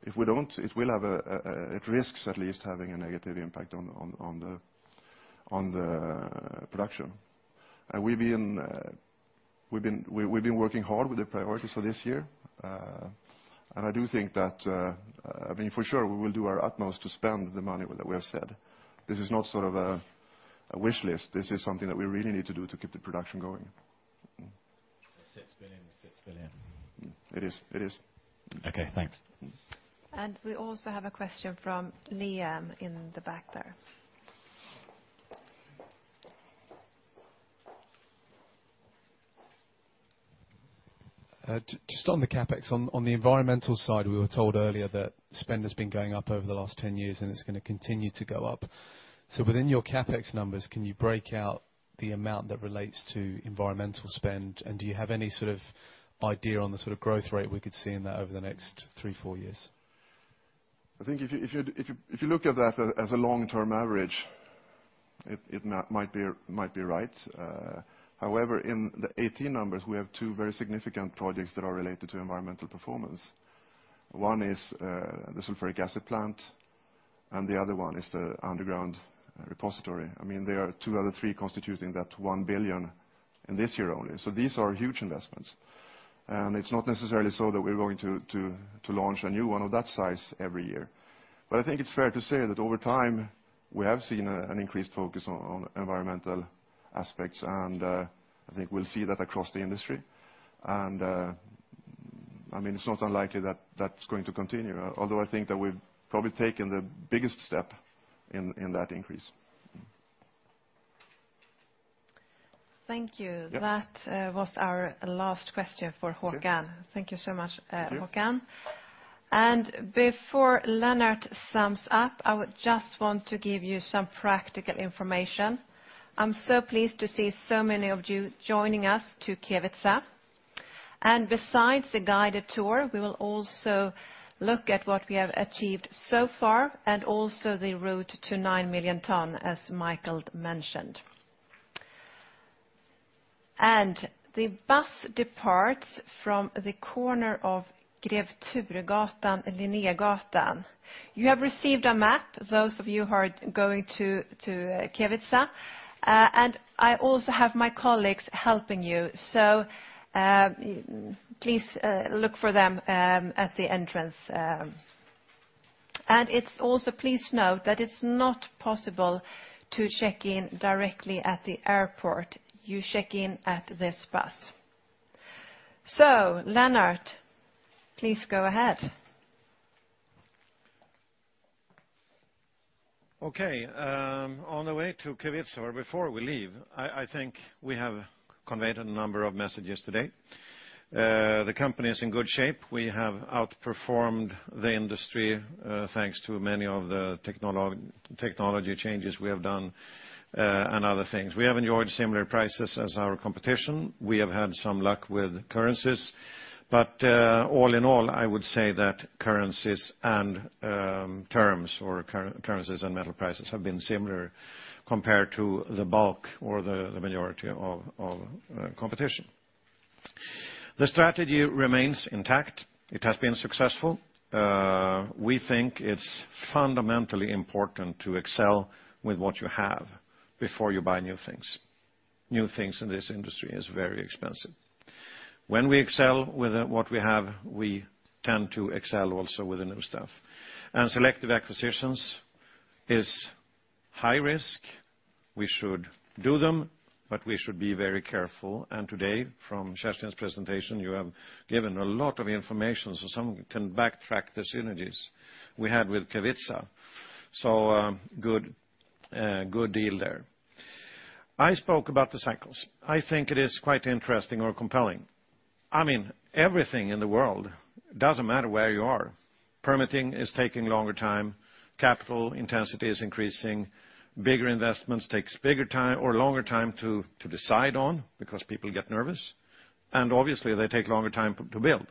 If we don't, it risks at least having a negative impact on the production. We've been working hard with the priorities for this year. I do think that for sure we will do our utmost to spend the money that we have said. This is not sort of a wish list. This is something that we really need to do to keep the production going. 6 billion is 6 billion. It is, it is. Okay, thanks. We also have a question from Liam in the back there. Just on the CapEx, on the environmental side, we were told earlier that spend has been going up over the last 10 years, it's going to continue to go up. Within your CapEx numbers, can you break out the amount that relates to environmental spend? Do you have any sort of idea on the sort of growth rate we could see in that over the next three, four years? I think if you look at that as a long-term average, it might be right. However, in the 2018 numbers, we have two very significant projects that are related to environmental performance. One is the sulfuric acid plant, and the other one is the deep underground repository. They are two of the three constituting that 1 billion in this year only. These are huge investments. It's not necessarily so that we're going to launch a new one of that size every year. I think it's fair to say that over time, we have seen an increased focus on environmental aspects, and I think we'll see that across the industry. It's not unlikely that that's going to continue, although I think that we've probably taken the biggest step in that increase. Thank you. Yeah. That was our last question for Håkan. Thank you so much, Håkan. Thank you. Before Lennart sums up, I just want to give you some practical information. I'm so pleased to see so many of you joining us to Kevitsa. Besides the guided tour, we will also look at what we have achieved so far and also the route to 9 million tons, as Mikael mentioned. The bus departs from the corner of Grev Turegatan and Linnégatan. You have received a map, those of you who are going to Kevitsa. I also have my colleagues helping you, so please look for them at the entrance. Also please note that it's not possible to check in directly at the airport. You check in at this bus. Lennart, please go ahead. Okay. On the way to Kevitsa or before we leave, I think we have conveyed a number of messages today. The company is in good shape. We have outperformed the industry, thanks to many of the technology changes we have done, and other things. We have enjoyed similar prices as our competition. We have had some luck with currencies. All in all, I would say that currencies and terms or currencies and metal prices have been similar compared to the bulk or the majority of competition. The strategy remains intact. It has been successful. We think it's fundamentally important to excel with what you have before you buy new things. New things in this industry is very expensive. When we excel with what we have, we tend to excel also with the new stuff. Selective acquisitions is high risk. We should do them, but we should be very careful. Today, from Kerstin's presentation, you have given a lot of information so someone can backtrack the synergies we had with Kevitsa. Good deal there. I spoke about the cycles. I think it is quite interesting or compelling. Everything in the world, it doesn't matter where you are, permitting is taking longer time, capital intensity is increasing, bigger investments takes bigger time or longer time to decide on because people get nervous, and obviously they take longer time to build.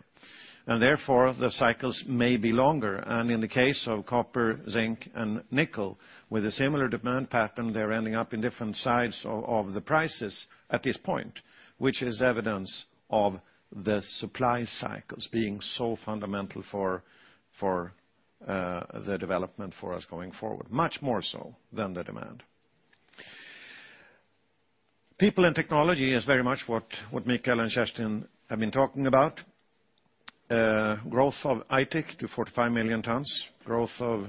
Therefore, the cycles may be longer. In the case of copper, zinc, and nickel with a similar demand pattern, they're ending up in different sides of the prices at this point, which is evidence of the supply cycles being so fundamental for the development for us going forward, much more so than the demand. People and technology is very much what Mikael and Kerstin have been talking about. Growth of Aitik to 45 million tons, growth of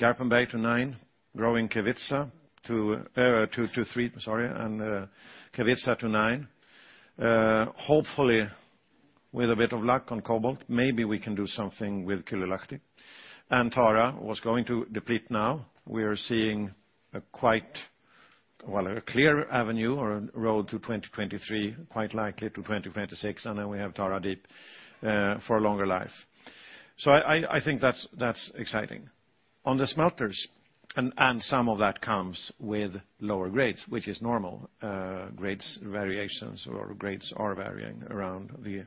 Garpenberg to 9, growing Kevitsa to 3, and Kevitsa to 9. Hopefully, with a bit of luck on cobalt, maybe we can do something with Kylylahti. Tara was going to deplete now. We are seeing a quite clear avenue or road to 2023, quite likely to 2026, and then we have Tara Deep for a longer life. I think that's exciting. On the smelters, and some of that comes with lower grades, which is normal. Grades variations or grades are varying around the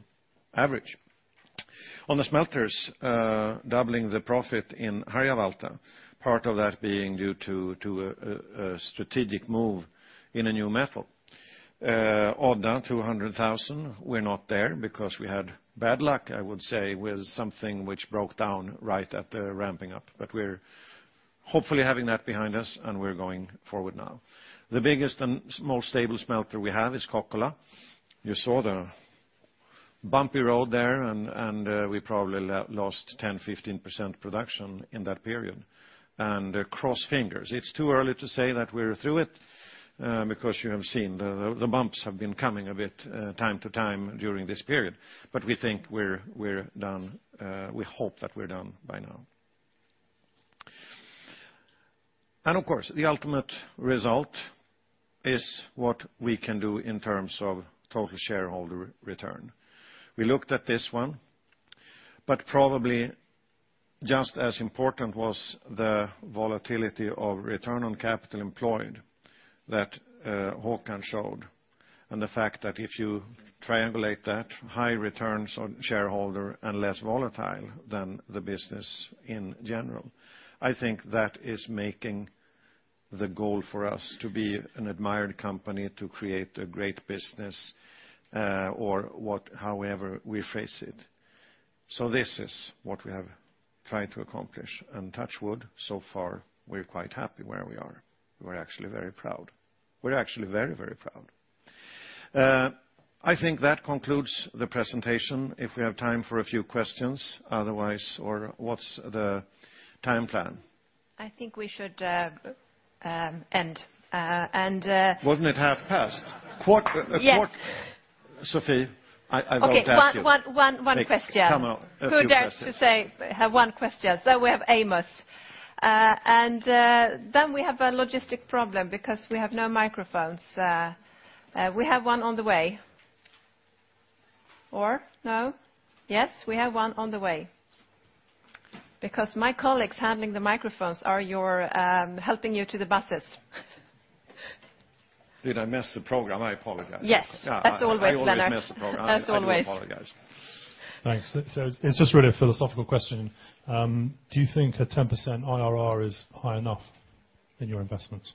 average. On the smelters, doubling the profit in Harjavalta, part of that being due to a strategic move in a new method. Odda, 200,000. We're not there because we had bad luck, I would say, with something which broke down right at the ramping up. We're hopefully having that behind us and we're going forward now. The biggest and most stable smelter we have is Kokkola. You saw the bumpy road there, and we probably lost 10%-15% production in that period. Cross fingers. It's too early to say that we're through it, because you have seen the bumps have been coming a bit time to time during this period. We think we're done. We hope that we're done by now. Of course, the ultimate result is what we can do in terms of total shareholder return. We looked at this one, probably just as important was the volatility of return on capital employed that Håkan showed, and the fact that if you triangulate that, high returns on shareholder and less volatile than the business in general. I think that is making the goal for us to be an admired company, to create a great business, or however we face it. This is what we have tried to accomplish. Touch wood, so far, we're quite happy where we are. We're actually very proud. We're actually very proud. I think that concludes the presentation. If we have time for a few questions, otherwise, or what's the time plan? I think we should end. Wasn't it half past? Yes. Sophie, I want to ask you. Okay. One question. Come out. A few questions. Who dares to say I have one question? We have Amos. We have a logistic problem because we have no microphones. We have one on the way. No? Yes, we have one on the way. Because my colleagues handling the microphones are helping you to the buses. Did I mess the program? I apologize. Yes. As always, Lennart. I always mess the program. As always. I do apologize. Thanks. It's just really a philosophical question. Do you think a 10% IRR is high enough in your investments?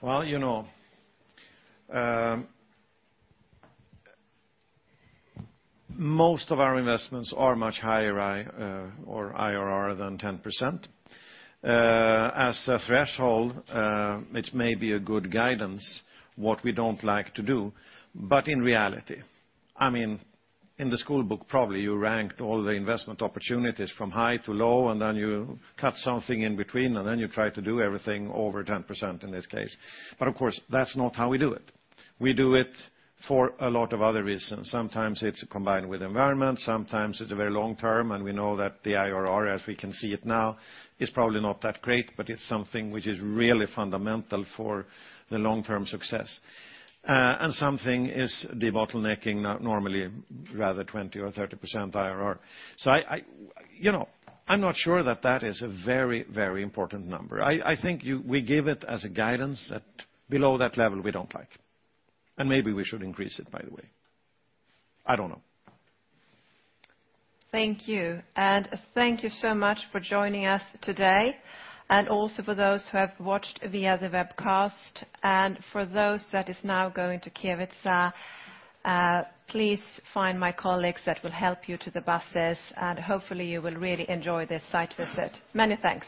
Most of our investments are much higher or IRR than 10%. As a threshold, it may be a good guidance, what we don't like to do. In reality, in the school book probably you ranked all the investment opportunities from high to low, and then you cut something in between, and then you try to do everything over 10% in this case. Of course, that's not how we do it. We do it for a lot of other reasons. Sometimes it's combined with environment, sometimes it's a very long term, and we know that the IRR, as we can see it now, is probably not that great, but it's something which is really fundamental for the long-term success. Something is debottlenecking, normally rather 20% or 30% IRR. I'm not sure that that is a very, very important number. I think we give it as a guidance that below that level we don't like. Maybe we should increase it, by the way. I don't know. Thank you. Thank you so much for joining us today, and also for those who have watched via the webcast. For those that is now going to Kevitsa, please find my colleagues that will help you to the buses, and hopefully you will really enjoy this site visit. Many thanks.